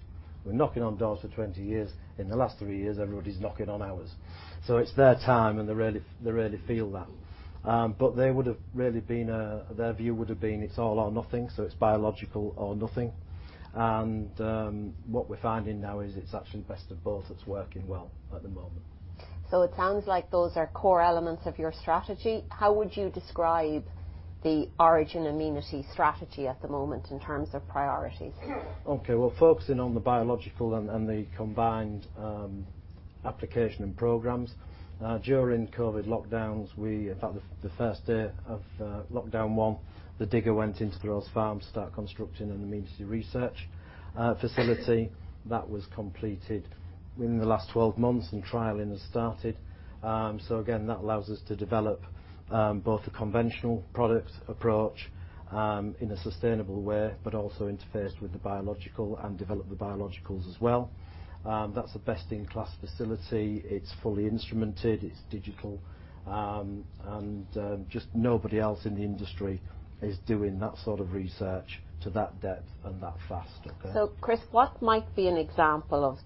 we're knocking on doors for 20 years." In the last 3 years, everybody's knocking on ours. It's their time, and they really feel that. Their view would've been it's all or nothing, so it's biological or nothing. What we're finding now is it's actually best of both that's working well at the moment. It sounds like those are core elements of your strategy. How would you describe the Origin Amenity strategy at the moment in terms of priorities? Okay. Well, focusing on the biological and the combined application and programs during the COVID lockdowns. In fact, the first day of lockdown one, the digger went into Throws Farm to start constructing an amenity research facility. That was completed within the last 12 months, and trialing has started. Again, that allows us to develop both the conventional product approach in a sustainable way, but also interface with the biological and develop the biologicals as well. That's a best-in-class facility. It's fully instrumented, it's digital, and just nobody else in the industry is doing that sort of research to that depth and that fast. Okay? Chris, what might be an example of?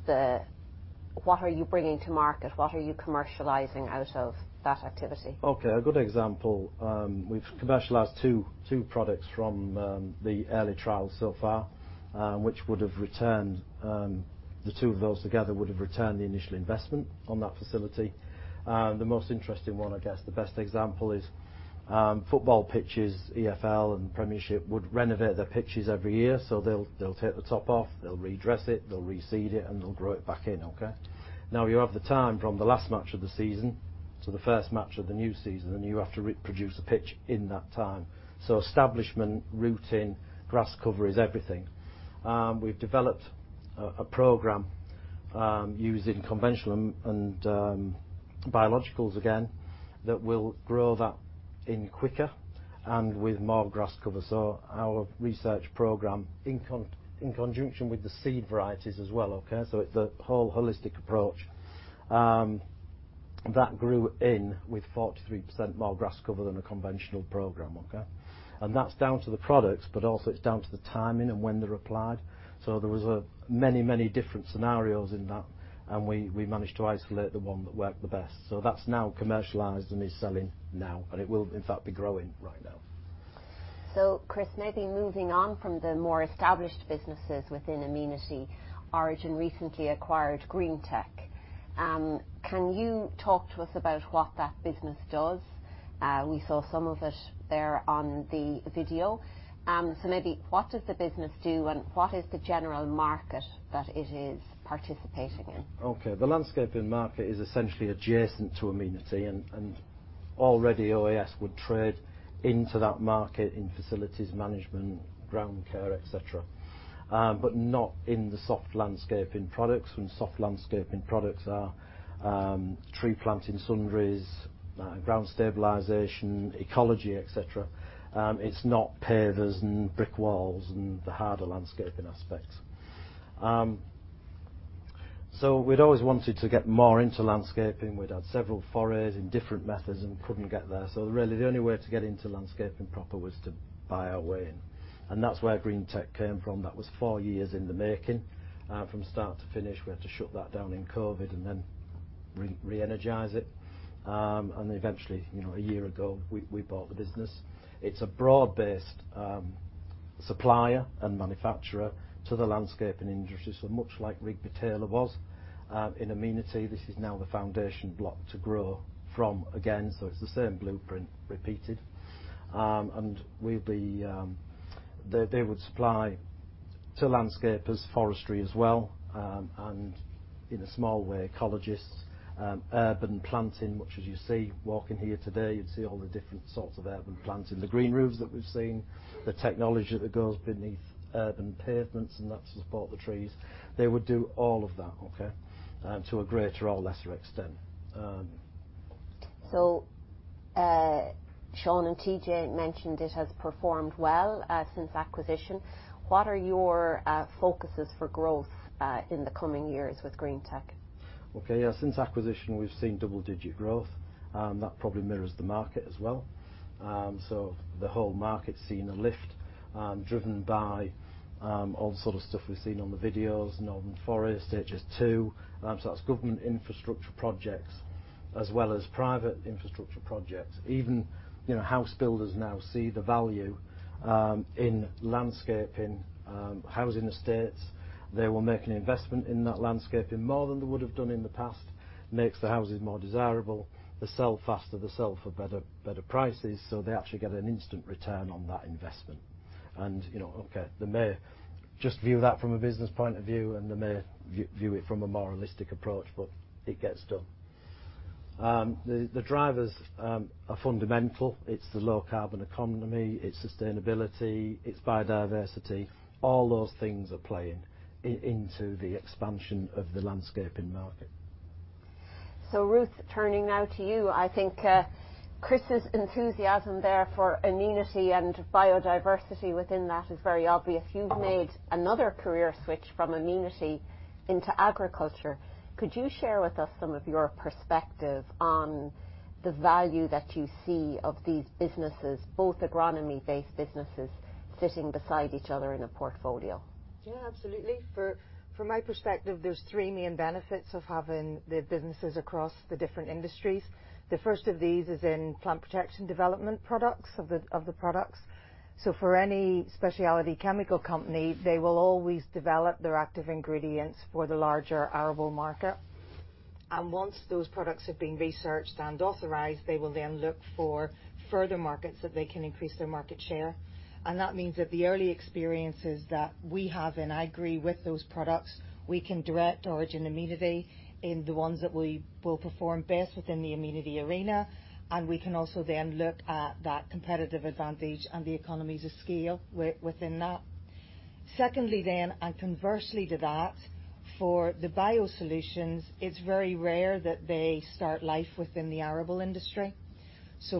What are you bringing to market? What are you commercializing out of that activity? Okay. A good example, we've commercialized two products from the early trials so far, which would have returned, the two of those together would have returned the initial investment on that facility. The most interesting one, I guess the best example is, football pitches. EFL and Premiership would renovate their pitches every year. They'll take the top off, they'll redress it, they'll reseed it, and they'll grow it back in. Now you have the time from the last match of the season to the first match of the new season, and you have to reproduce a pitch in that time. Establishment, rooting, grass cover is everything. We've developed a program using conventional and biologicals again, that will grow that in quicker and with more grass cover. Our research program in conjunction with the seed varieties as well. It's a whole holistic approach that grew in with 43% more grass cover than a conventional program. That's down to the products, but also it's down to the timing and when they're applied. There were many different scenarios in that, and we managed to isolate the one that worked the best. That's now commercialized and is selling now, and it will in fact be growing right now. Chris, maybe moving on from the more established businesses within Amenity, Origin recently acquired Green-tech. Can you talk to us about what that business does? We saw some of it there on the video. Maybe what does the business do, and what is the general market that it is participating in? Okay. The landscaping market is essentially adjacent to Amenity and already OAS would trade into that market in facilities management, ground care, et cetera. But not in the soft landscaping products. Soft landscaping products are tree planting sundries, ground stabilization, ecology, et cetera. It's not pavers and brick walls and the harder landscaping aspects. We'd always wanted to get more into landscaping. We'd had several forays in different methods and couldn't get there. Really the only way to get into landscaping proper was to buy our way in, and that's where Green-tech came from. That was four years in the making, from start to finish. We had to shut that down in COVID and then reenergize it. Eventually, you know, a year ago, we bought the business. It's a broad-based supplier and manufacturer to the landscaping industry. Much like Rigby Taylor was in Amenity, this is now the foundation block to grow from again, so it's the same blueprint repeated. They would supply to landscapers, forestry as well, and in a small way, ecologists, urban planting, which as you see walking here today, you'd see all the different sorts of urban planting, the green roofs that we've seen, the technology that goes beneath urban pavements, and that support the trees. They would do all of that, okay, to a greater or lesser extent. Sean and TJ mentioned it has performed well since acquisition. What are your focuses for growth in the coming years with Green-tech? Okay. Yeah. Since acquisition, we've seen double-digit growth, that probably mirrors the market as well. The whole market's seen a lift, driven by all the sort of stuff we've seen on the videos, Northern Forest, HS2, that's government infrastructure projects as well as private infrastructure projects. Even, you know, house builders now see the value in landscaping housing estates. They will make an investment in that landscaping more than they would've done in the past, makes the houses more desirable. They sell faster, they sell for better prices, so they actually get an instant return on that investment. You know, okay, they may just view that from a business point of view, and they may view it from a moralistic approach, but it gets done. The drivers are fundamental. It's the low-carbon economy, it's sustainability, it's biodiversity. All those things are playing into the expansion of the landscaping market. Ruth, turning now to you, I think, Chris's enthusiasm there for Amenity and biodiversity within that is very obvious. You've made another career switch from Amenity into agriculture. Could you share with us some of your perspective on the value that you see of these businesses, both agronomy-based businesses sitting beside each other in a portfolio? Yeah, absolutely. From my perspective, there's three main benefits of having the businesses across the different industries. The first of these is in plant protection development products of the products. For any specialty chemical company, they will always develop their active ingredients for the larger arable market. Once those products have been researched and authorized, they will then look for further markets that they can increase their market share. That means that the early experiences that we have in Agrii with those products, we can direct Origin Amenity in the ones that we will perform best within the Amenity arena. We can also then look at that competitive advantage and the economies of scale within that. Secondly, and conversely to that, for the biosolutions, it's very rare that they start life within the arable industry.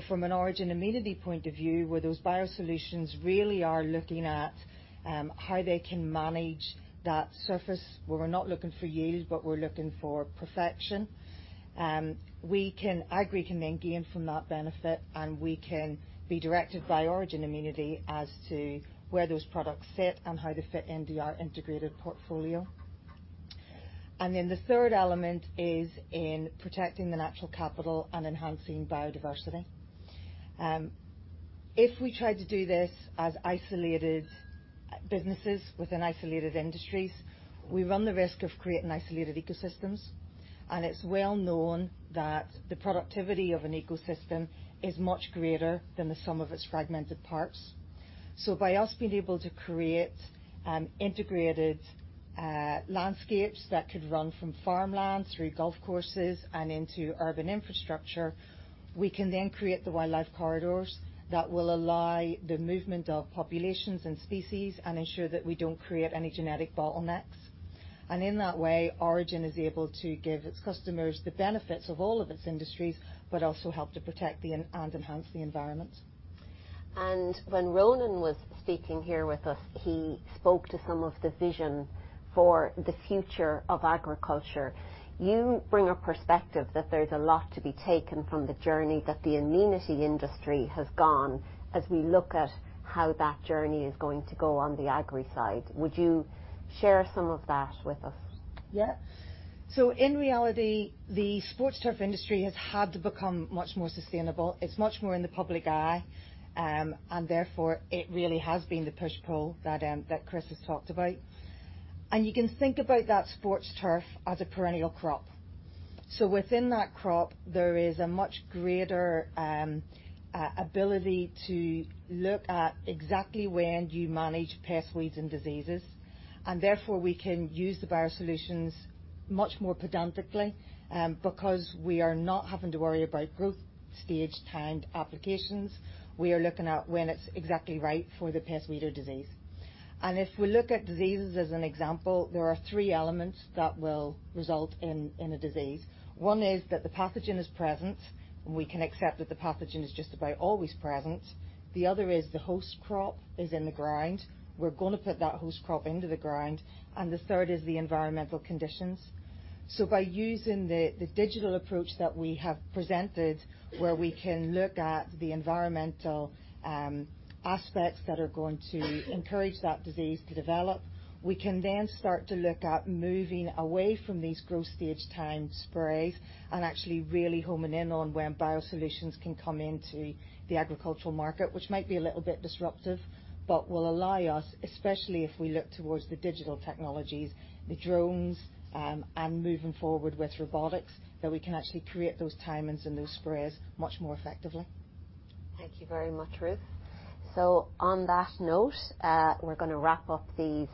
From an Origin Amenity point of view, where those biosolutions really are looking at how they can manage that surface. Where we're not looking for yield, but we're looking for perfection, Agrii can then gain from that benefit, and we can be directed by Origin Amenity as to where those products fit and how they fit into our integrated portfolio. Then the third element is in protecting the natural capital and enhancing biodiversity. If we tried to do this as isolated businesses within isolated industries, we run the risk of creating isolated ecosystems, and it's well known that the productivity of an ecosystem is much greater than the sum of its fragmented parts. By us being able to create integrated landscapes that could run from farmland through golf courses and into urban infrastructure, we can then create the wildlife corridors that will allow the movement of populations and species and ensure that we don't create any genetic bottlenecks. In that way, Origin is able to give its customers the benefits of all of its industries, but also help to protect the and enhance the environment. When Ronan was speaking here with us, he spoke to some of the vision for the future of agriculture. You bring a perspective that there's a lot to be taken from the journey that the amenity industry has gone as we look at how that journey is going to go on the agri side. Would you share some of that with us? In reality, the sports turf industry has had to become much more sustainable. It's much more in the public eye, and therefore, it really has been the push-pull that that Chris has talked about. You can think about that sports turf as a perennial crop. Within that crop, there is a much greater ability to look at exactly when you manage pest weeds and diseases, and therefore we can use the biosolutions much more pedantically, because we are not having to worry about growth stage timed applications. We are looking at when it's exactly right for the pest weed or disease. If we look at diseases as an example, there are three elements that will result in a disease. One is that the pathogen is present, and we can accept that the pathogen is just about always present. The other is the host crop is in the ground. We're gonna put that host crop into the ground, and the third is the environmental conditions. By using the digital approach that we have presented, where we can look at the environmental aspects that are going to encourage that disease to develop, we can then start to look at moving away from these growth stage timed sprays and actually really homing in on when biosolutions can come into the agricultural market, which might be a little bit disruptive, but will allow us, especially if we look towards the digital technologies, the drones, and moving forward with robotics, that we can actually create those timings and those sprays much more effectively. Thank you very much, Ruth. On that note, we're gonna wrap up these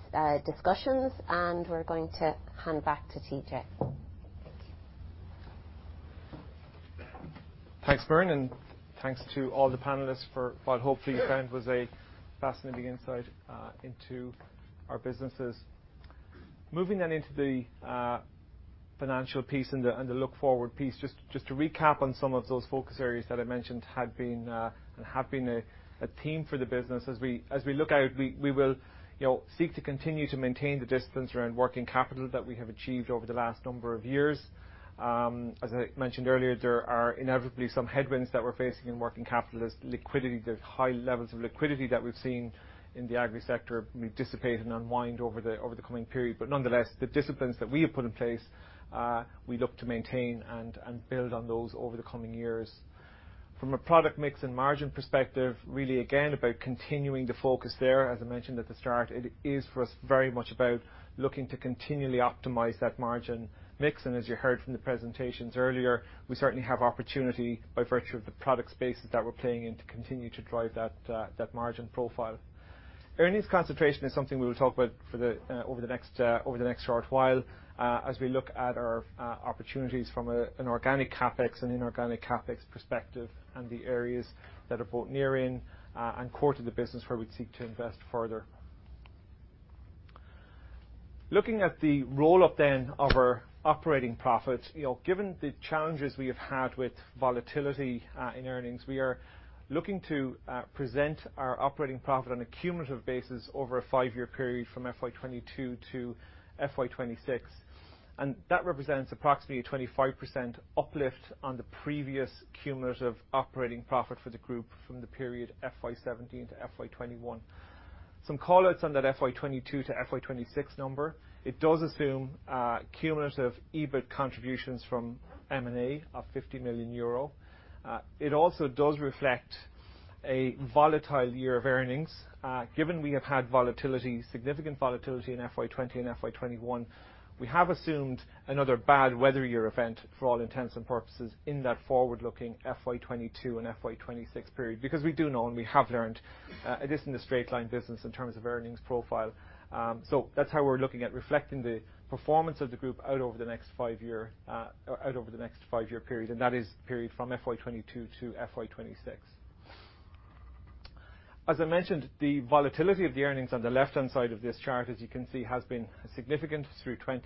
discussions, and we're going to hand back to TJ. Thank you. Thanks, Muireann, and thanks to all the panelists for what hopefully you found was a fascinating insight into our businesses. Moving into the financial piece and the look-forward piece, just to recap on some of those focus areas that I mentioned had been and have been a theme for the business. As we look out, we will, you know, seek to continue to maintain the disciplines around working capital that we have achieved over the last number of years. As I mentioned earlier, there are inevitably some headwinds that we're facing in working capital as liquidity, the high levels of liquidity that we've seen in the agri sector may dissipate and unwind over the coming period. Nonetheless, the disciplines that we have put in place, we look to maintain and build on those over the coming years. From a product mix and margin perspective, really again, about continuing to focus there, as I mentioned at the start, it is for us very much about looking to continually optimize that margin mix. As you heard from the presentations earlier, we certainly have opportunity by virtue of the product spaces that we're playing in to continue to drive that margin profile. Earnings concentration is something we will talk about over the next short while, as we look at our opportunities from an organic CapEx and inorganic CapEx perspective and the areas that are both nearing and core to the business where we'd seek to invest further. Looking at the roll-up then of our operating profit, you know, given the challenges we have had with volatility in earnings, we are looking to present our operating profit on a cumulative basis over a five-year period from FY 22 to FY 26. That represents approximately a 25% uplift on the previous cumulative operating profit for the group from the period FY 17 to FY 21. Some call-outs on that FY 22 to FY 26 number. It does assume cumulative EBIT contributions from M&A of 50 million euro. It also does reflect a volatile year of earnings. Given we have had volatility, significant volatility in FY 2020 and FY 2021, we have assumed another bad weather year event for all intents and purposes in that forward-looking FY 2022 and FY 2026 period because we do know and we have learned, it isn't a straight line business in terms of earnings profile. That's how we're looking at reflecting the performance of the group out over the next five-year period, and that is the period from FY 2022 to FY 2026. As I mentioned, the volatility of the earnings on the left-hand side of this chart, as you can see, has been significant through FY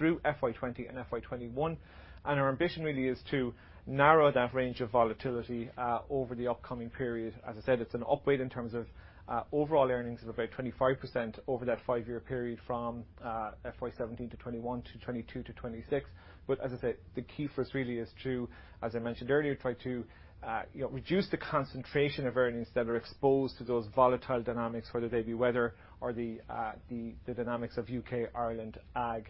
2020 and FY 2021. Our ambition really is to narrow that range of volatility over the upcoming period. As I said, it's an upward in terms of overall earnings of about 25% over that five-year period from FY 2017 to 2021 to 2022 to 2026. As I said, the key for us really is to, as I mentioned earlier, try to you know, reduce the concentration of earnings that are exposed to those volatile dynamics, whether they be weather or the dynamics of UK, Ireland ag.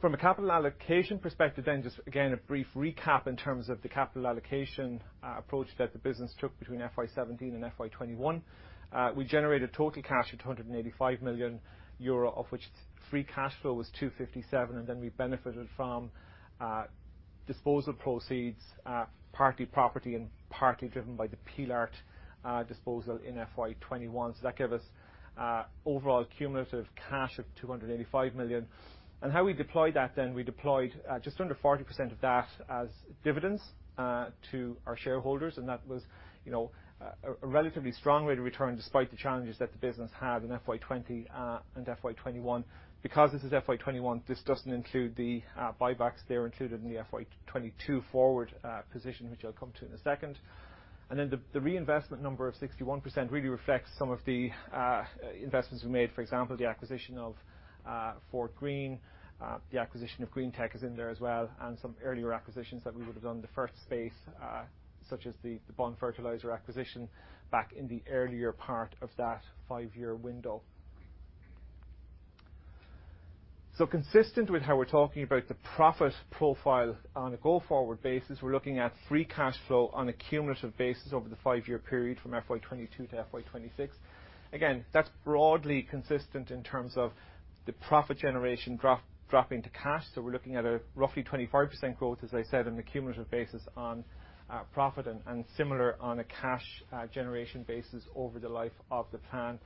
From a capital allocation perspective then, just again, a brief recap in terms of the capital allocation approach that the business took between FY 2017 and FY 2021. We generated total cash of EUR 285 million, of which free cash flow was 257. Then we benefited from disposal proceeds, partly property and partly driven by the Pilart disposal in FY 2021. That gave us overall cumulative cash of 285 million. How we deployed that then, we deployed just under 40% of that as dividends to our shareholders, and that was, you know, a relatively strong rate of return despite the challenges that the business had in FY 2020 and FY 2021. Because this is FY 2021, this doesn't include the buybacks. They are included in the FY 2022 forward position, which I'll come to in a second. The reinvestment number of 61% really reflects some of the investments we made. For example, the acquisition of Fortgreen, the acquisition of Green-tech is in there as well, and some earlier acquisitions that we would have done the first phase, such as the Bond Fertilisers acquisition back in the earlier part of that five-year window. Consistent with how we're talking about the profit profile on a go-forward basis, we're looking at free cash flow on a cumulative basis over the five-year period from FY 2022 to FY 2026. Again, that's broadly consistent in terms of the profit generation drop, dropping to cash. We're looking at a roughly 25% growth, as I said, on a cumulative basis on profit and similar on a cash generation basis over the life of the plan.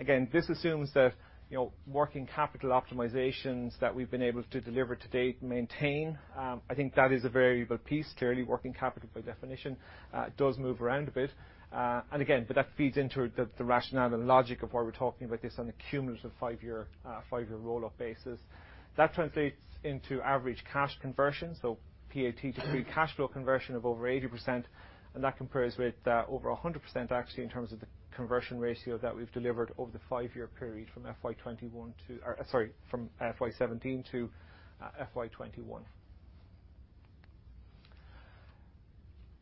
Again, this assumes that, you know, working capital optimizations that we've been able to deliver to date maintain. I think that is a variable piece. Clearly, working capital by definition does move around a bit. That feeds into the rationale and logic of why we're talking about this on a cumulative five-year roll-up basis. That translates into average cash conversion, so PAT to free cash flow conversion of over 80%, and that compares with over 100% actually in terms of the conversion ratio that we've delivered over the five-year period from FY 2017 to FY 2021.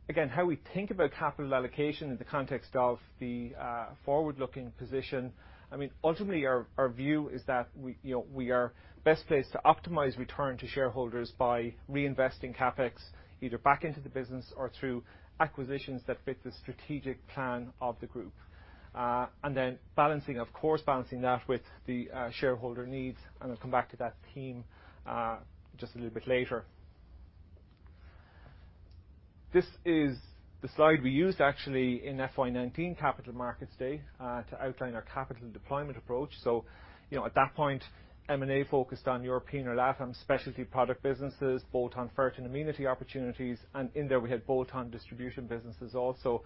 Again, how we think about capital allocation in the context of the forward-looking position. I mean, ultimately our view is that we, you know, we are best placed to optimize return to shareholders by reinvesting CapEx, either back into the business or through acquisitions that fit the strategic plan of the group. Then balancing that with the shareholder needs, and I'll come back to that theme just a little bit later. This is the slide we used actually in FY 2019 capital markets day to outline our capital deployment approach. You know, at that point, M&A focused on European or LatAm specialty product businesses, bolt-on fert and amenity opportunities, and in there we had bolt-on distribution businesses also.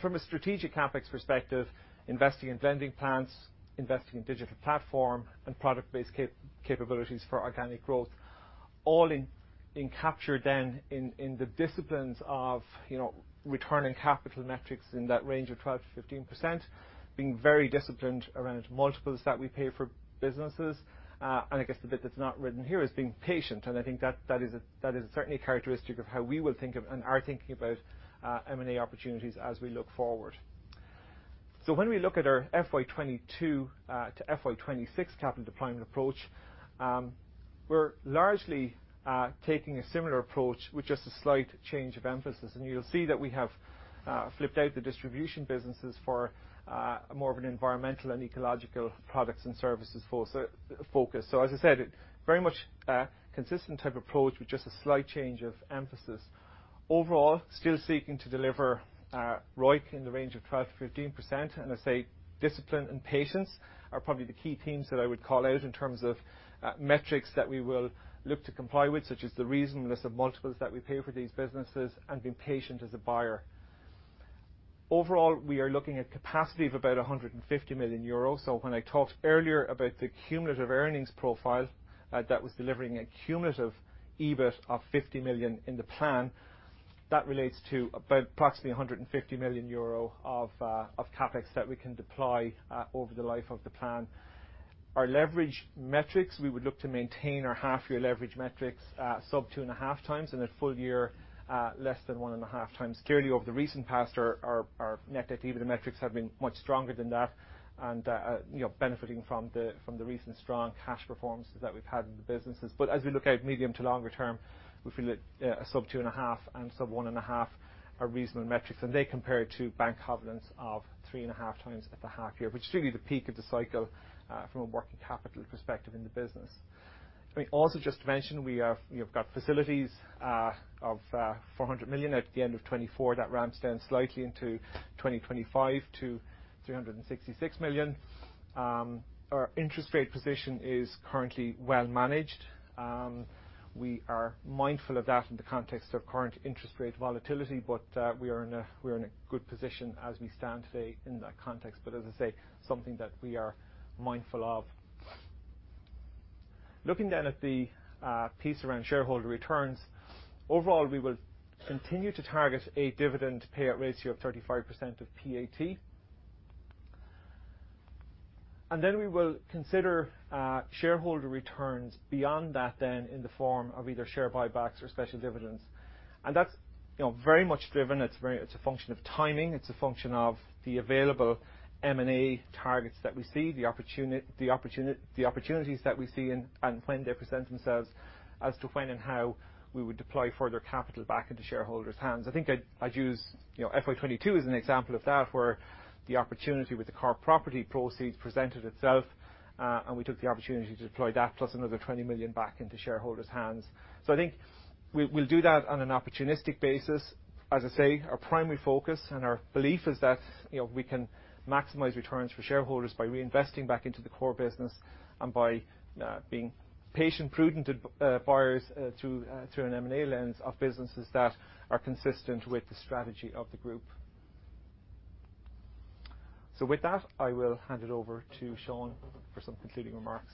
From a strategic CapEx perspective, investing in blending plants, investing in digital platform and product-based capabilities for organic growth, all in being captured then in the disciplines of, you know, returning capital metrics in that range of 12%-15%, being very disciplined around multiples that we pay for businesses. I guess the bit that's not written here is being patient, and I think that is certainly a characteristic of how we will think of and are thinking about M&A opportunities as we look forward. When we look at our FY 2022 to FY 2026 capital deployment approach, we're largely taking a similar approach with just a slight change of emphasis. You'll see that we have flipped out the distribution businesses for more of an environmental and ecological products and services focus. As I said, very much consistent type approach with just a slight change of emphasis. Overall, still seeking to deliver ROIC in the range of 12%-15%. I say discipline and patience are probably the key themes that I would call out in terms of metrics that we will look to comply with, such as the reasonableness of multiples that we pay for these businesses and being patient as a buyer. Overall, we are looking at capacity of about 150 million euros. When I talked earlier about the cumulative earnings profile, that was delivering a cumulative EBIT of 50 million in the plan, that relates to about approximately 150 million euro of CapEx that we can deploy over the life of the plan. Our leverage metrics, we would look to maintain our half year leverage metrics, sub 2.5 times, and at full year, less than 1.5 times. Clearly, over the recent past, our net debt to EBITDA metrics have been much stronger than that. Benefiting from the recent strong cash performance that we've had in the businesses. As we look out medium to longer term, we feel that a sub 2.5 and sub 1.5 are reasonable metrics. They compare to bank covenants of 3.5 times at the half year, which is typically the peak of the cycle, from a working capital perspective in the business. I mean, also just to mention, we have got facilities of 400 million at the end of 2024. That ramps down slightly into 2025 to 366 million. Our interest rate position is currently well managed. We are mindful of that in the context of current interest rate volatility, but we are in a good position as we stand today in that context. As I say, something that we are mindful of. Looking at the piece around shareholder returns. Overall, we will continue to target a dividend payout ratio of 35% of PAT. Then we will consider shareholder returns beyond that then in the form of either share buybacks or special dividends. That's you know, very much driven. It's a function of timing. It's a function of the available M&A targets that we see, the opportunities that we see and when they present themselves as to when and how we would deploy further capital back into shareholders' hands. I think I'd use, you know, FY 2022 as an example of that, where the opportunity with the Cork Property proceeds presented itself, and we took the opportunity to deploy that plus another 20 million back into shareholders' hands. I think we'll do that on an opportunistic basis. As I say, our primary focus and our belief is that, you know, we can maximize returns for shareholders by reinvesting back into the core business and by being patient, prudent buyers through an M&A lens of businesses that are consistent with the strategy of the group. With that, I will hand it over to Sean for some concluding remarks.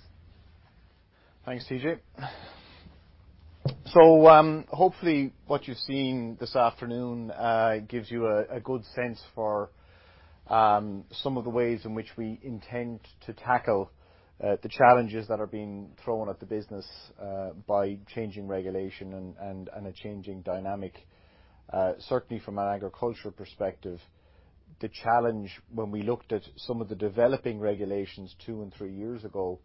Thanks, TJ. Hopefully what you've seen this afternoon gives you a good sense for some of the ways in which we intend to tackle the challenges that are being thrown at the business by changing regulation and a changing dynamic. Certainly from an agricultural perspective, the challenge when we looked at some of the developing regulations two and three years ago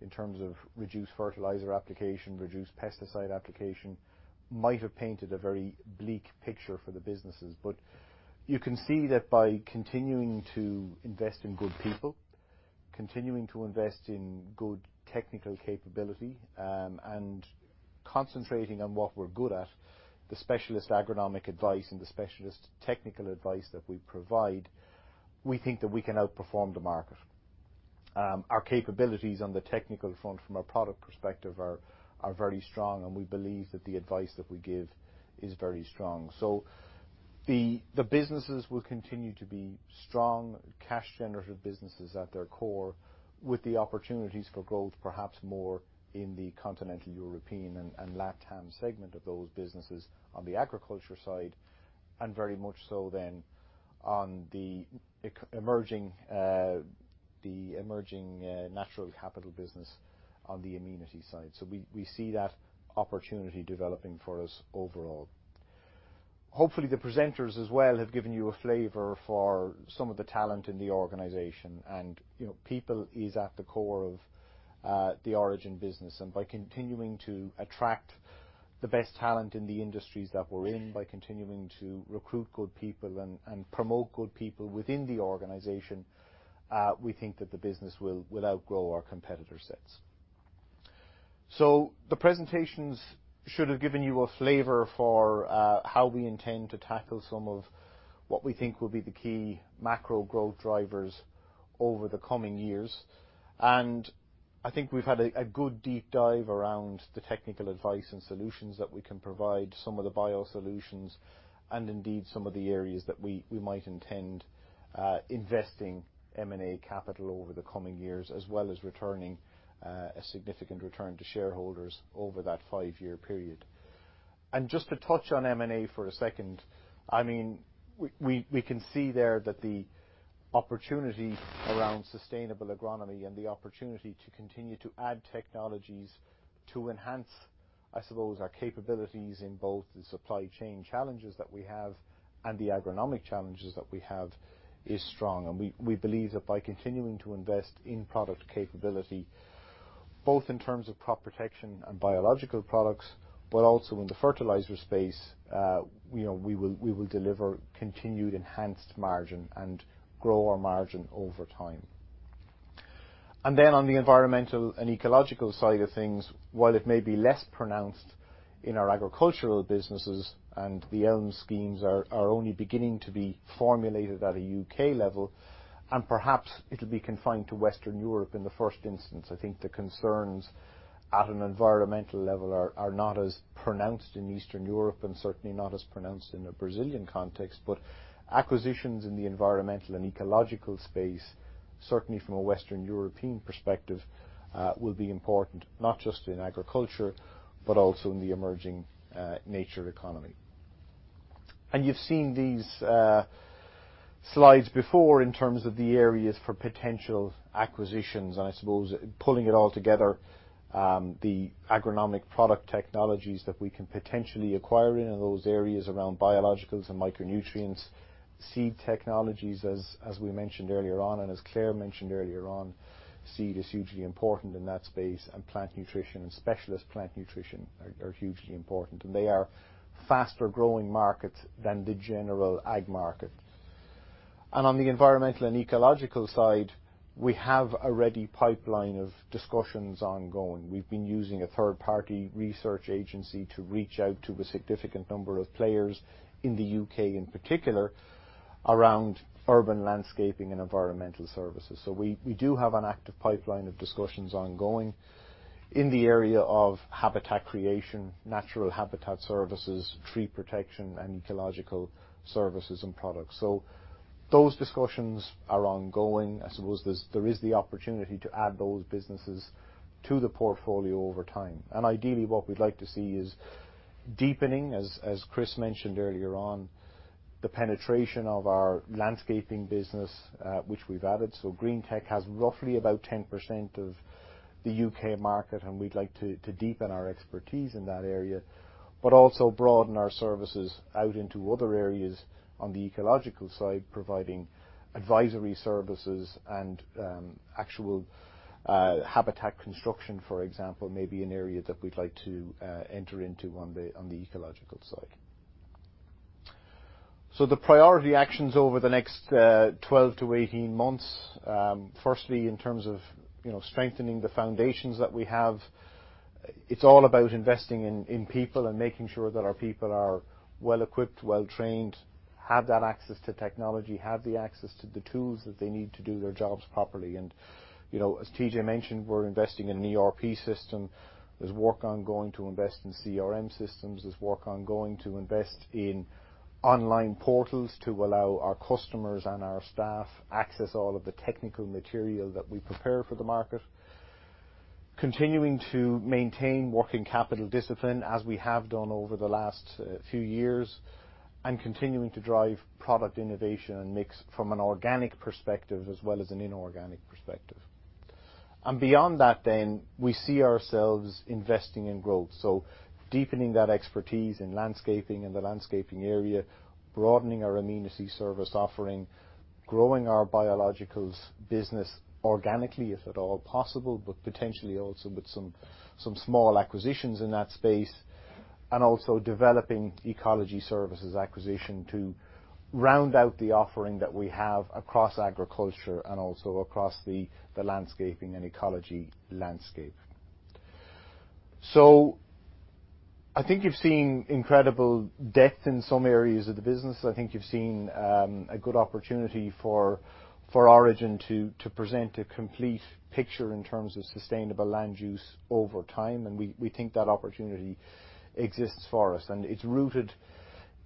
in terms of reduced fertilizer application, reduced pesticide application, might have painted a very bleak picture for the businesses. You can see that by continuing to invest in good people, continuing to invest in good technical capability, and concentrating on what we're good at, the specialist agronomic advice and the specialist technical advice that we provide, we think that we can outperform the market. Our capabilities on the technical front from a product perspective are very strong, and we believe that the advice that we give is very strong. The businesses will continue to be strong, cash-generative businesses at their core, with the opportunities for growth perhaps more in the Continental European and LatAm segment of those businesses on the agriculture side, and very much so then on the emerging natural capital business on the Amenity side. We see that opportunity developing for us overall. Hopefully, the presenters as well have given you a flavor for some of the talent in the organization, and, you know, people is at the core of the Origin business. By continuing to attract the best talent in the industries that we're in, by continuing to recruit good people and promote good people within the organization, we think that the business will outgrow our competitor sets. The presentations should have given you a flavor for how we intend to tackle some of what we think will be the key macro growth drivers over the coming years. I think we've had a good deep dive around the technical advice and solutions that we can provide, some of the biosolutions, and indeed some of the areas that we might intend investing M&A capital over the coming years, as well as returning a significant return to shareholders over that five-year period. Just to touch on M&A for a second, I mean, we can see there that the opportunity around sustainable agronomy and the opportunity to continue to add technologies to enhance, I suppose, our capabilities in both the supply chain challenges that we have and the agronomic challenges that we have is strong. We believe that by continuing to invest in product capability, both in terms of crop protection and biological products, but also in the fertilizer space, you know, we will deliver continued enhanced margin and grow our margin over time. On the environmental and ecological side of things, while it may be less pronounced in our agricultural businesses, and the ELM schemes are only beginning to be formulated at a UK level, and perhaps it'll be confined to Western Europe in the first instance, I think the concerns at an environmental level are not as pronounced in Eastern Europe and certainly not as pronounced in a Brazilian context. Acquisitions in the environmental and ecological space, certainly from a Western European perspective, will be important, not just in agriculture, but also in the emerging nature economy. You've seen these slides before in terms of the areas for potential acquisitions, and I suppose pulling it all together, the agronomic product technologies that we can potentially acquire in those areas around biologicals and micronutrients. Seed technologies, as we mentioned earlier on, and as Claire mentioned earlier on, seed is hugely important in that space, and plant nutrition and specialist plant nutrition are hugely important. They are faster-growing markets than the general ag market. On the environmental and ecological side, we have a ready pipeline of discussions ongoing. We've been using a third-party research agency to reach out to a significant number of players in the UK in particular around urban landscaping and environmental services. We do have an active pipeline of discussions ongoing in the area of habitat creation, natural habitat services, tree protection, and ecological services and products. Those discussions are ongoing. I suppose there is the opportunity to add those businesses to the portfolio over time. Ideally what we'd like to see is deepening, as Chris mentioned earlier on, the penetration of our landscaping business, which we've added. Green-tech has roughly about 10% of the UK market, and we'd like to deepen our expertise in that area, but also broaden our services out into other areas on the ecological side, providing advisory services and actual habitat construction, for example, may be an area that we'd like to enter into on the ecological side. The priority actions over the next 12 to 18 months, firstly, in terms of, you know, strengthening the foundations that we have, it's all about investing in people and making sure that our people are well-equipped, well-trained, have that access to technology, have the access to the tools that they need to do their jobs properly. you know, as TJ mentioned, we're investing in an ERP system. There's work on going to invest in CRM systems. There's work on going to invest in online portals to allow our customers and our staff access all of the technical material that we prepare for the market. Continuing to maintain working capital discipline as we have done over the last few years. Continuing to drive product innovation and mix from an organic perspective as well as an inorganic perspective. Beyond that then, we see ourselves investing in growth. Deepening that expertise in landscaping, in the landscaping area, broadening our amenity service offering, growing our biologicals business organically if at all possible, but potentially also with some small acquisitions in that space. Also developing ecology services acquisition to round out the offering that we have across agriculture and also across the landscaping and ecology landscape. I think you've seen incredible depth in some areas of the business. I think you've seen a good opportunity for Origin to present a complete picture in terms of sustainable land use over time, and we think that opportunity exists for us, and it's rooted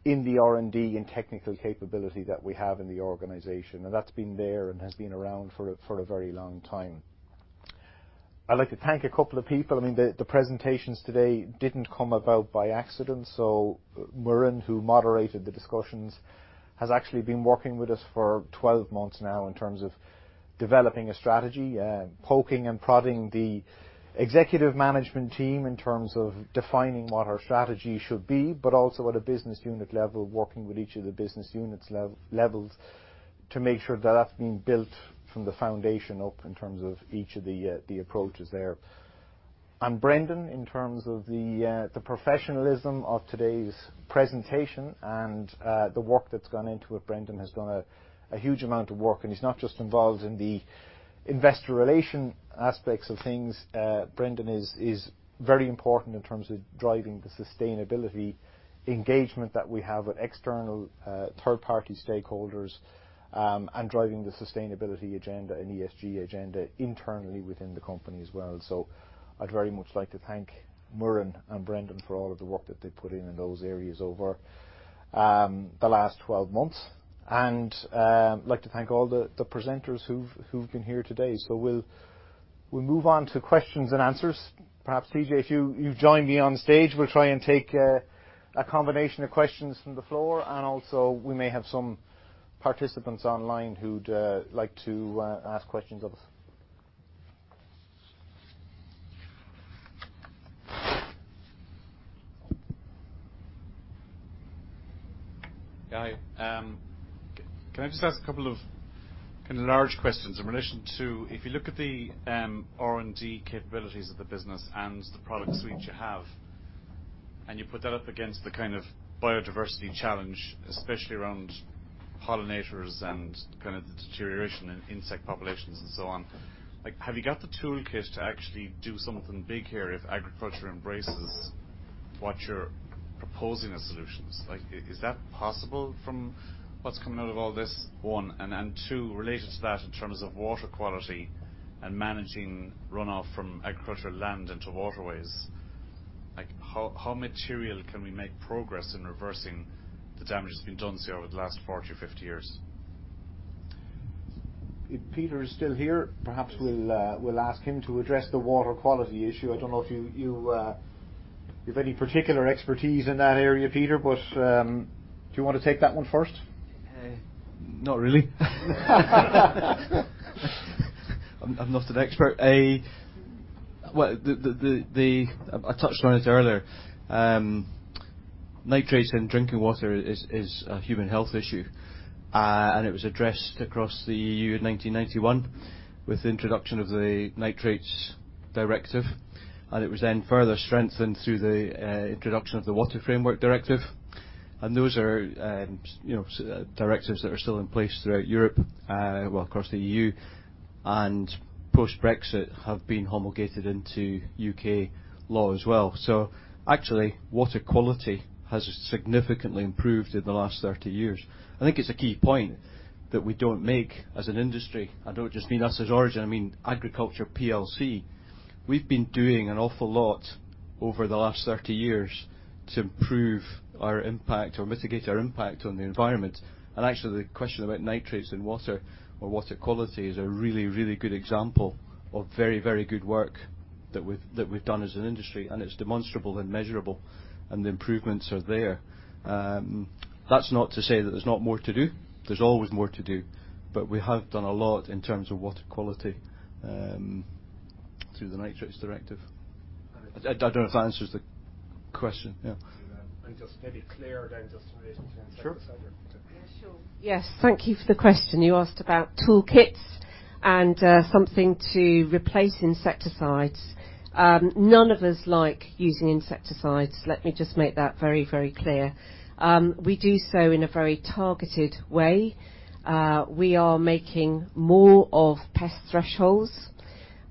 in the R&D and technical capability that we have in the organization. That's been there and has been around for a very long time. I'd like to thank a couple of people. I mean, the presentations today didn't come about by accident. Muireann, who moderated the discussions, has actually been working with us for 12 months now in terms of developing a strategy. Poking and prodding the executive management team in terms of defining what our strategy should be, but also at a business unit level, working with each of the business units levels to make sure that that's been built from the foundation up in terms of each of the approaches there. Brendan, in terms of the professionalism of today's presentation and, the work that's gone into it. Brendan has done a huge amount of work, and he's not just involved in the investor relation aspects of things. Brendan is very important in terms of driving the sustainability engagement that we have with external third-party stakeholders, and driving the sustainability agenda and ESG agenda internally within the company as well. I'd very much like to thank Muireann and Brendan for all of the work that they've put in in those areas over the last 12 months. I'd like to thank all the presenters who've been here today. We'll move on to questions and answers. Perhaps, TJ, if you join me on stage, we'll try and take a combination of questions from the floor, and also we may have some participants online who'd like to ask questions of us. Yeah. Can I just ask a couple of kind of large questions in relation to if you look at the R&D capabilities of the business and the product suite you have, and you put that up against the kind of biodiversity challenge, especially around pollinators and kind of the deterioration in insect populations and so on, like have you got the toolkit to actually do something big here if agriculture embraces what you're proposing as solutions? Like, is that possible from what's coming out of all this? One. Two, related to that in terms of water quality and managing runoff from agricultural land into waterways, like how material can we make progress in reversing the damage that's been done, say, over the last 40 or 50 years? If Peter is still here, perhaps we'll ask him to address the water quality issue. I don't know if you've any particular expertise in that area, Peter, but do you want to take that one first? Not really. I'm not an expert. Well, I touched on it earlier. Nitrates in drinking water is a human health issue. It was addressed across the EU in 1991 with the introduction of the Nitrates Directive, and it was then further strengthened through the introduction of the Water Framework Directive. Those are, you know, directives that are still in place throughout Europe, well, across the EU, and post-Brexit have been homologated into UK law as well. Actually, water quality has significantly improved in the last 30 years. I think it's a key point that we don't make as an industry. I don't just mean us as Origin, I mean Agriculture PLC. We've been doing an awful lot over the last 30 years to improve our impact or mitigate our impact on the environment. Actually, the question about nitrates in water or water quality is a really, really good example of very, very good work that we've done as an industry, and it's demonstrable and measurable, and the improvements are there. That's not to say that there's not more to do. There's always more to do, but we have done a lot in terms of water quality through the Nitrates Directive. I don't know if that answers the question. Yeah. Yeah. Just maybe Claire, then just in relation to insecticides. Sure. Yeah, sure. Yes, thank you for the question. You asked about toolkits and something to replace insecticides. None of us like using insecticides. Let me just make that very, very clear. We do so in a very targeted way. We are making more of pest thresholds.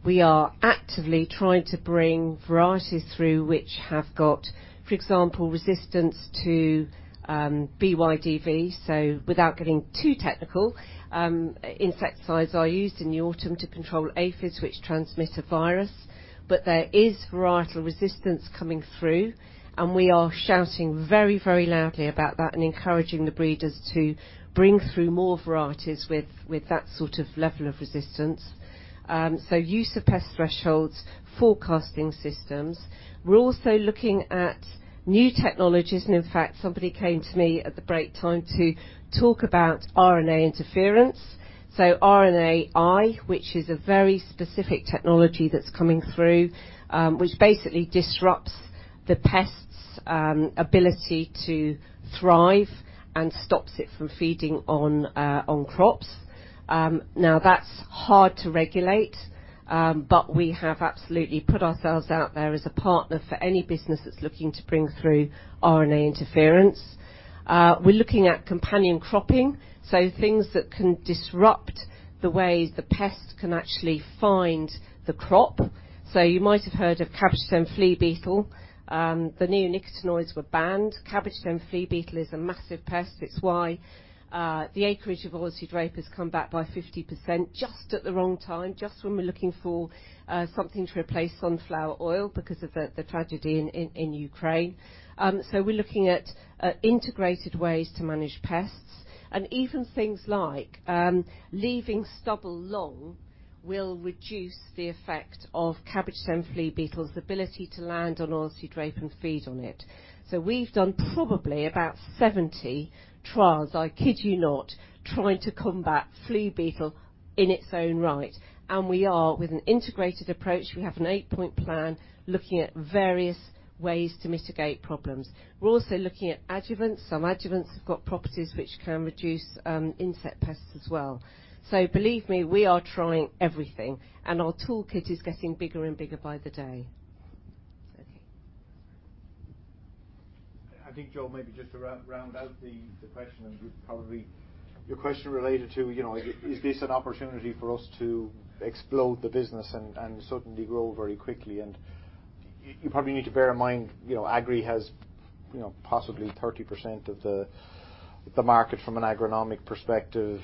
We are actively trying to bring varieties through which have got, for example, resistance to BYDV. Without getting too technical, insecticides are used in the autumn to control aphids, which transmit a virus. There is varietal resistance coming through, and we are shouting very, very loudly about that and encouraging the breeders to bring through more varieties with that sort of level of resistance. Use of pest thresholds, forecasting systems. We're also looking at new technologies and in fact, somebody came to me at the break time to talk about RNA interference. RNAi, which is a very specific technology that's coming through, which basically disrupts the pest's ability to thrive and stops it from feeding on crops. Now that's hard to regulate, but we have absolutely put ourselves out there as a partner for any business that's looking to bring through RNA interference. We're looking at companion cropping, so things that can disrupt the way the pest can actually find the crop. You might have heard of cabbage stem flea beetle. The neonicotinoids were banned. Cabbage stem flea beetle is a massive pest. It's why the acreage of oilseed rape has come back by 50% just at the wrong time, just when we're looking for something to replace sunflower oil because of the tragedy in Ukraine. We're looking at integrated ways to manage pests and even things like leaving stubble long will reduce the effect of cabbage stem flea beetle's ability to land on oilseed rape and feed on it. We've done probably about 70 trials, I kid you not, trying to combat flea beetle in its own right, and we are with an integrated approach. We have an eight-point plan looking at various ways to mitigate problems. We're also looking at adjuvants. Some adjuvants have got properties which can reduce insect pests as well. Believe me, we are trying everything, and our toolkit is getting bigger and bigger by the day. Okay. I think, Joe, maybe just to round out the question, and you probably. Your question related to, you know, is this an opportunity for us to explode the business and suddenly grow very quickly? You probably need to bear in mind, you know, Agrii has, you know, possibly 30% of the market from an agronomic perspective.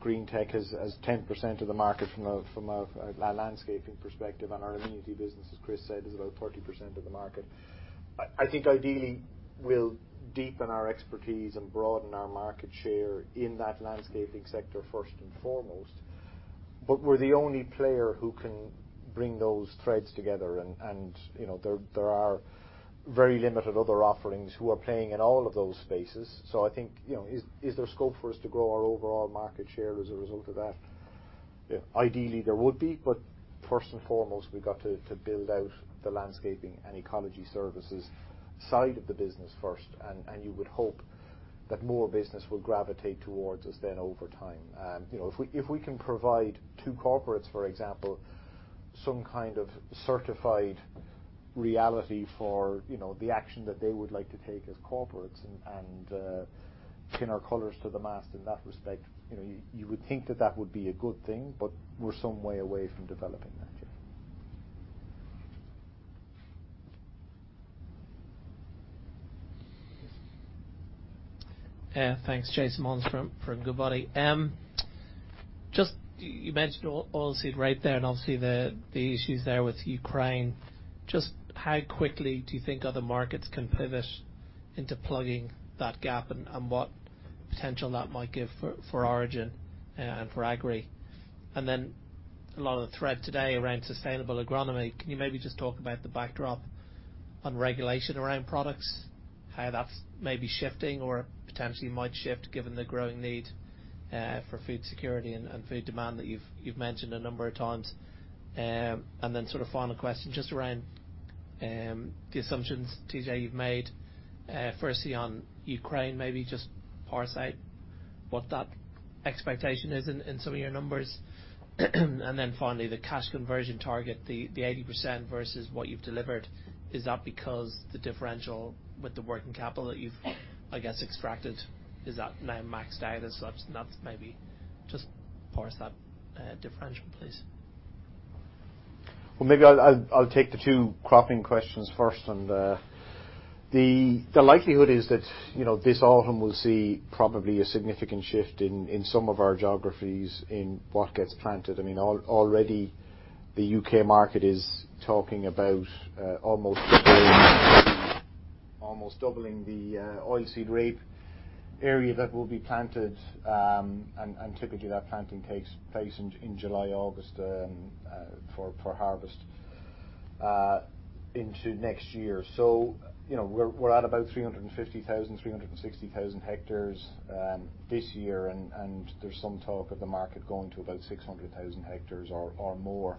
Green-tech has 10% of the market from a landscaping perspective, and our amenity business, as Chris said, is about 30% of the market. I think ideally, we'll deepen our expertise and broaden our market share in that landscaping sector first and foremost. We're the only player who can bring those threads together and, you know, there are very limited other offerings who are playing in all of those spaces. I think, you know, is there scope for us to grow our overall market share as a result of that? Yeah, ideally, there would be. First and foremost, we've got to build out the landscaping and ecology services side of the business first, and you would hope that more business will gravitate towards us then over time. You know, if we can provide two corporates, for example, some kind of certified reality for, you know, the action that they would like to take as corporates and pin our colors to the mast in that respect, you know, you would think that that would be a good thing, but we're some way away from developing that. Yeah. Yes. Yeah, thanks. Jason Molins from Goodbody. Just you mentioned oilseed rape there and obviously the issues there with Ukraine. Just how quickly do you think other markets can pivot into plugging that gap and what potential that might give for Origin and for Agrii? A lot of the thread today around sustainable agronomy. Can you maybe just talk about the backdrop on regulation around products, how that's maybe shifting or potentially might shift given the growing need for food security and food demand that you've mentioned a number of times? Sort of final question, just around the assumptions, TJ, you've made, firstly on Ukraine, maybe just parse out what that expectation is in some of your numbers. Finally, the cash conversion target, the 80% versus what you've delivered. Is that because the differential with the working capital that you've, I guess, extracted, is that now maxed out? Just parse that, differential, please. Well, maybe I'll take the two cropping questions first and the likelihood is that, you know, this autumn will see probably a significant shift in some of our geographies in what gets planted. I mean, already the UK market is talking about almost doubling the oilseed rape area that will be planted, and typically that planting takes place in July, August, for harvest into next year. You know, we're at about 350,000-360,000 hectares this year, and there's some talk of the market going to about 600,000 hectares or more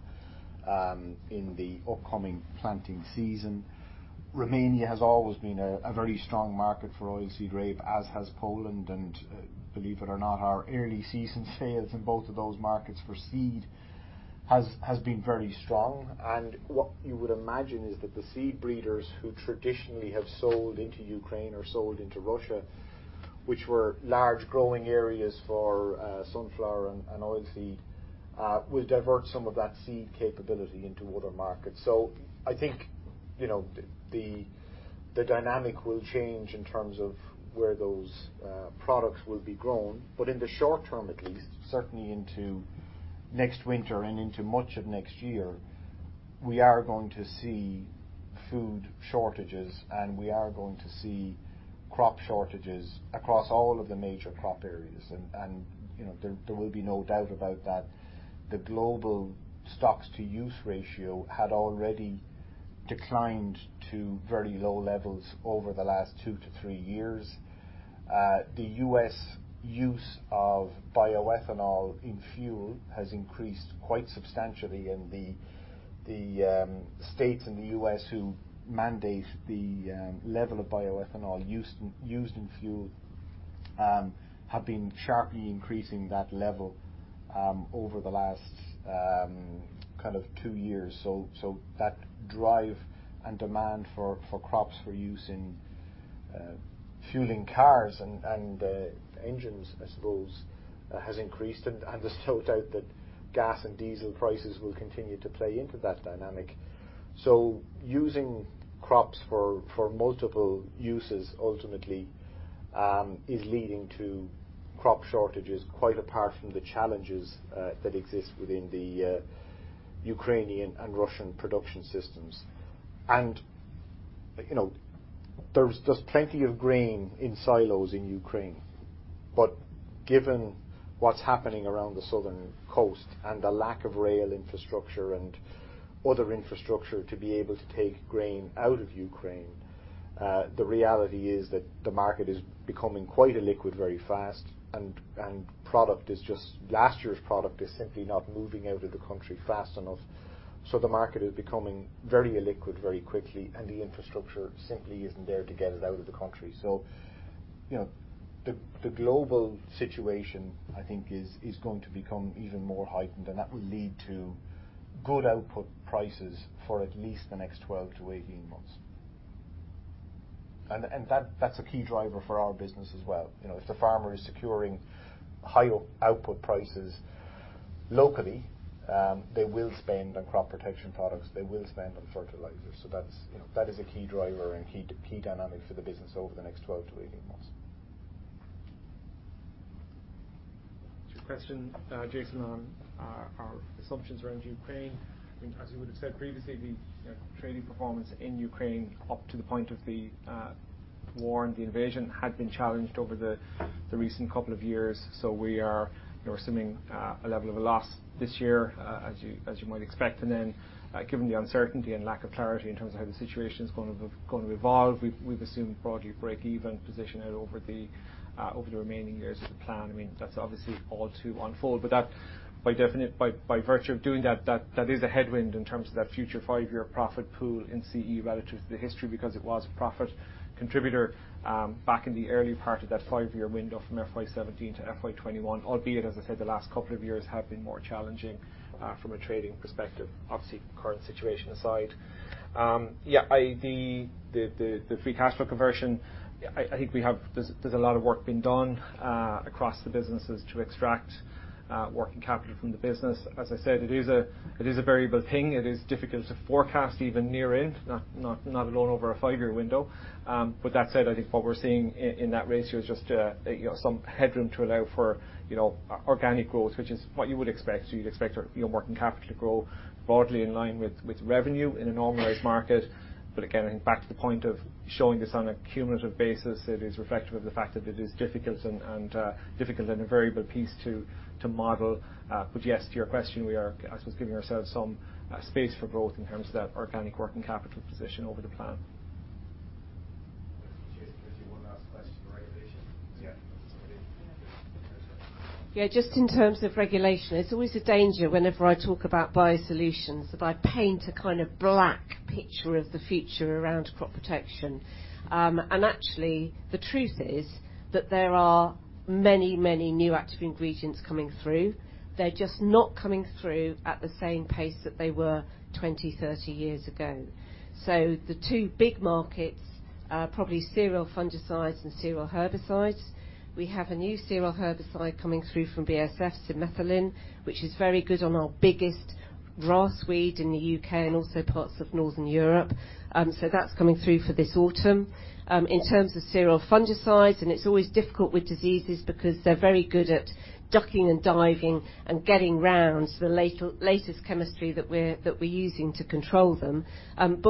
in the upcoming planting season. Romania has always been a very strong market for oilseed rape, as has Poland, and believe it or not, our early season sales in both of those markets for seed has been very strong. What you would imagine is that the seed breeders who traditionally have sold into Ukraine or sold into Russia, which were large growing areas for sunflower and oilseed will divert some of that seed capability into other markets. I think, you know, the dynamic will change in terms of where those products will be grown. In the short term at least, certainly into next winter and into much of next year, we are going to see food shortages, and we are going to see crop shortages across all of the major crop areas. You know, there will be no doubt about that. The global stocks to use ratio had already declined to very low levels over the last two to three years. The U.S. use of bioethanol in fuel has increased quite substantially, and the states in the U.S. who mandate the level of bioethanol used in fuel have been sharply increasing that level over the last kind of two years. That drive and demand for crops for use in fueling cars and engines, I suppose, has increased. There's no doubt that gas and diesel prices will continue to play into that dynamic. Using crops for multiple uses ultimately is leading to crop shortages, quite apart from the challenges that exist within the Ukrainian and Russian production systems. You know, there's plenty of grain in silos in Ukraine. Given what's happening around the southern coast and the lack of rail infrastructure and other infrastructure to be able to take grain out of Ukraine, the reality is that the market is becoming quite illiquid very fast, and last year's product is simply not moving out of the country fast enough. The market is becoming very illiquid very quickly, and the infrastructure simply isn't there to get it out of the country. You know, the global situation, I think, is going to become even more heightened, and that will lead to good output prices for at least the next 12-18 months. That, that's a key driver for our business as well. You know, if the farmer is securing high output prices locally, they will spend on crop protection products. They will spend on fertilizers. That's, you know, that is a key driver and key dynamic for the business over the next 12-18 months. Just a question, Jason, on our assumptions around Ukraine. I mean, as you would have said previously, the trading performance in Ukraine up to the point of the war and the invasion had been challenged over the recent couple of years. We are, you know, assuming a level of a loss this year, as you might expect. Given the uncertainty and lack of clarity in terms of how the situation is going to evolve, we've assumed broadly breakeven position out over the remaining years of the plan. I mean, that's obviously all to unfold. By virtue of doing that is a headwind in terms of that future five-year profit pool in CE relative to the history, because it was a profit contributor back in the early part of that five-year window from FY17 to FY21. Albeit, as I said, the last couple of years have been more challenging from a trading perspective. Obviously, current situation aside. i.e., the free cash flow conversion, I think we have. There's a lot of work being done across the businesses to extract working capital from the business. As I said, it is a variable thing. It is difficult to forecast even in the near term, not alone over a five-year window. That said, I think what we're seeing in that ratio is just, you know, some headroom to allow for, you know, organic growth, which is what you would expect. You'd expect your working capital to grow broadly in line with revenue in a normalized market. Again, I think back to the point of showing this on a cumulative basis, it is reflective of the fact that it is difficult and a variable piece to model. Yes, to your question, we are, I suppose, giving ourselves some space for growth in terms of that organic working capital position over the plan. Jason, there's one last question for regulation. Yeah. Okay. Yeah, just in terms of regulation, it's always a danger whenever I talk about biosolutions, that I paint a kind of black picture of the future around crop protection. Actually, the truth is that there are many, many new active ingredients coming through. They're just not coming through at the same pace that they were 20, 30 years ago. The two big markets are probably cereal fungicides and cereal herbicides. We have a new cereal herbicide coming through from BASF, Luximo, which is very good on our biggest grass weed in the UK and also parts of Northern Europe. That's coming through for this autumn. In terms of cereal fungicides, it's always difficult with diseases because they're very good at ducking and diving and getting around the latest chemistry that we're using to control them.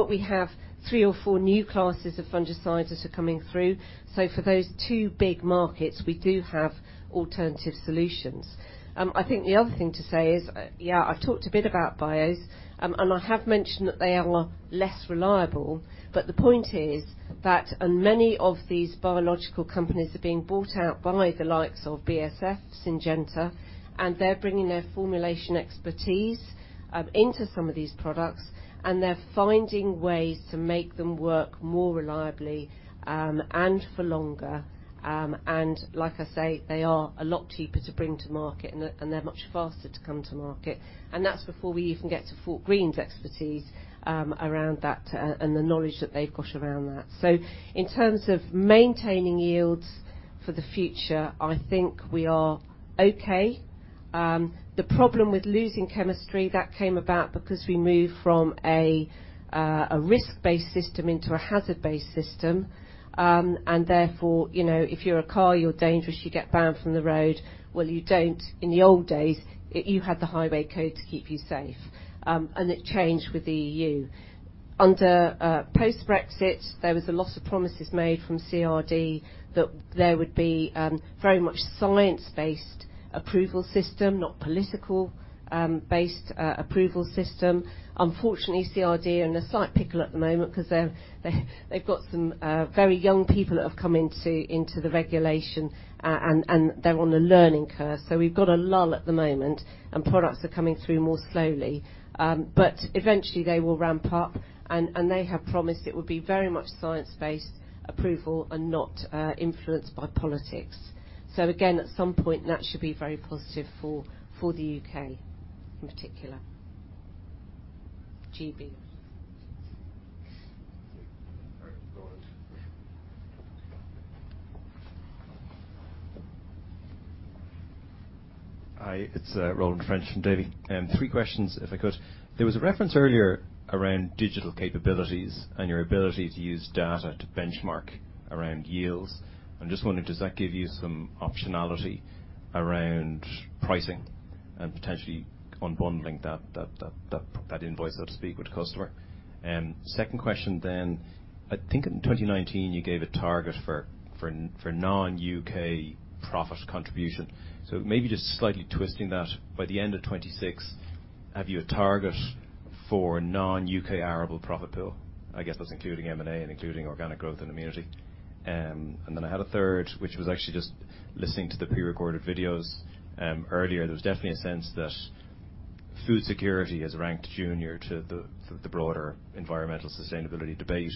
We have three or four new classes of fungicides that are coming through. For those two big markets, we do have alternative solutions. I think the other thing to say is, yeah, I've talked a bit about bios, and I have mentioned that they are less reliable. The point is that many of these biological companies are being bought out by the likes of BASF, Syngenta, and they're bringing their formulation expertise into some of these products, and they're finding ways to make them work more reliably and for longer. Like I say, they are a lot cheaper to bring to market, and they're much faster to come to market. That's before we even get to Fortgreen's expertise around that and the knowledge that they've got around that. In terms of maintaining yields for the future, I think we are okay. The problem with losing chemistry, that came about because we moved from a risk-based system into a hazard-based system. Therefore, you know, if you're a car, you're dangerous, you get banned from the road. Well, you don't. In the old days, you had the highway code to keep you safe, and it changed with the EU. Under post-Brexit, there was a lot of promises made from CRD that there would be very much science-based approval system, not political based approval system. Unfortunately, CRD are in a slight pickle at the moment 'cause they've got some very young people that have come into the regulation, and they're on a learning curve. We've got a lull at the moment, and products are coming through more slowly. Eventually they will ramp up and they have promised it would be very much science-based approval and not influenced by politics. Again, at some point that should be very positive for the UK in particular. GB. All right. Roland. Hi, it's Roland French from Davy. Three questions if I could. There was a reference earlier around digital capabilities and your ability to use data to benchmark around yields. I'm just wondering, does that give you some optionality around pricing and potentially unbundling that invoice, so to speak, with the customer? Second question then. I think in 2019 you gave a target for non-UK profit contribution. Maybe just slightly twisting that, by the end of 2026, have you a target for non-UK arable profit pool? I guess that's including M&A and including organic growth and amenity. I had a third, which was actually just listening to the pre-recorded videos earlier. There was definitely a sense that food security is ranked junior to the broader environmental sustainability debate.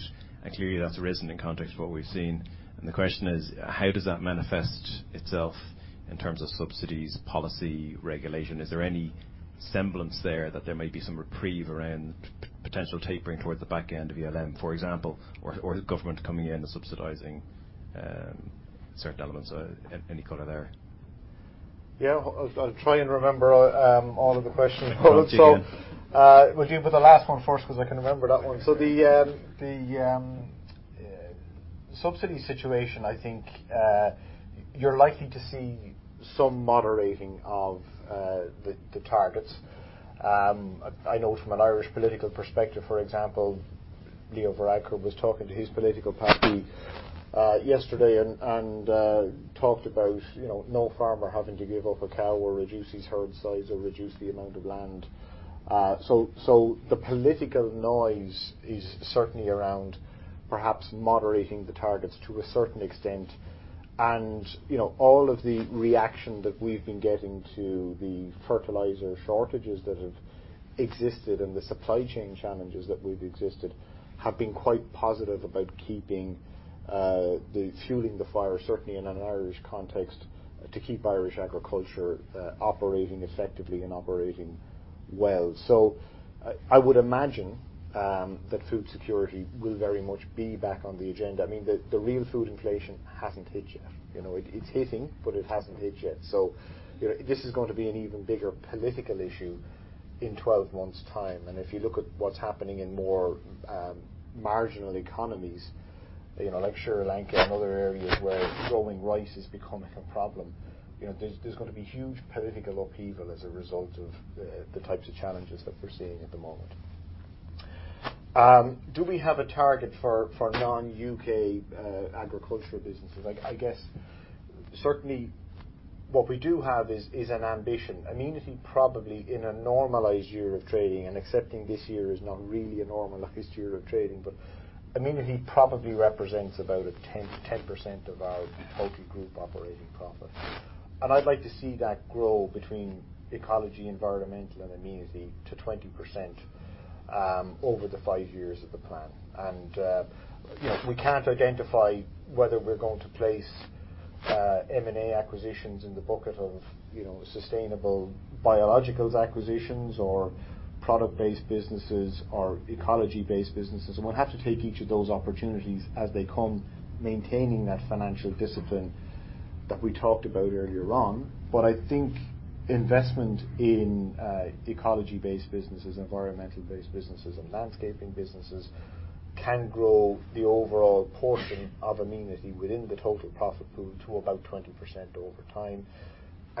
Clearly that's arisen in context of what we've seen. The question is, how does that manifest itself in terms of subsidies, policy, regulation? Is there any semblance there that there may be some reprieve around potential tapering towards the back end of ELM, for example? Or the government coming in and subsidizing certain elements? Any color there? Yeah. I'll try and remember all of the questions. Okay. Would you put the last one first 'cause I can remember that one. Yeah. The subsidy situation, I think, you're likely to see some moderating of the targets. I know from an Irish political perspective, for example, Leo Varadkar was talking to his political party yesterday and talked about, you know, no farmer having to give up a cow or reduce his herd size or reduce the amount of land. The political noise is certainly around perhaps moderating the targets to a certain extent. You know, all of the reaction that we've been getting to the fertilizer shortages that have existed and the supply chain challenges that have existed have been quite positive about keeping fueling the fire, certainly in an Irish context, to keep Irish agriculture operating effectively and operating well. I would imagine that food security will very much be back on the agenda. I mean, the real food inflation hasn't hit yet. You know, it's hitting, but it hasn't hit yet. You know, this is going to be an even bigger political issue in 12 months' time. If you look at what's happening in more marginal economies, you know, like Sri Lanka and other areas where growing rice is becoming a problem, you know, there's gonna be huge political upheaval as a result of the types of challenges that we're seeing at the moment. Do we have a target for non-UK agricultural businesses? I guess certainly what we do have is an ambition. Amenity probably in a normalized year of trading and accepting this year is not really a normal historic year of trading, but Amenity probably represents about 10% of our total group operating profit. I'd like to see that grow between ecology, environmental and Amenity to 20%, over the 5 years of the plan. You know, we can't identify whether we're going to place M&A acquisitions in the bucket of, you know, sustainable biologicals acquisitions or product-based businesses or ecology-based businesses. We'll have to take each of those opportunities as they come, maintaining that financial discipline that we talked about earlier on. I think investment in, ecology-based businesses, environmental-based businesses, and landscaping businesses can grow the overall portion of Amenity within the total profit pool to about 20% over time.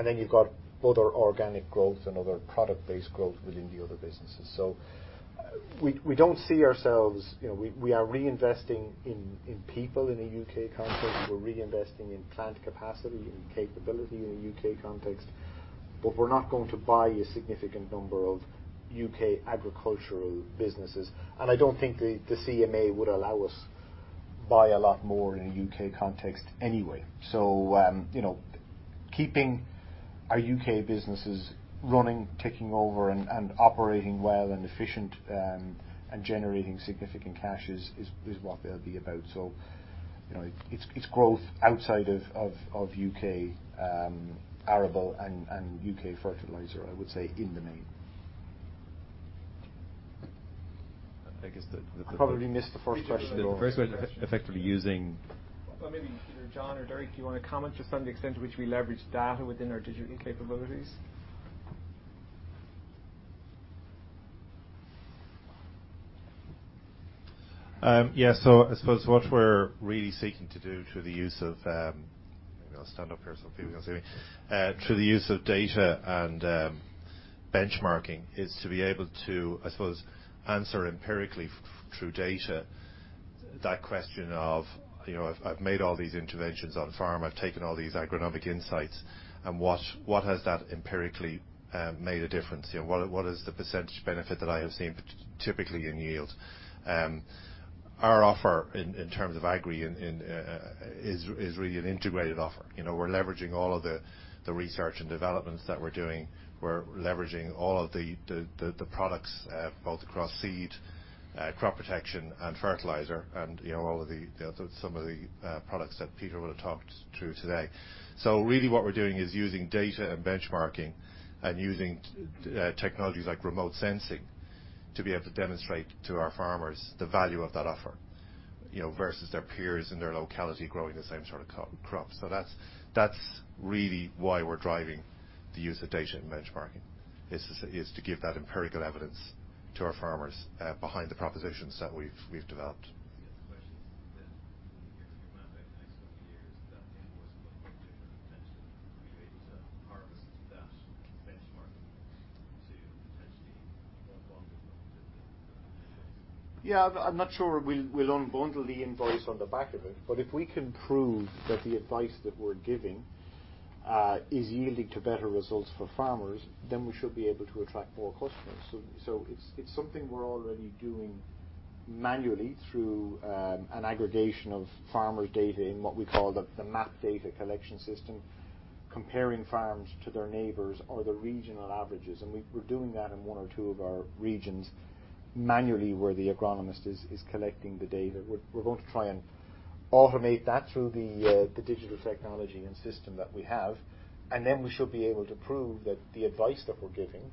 Then you've got other organic growth and other product-based growth within the other businesses. We don't see ourselves, you know, we are reinvesting in people in the UK context. We're reinvesting in plant capacity and capability in the UK context, but we're not going to buy a significant number of UK agricultural businesses. I don't think the CMA would allow us buy a lot more in a UK context anyway. You know, keeping our UK businesses running, ticking over and operating well and efficient and generating significant cash is what they'll be about. You know, it's growth outside of UK arable and UK fertilizer, I would say, in the main. I guess the. I probably missed the first question. The first one effectively using. Well, maybe either John or Derek, do you wanna comment just on the extent to which we leverage data within our digital capabilities? I suppose what we're really seeking to do through the use of, maybe I'll stand up here so people can see me. Through the use of data and benchmarking is to be able to, I suppose, answer empirically through data that question of, you know, I've made all these interventions on farm, I've taken all these agronomic insights, and what has that empirically made a difference? You know, what is the percentage benefit that I have seen typically in yield? Our offer in terms of Agrii is really an integrated offer. You know, we're leveraging all of the research and developments that we're doing. We're leveraging all of the products both across seed, crop protection and fertilizer and, you know, all of the some of the products that Peter will have talked through today. Really what we're doing is using data and benchmarking and using technologies like remote sensing to be able to demonstrate to our farmers the value of that offer, you know, versus their peers in their locality growing the same sort of crop. That's really why we're driving the use of data and benchmarking, is to give that empirical evidence to our farmers behind the propositions that we've developed. Yes. The question is, then looking at your map over the next couple of years, that invoice look different potentially, will you be able to harness that benchmarking to potentially unbundle? Yeah. I'm not sure we'll unbundle the invoice on the back of it, but if we can prove that the advice that we're giving is yielding to better results for farmers, then we should be able to attract more customers. It's something we're already doing manually through an aggregation of farmer data in what we call the map data collection system, comparing farms to their neighbors or the regional averages. We're doing that in one or two of our regions manually, where the agronomist is collecting the data. We're going to try and automate that through the digital technology and system that we have, and then we should be able to prove that the advice that we're giving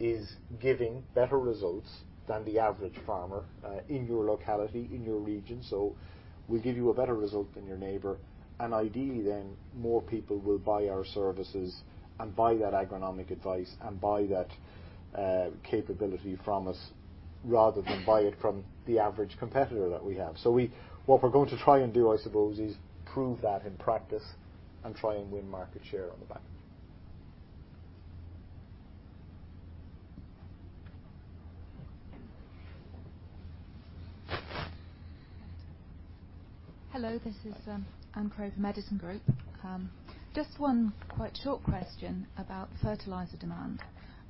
is giving better results than the average farmer in your locality, in your region. We give you a better result than your neighbor, and ideally then, more people will buy our services and buy that agronomic advice and buy that capability from us rather than buy it from the average competitor that we have. What we're going to try and do, I suppose, is prove that in practice and try and win market share on the back. Hello, this is Anne Crowe from Madison Group. Just one quite short question about fertilizer demand.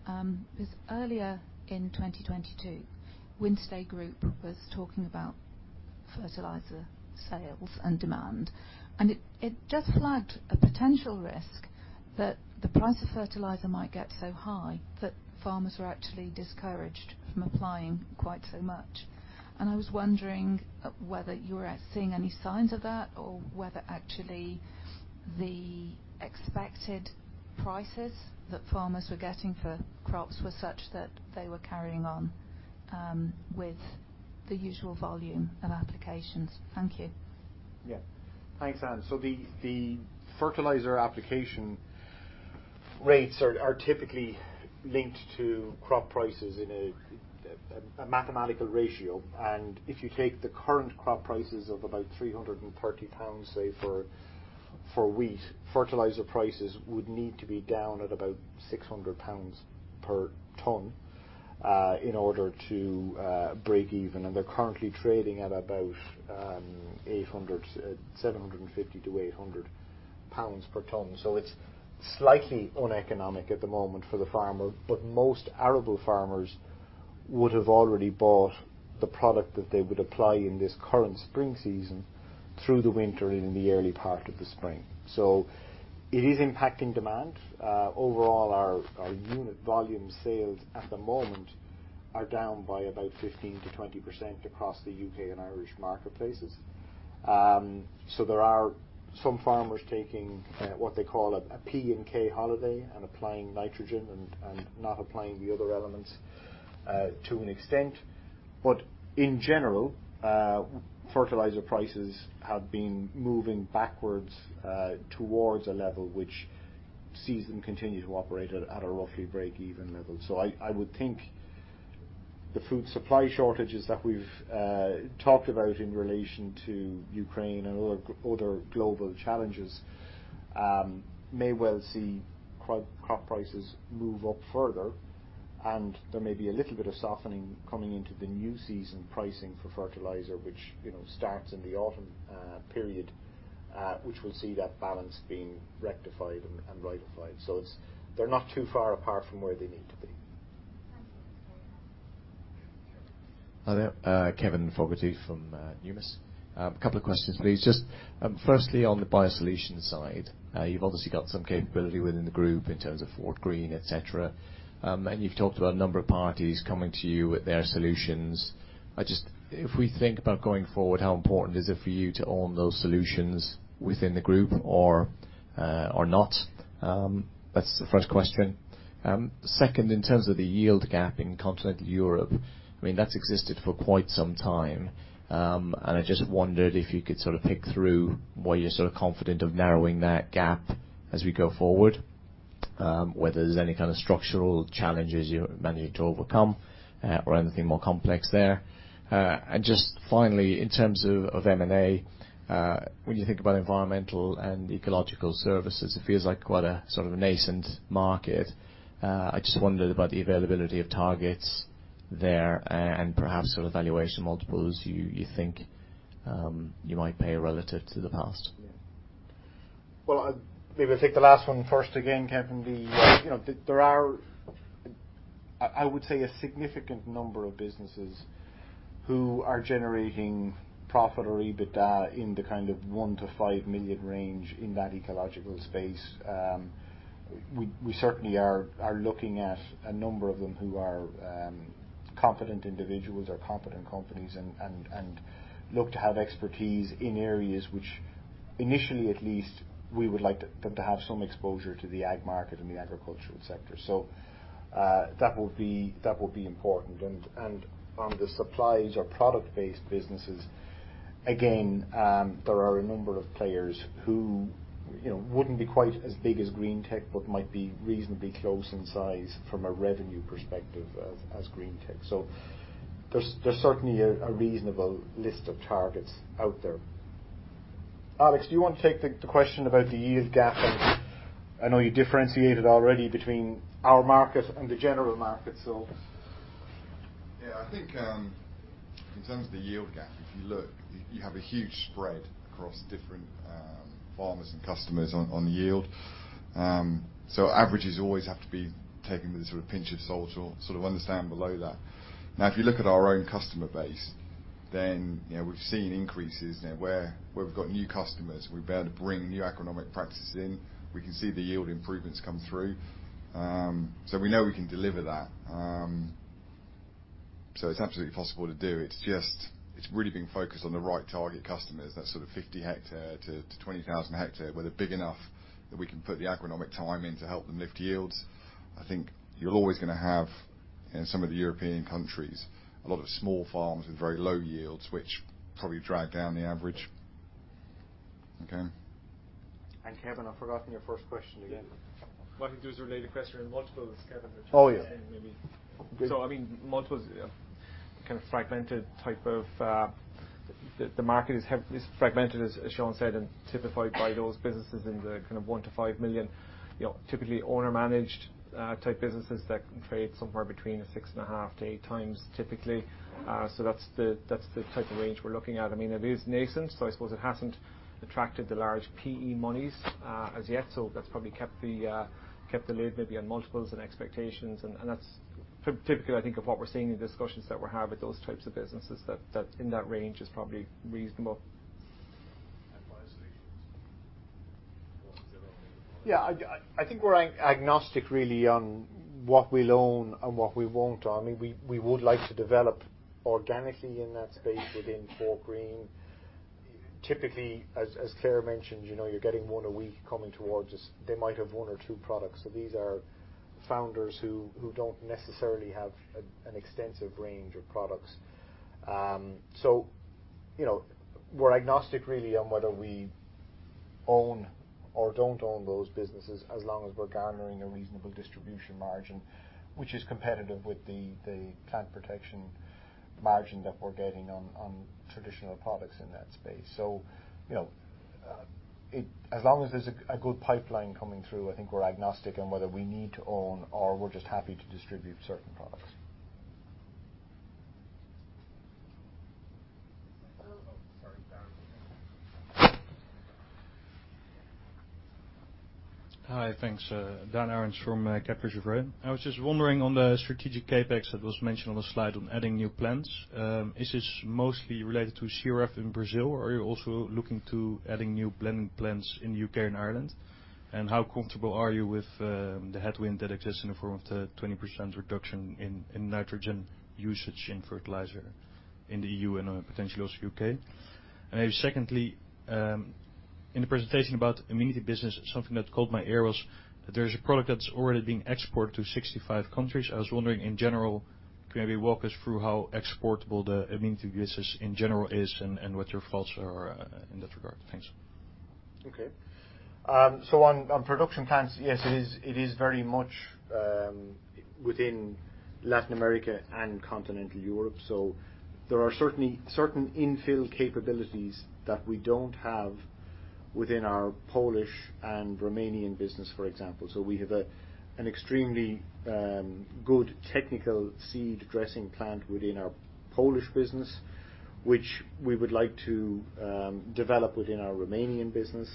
Because earlier in 2022, Wynnstay Group was talking about fertilizer sales and demand, and it just flagged a potential risk that the price of fertilizer might get so high that farmers were actually discouraged from applying quite so much. I was wondering whether you were seeing any signs of that or whether actually the expected prices that farmers were getting for crops were such that they were carrying on with the usual volume of applications. Thank you. Yeah. Thanks, Anne. The fertilizer application rates are typically linked to crop prices in a mathematical ratio. If you take the current crop prices of about 330 pounds, say for wheat, fertilizer prices would need to be down at about 600 pounds per ton in order to break even. They're currently trading at about 750-800 pounds per ton. It's slightly uneconomic at the moment for the farmer, but most arable farmers would have already bought the product that they would apply in this current spring season through the winter and in the early part of the spring. It is impacting demand. Overall, our unit volume sales at the moment are down by about 15%-20% across the UK and Irish marketplaces. There are some farmers taking what they call a P and K holiday and applying nitrogen and not applying the other elements to an extent. In general, fertilizer prices have been moving backwards towards a level which sees them continue to operate at a roughly break-even level. I would think the food supply shortages that we've talked about in relation to Ukraine and other global challenges may well see crop prices move up further, and there may be a little bit of softening coming into the new season pricing for fertilizer, which, you know, starts in the autumn period, which will see that balance being rectified and ratified. It's, they're not too far apart from where they need to be. Thank you. Yeah, Kevin. Hi there, Kevin Fogarty from Numis. A couple of questions, please. Just firstly on the biosolutions side, you've obviously got some capability within the group in terms of Fortgreen, et cetera. And you've talked about a number of parties coming to you with their solutions. I just if we think about going forward, how important is it for you to own those solutions within the group or not? That's the first question. Second, in terms of the yield gap in Continental Europe, I mean, that's existed for quite some time. And I just wondered if you could sort of pick through why you're sort of confident of narrowing that gap as we go forward, whether there's any kind of structural challenges you're managing to overcome or anything more complex there. Just finally, in terms of M&A, when you think about environmental and ecological services, it feels like quite a sort of nascent market. I just wondered about the availability of targets there and perhaps the valuation multiples you think you might pay relative to the past. Yeah. Well, maybe I'll take the last one first again, Kevin. You know, there are, I would say, a significant number of businesses who are generating profit or EBITDA in the kind of 1 million-5 million range in that ecological space. We certainly are looking at a number of them who are competent individuals or competent companies and look to have expertise in areas which initially at least, we would like them to have some exposure to the ag market and the agricultural sector. That would be important. On the supplies or product-based businesses, again, there are a number of players who, you know, wouldn't be quite as big as Green-tech, but might be reasonably close in size from a revenue perspective as Green-tech. There's certainly a reasonable list of targets out there. Alex, do you want to take the question about the yield gap? I know you differentiated already between our market and the general market. Yeah. I think in terms of the yield gap, if you look, you have a huge spread across different farmers and customers on yield. Averages always have to be taken with a sort of pinch of salt or sort of understand below that. Now, if you look at our own customer base, then you know, we've seen increases now where we've got new customers, we've been able to bring new agronomic practices in. We can see the yield improvements come through. We know we can deliver that. It's absolutely possible to do. It's just it's really being focused on the right target customers. That sort of 50-hectare to 20,000-hectare, where they're big enough that we can put the agronomic time in to help them lift yields. I think you're always gonna have, in some of the European countries, a lot of small farms with very low yields, which probably drag down the average. Okay. Kevin, I've forgotten your first question again. Yeah. Well, I think there's a related question in multiples, Kevin, which- Oh, yeah. You can take maybe. I mean, multiples, you know, kind of fragmented type of, the market is fragmented as Sean said, and typified by those businesses in the kind of 1 million-5 million. You know, typically owner-managed type businesses that can trade somewhere between 6.5x-8x typically. That's the type of range we're looking at. I mean, it is nascent, so I suppose it hasn't attracted the large PE monies as yet. That's probably kept the lid maybe on multiples and expectations. That's typically I think of what we're seeing in discussions that we have with those types of businesses, that in that range is probably reasonable. Biosolutions, what's the Yeah. I think we're agnostic really on what we'll own and what we won't own. I mean, we would like to develop organically in that space within Fortgreen. Typically, as Claire mentioned, you know, you're getting one a week coming towards us. They might have one or two products. These are founders who don't necessarily have an extensive range of products. So, you know, we're agnostic really on whether we own or don't own those businesses, as long as we're garnering a reasonable distribution margin, which is competitive with the plant protection margin that we're getting on traditional products in that space. As long as there's a good pipeline coming through, I think we're agnostic on whether we need to own or we're just happy to distribute certain products. So- Oh, sorry, Dan Aarons Hi. Thanks. Dan Aarons from Cantor Fitzgerald. I was just wondering on the strategic CapEx that was mentioned on the slide on adding new plants, is this mostly related to CRF in Brazil, or are you also looking to adding new blending plants in UK and Ireland? How comfortable are you with the headwind that exists in the form of the 20% reduction in nitrogen usage in fertilizer in the EU and potentially also UK? Maybe secondly, in the presentation about Amenity business, something that caught my ear was that there's a product that's already being exported to 65 countries. I was wondering, in general, can maybe walk us through how exportable the Amenity business in general is and what your thoughts are in that regard? Thanks. Okay. On production plants, yes, it is very much within Latin America and Continental Europe. There are certainly certain infill capabilities that we don't have within our Polish and Romanian business, for example. We have an extremely good technical seed dressing plant within our Polish business, which we would like to develop within our Romanian business.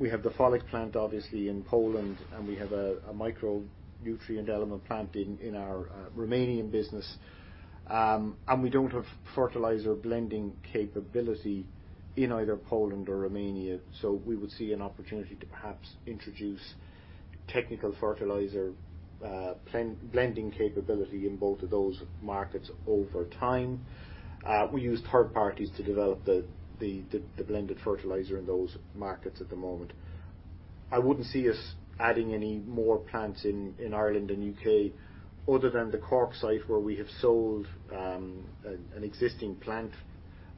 We have the foliar plant obviously in Poland, and we have a micronutrient element plant in our Romanian business. We don't have fertilizer blending capability in either Poland or Romania, so we would see an opportunity to perhaps introduce technical fertilizer blending capability in both of those markets over time. We use third parties to develop the blended fertilizer in those markets at the moment. I wouldn't see us adding any more plants in Ireland and UK other than the Cork site, where we have sold an existing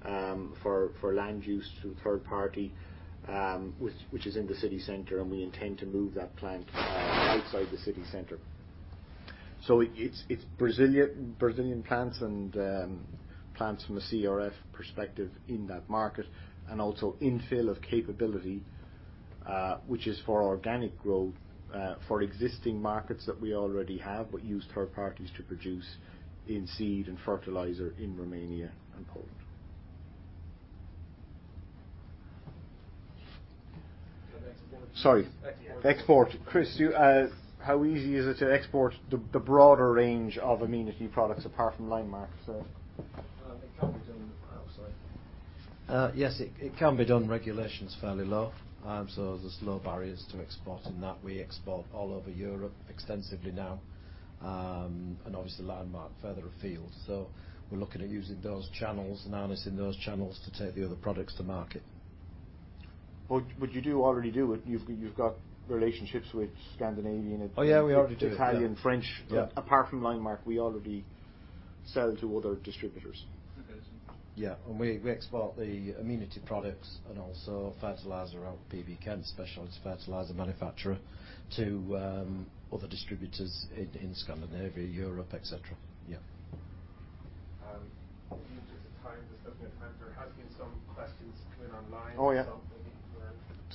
plant for land use to a third party, which is in the city center, and we intend to move that plant outside the city center. It's Brazilian plants and plants from a CRF perspective in that market and also infill of capability, which is for organic growth for existing markets that we already have but use third parties to produce in seed and fertilizer in Romania and Poland. On export. Sorry. Export. Export. Chris, how easy is it to export the broader range of Amenity products apart from Linemark? It can be done outside. Yes, it can be done. Regulation's fairly low, so there's low barriers to export in that we export all over Europe extensively now. Obviously Linemark further afield. We're looking at using those channels and analyzing those channels to take the other products to market. Would you already do it? You've got relationships with Scandinavian and- Oh, yeah, we already do. Italian, French. Yeah. Apart from Linemark, we already sell to other distributors. Yeah. We export the Amenity products and also fertilizer from our PB Kent specialist fertilizer manufacturer to other distributors in Scandinavia, Europe, et cetera. Yeah. In the interest of time, there has been some questions come in online. Oh, yeah. maybe, Marie-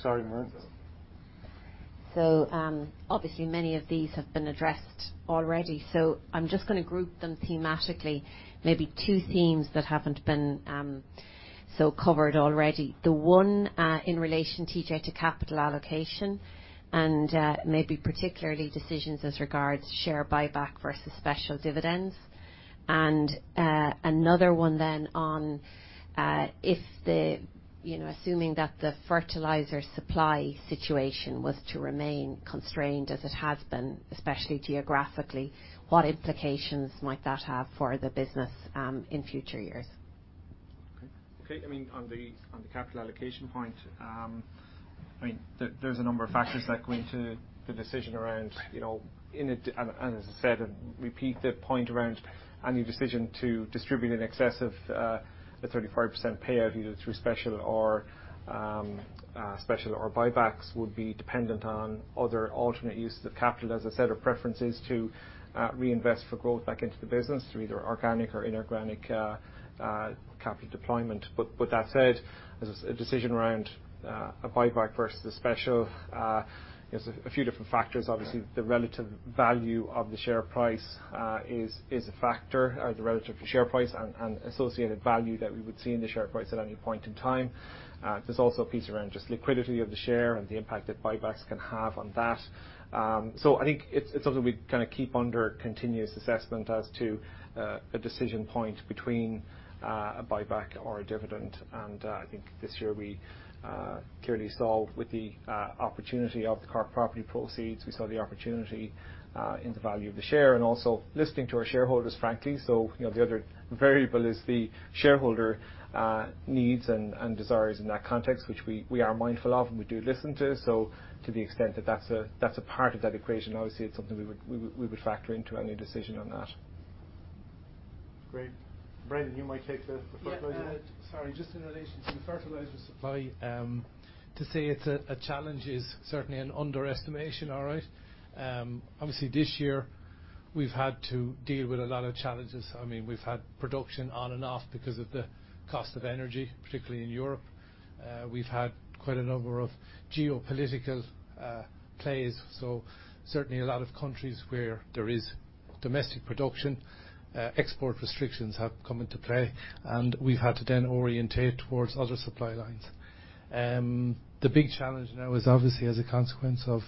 Sorry, Marie. So- Obviously many of these have been addressed already, so I'm just gonna group them thematically, maybe two themes that haven't been so covered already. The one in relation, TJ, to capital allocation and maybe particularly decisions as regards share buyback versus special dividends. Another one then on, you know, assuming that the fertilizer supply situation was to remain constrained as it has been, especially geographically, what implications might that have for the business in future years? Okay. I mean, on the capital allocation point, I mean, there's a number of factors that go into the decision around, you know, as I said, repeat the point around any decision to distribute in excess of a 35% payout, either through special or buybacks, would be dependent on other alternate uses of capital, as I said, or preferences to reinvest for growth back into the business through either organic or inorganic capital deployment. That said, as a decision around a buyback versus a special, you know, so a few different factors. Obviously, the relative value of the share price is a factor, or the relative share price and associated value that we would see in the share price at any point in time. There's also a piece around just liquidity of the share and the impact that buybacks can have on that. I think it's something we kinda keep under continuous assessment as to a decision point between a buyback or a dividend. I think this year we clearly saw with the opportunity of the Cork Property proceeds, we saw the opportunity in the value of the share and also listening to our shareholders, frankly. You know, the other variable is the shareholder needs and desires in that context, which we are mindful of and we do listen to. To the extent that that's a part of that equation, obviously it's something we would factor into any decision on that. Great. Brendan, you might take the fertilizer. Sorry. Just in relation to the fertilizer supply, to say it's a challenge is certainly an underestimation, all right. Obviously this year we've had to deal with a lot of challenges. I mean, we've had production on and off because of the cost of energy, particularly in Europe. We've had quite a number of geopolitical plays, so certainly a lot of countries where there is Domestic production, export restrictions have come into play, and we've had to then orient toward other supply lines. The big challenge now is obviously as a consequence of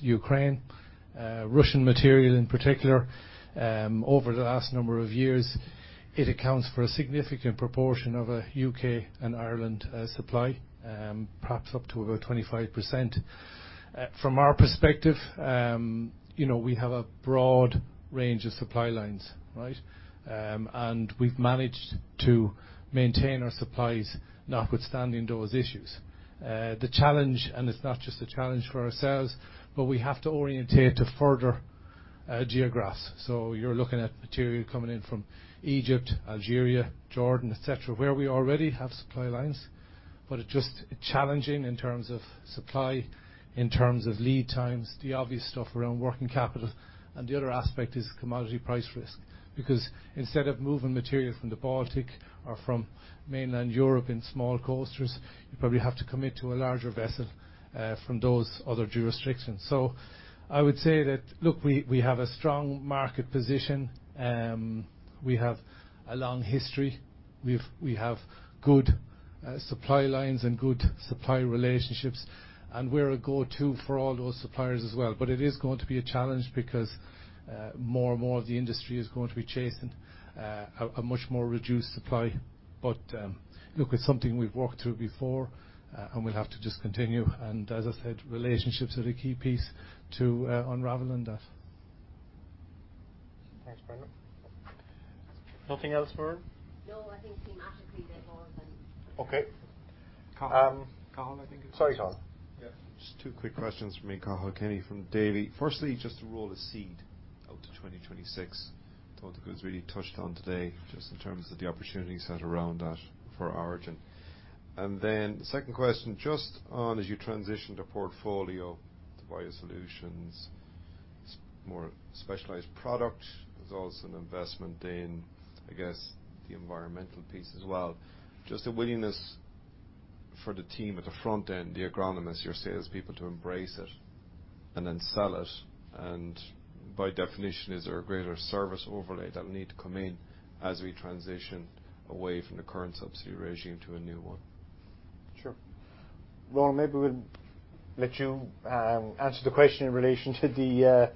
Ukraine, Russian material in particular, over the last number of years, it accounts for a significant proportion of a UK and Ireland, supply, perhaps up to about 25%. From our perspective, you know, we have a broad range of supply lines, right? We've managed to maintain our supplies notwithstanding those issues. The challenge, and it's not just a challenge for ourselves, but we have to orient to further, geographies. You're looking at material coming in from Egypt, Algeria, Jordan, et cetera, where we already have supply lines. It's just challenging in terms of supply, in terms of lead times, the obvious stuff around working capital, and the other aspect is commodity price risk. Because instead of moving materials from the Baltic or from mainland Europe in small coasters, you probably have to commit to a larger vessel from those other jurisdictions. I would say that, look, we have a strong market position. We have a long history. We have good supply lines and good supply relationships, and we're a go-to for all those suppliers as well. It is going to be a challenge because more and more of the industry is going to be chasing a much more reduced supply. Look, it's something we've walked through before, and we'll have to just continue. As I said, relationships are the key piece to unraveling that. Thanks, Brendan. Nothing else, Muireann? No, I think thematically they've all been. Okay. Cathal, I think it is. Sorry, Cathal. Yeah. Just two quick questions from me, Cathal Kenny from Davy. Firstly, just to roll this out to 2026. Don't think it was really touched on today just in terms of the opportunity set around that for Origin. Second question, just on as you transition the portfolio to Bayer solutions, it's more specialized product. There's also an investment in, I guess, the environmental piece as well. Just the willingness for the team at the front end, the agronomists, your salespeople, to embrace it and then sell it, and by definition, is there a greater service overlay that will need to come in as we transition away from the current subsidy regime to a new one? Sure. Roland, maybe we'll let you answer the question in relation to the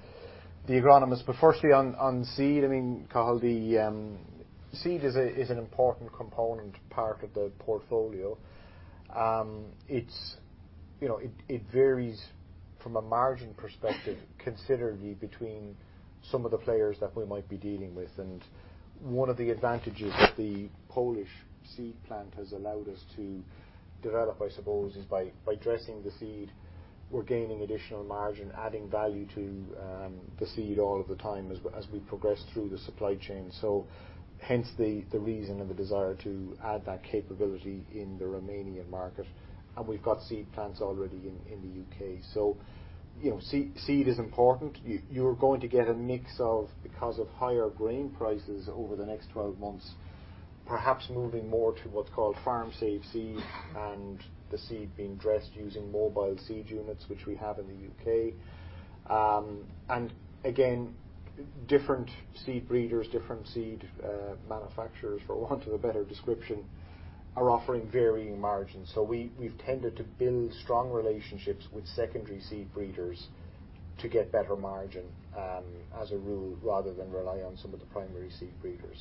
agronomists. Firstly on seed, I mean, Cathal, the seed is an important component part of the portfolio. It's, you know, it varies from a margin perspective considerably between some of the players that we might be dealing with. One of the advantages the Polish seed plant has allowed us to develop, I suppose, is by dressing the seed, we're gaining additional margin, adding value to the seed all of the time as we progress through the supply chain. Hence the reason and the desire to add that capability in the Romanian market, and we've got seed plants already in the UK. You know, seed is important. You're going to get a mix of, because of higher grain prices over the next 12 months, perhaps moving more to what's called farm saved seed and the seed being dressed using mobile seed units, which we have in the UK. Again, different seed breeders, different seed manufacturers, for want of a better description, are offering varying margins. We've tended to build strong relationships with secondary seed breeders to get better margin, as a rule, rather than rely on some of the primary seed breeders.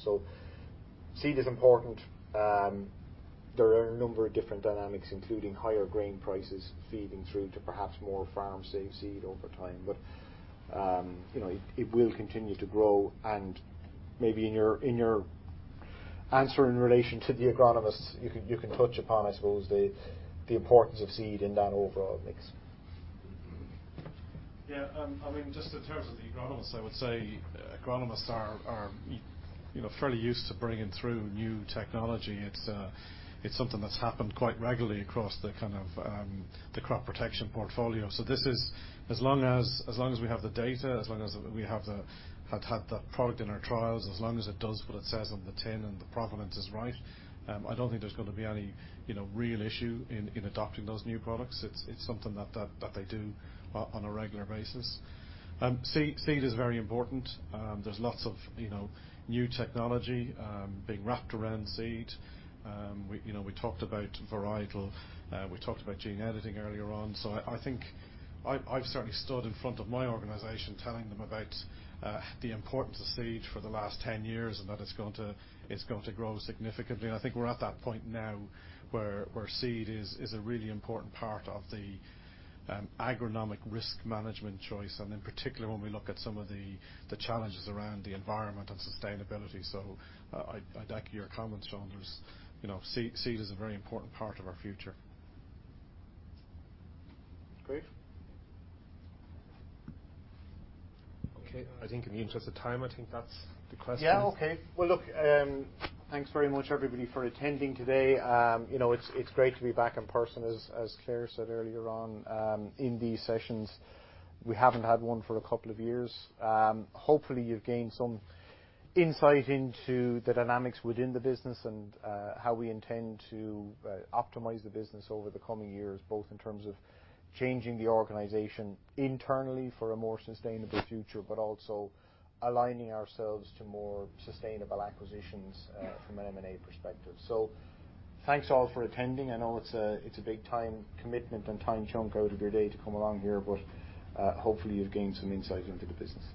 Seed is important. There are a number of different dynamics, including higher grain prices feeding through to perhaps more farm saved seed over time. You know, it will continue to grow, and maybe in your answer in relation to the agronomists, you can touch upon, I suppose, the importance of seed in that overall mix. Yeah. I mean, just in terms of the agronomists, I would say agronomists are, you know, fairly used to bringing through new technology. It's something that's happened quite regularly across the kind of, the crop protection portfolio. This is. As long as we have the data, as long as we have had the product in our trials, as long as it does what it says on the tin and the provenance is right, I don't think there's gonna be any, you know, real issue in adopting those new products. It's something that they do on a regular basis. Seed is very important. There's lots of, you know, new technology, being wrapped around seed. We, you know, we talked about varietal. We talked about gene editing earlier on. I think I've certainly stood in front of my organization telling them about the importance of seed for the last 10 years and that it's going to grow significantly. I think we're at that point now where seed is a really important part of the agronomic risk management choice, and in particular, when we look at some of the challenges around the environment and sustainability. I'd echo your comments, Roland. You know, seed is a very important part of our future. Great. Okay. I think in the interest of time, I think that's the questions. Yeah. Okay. Well, look, thanks very much everybody for attending today. You know, it's great to be back in person as Claire said earlier on in these sessions. We haven't had one for a couple of years. Hopefully you've gained some insight into the dynamics within the business and how we intend to optimize the business over the coming years, both in terms of changing the organization internally for a more sustainable future, but also aligning ourselves to more sustainable acquisitions from an M&A perspective. Thanks all for attending. I know it's a big time commitment and time chunk out of your day to come along here, but hopefully you've gained some insight into the business.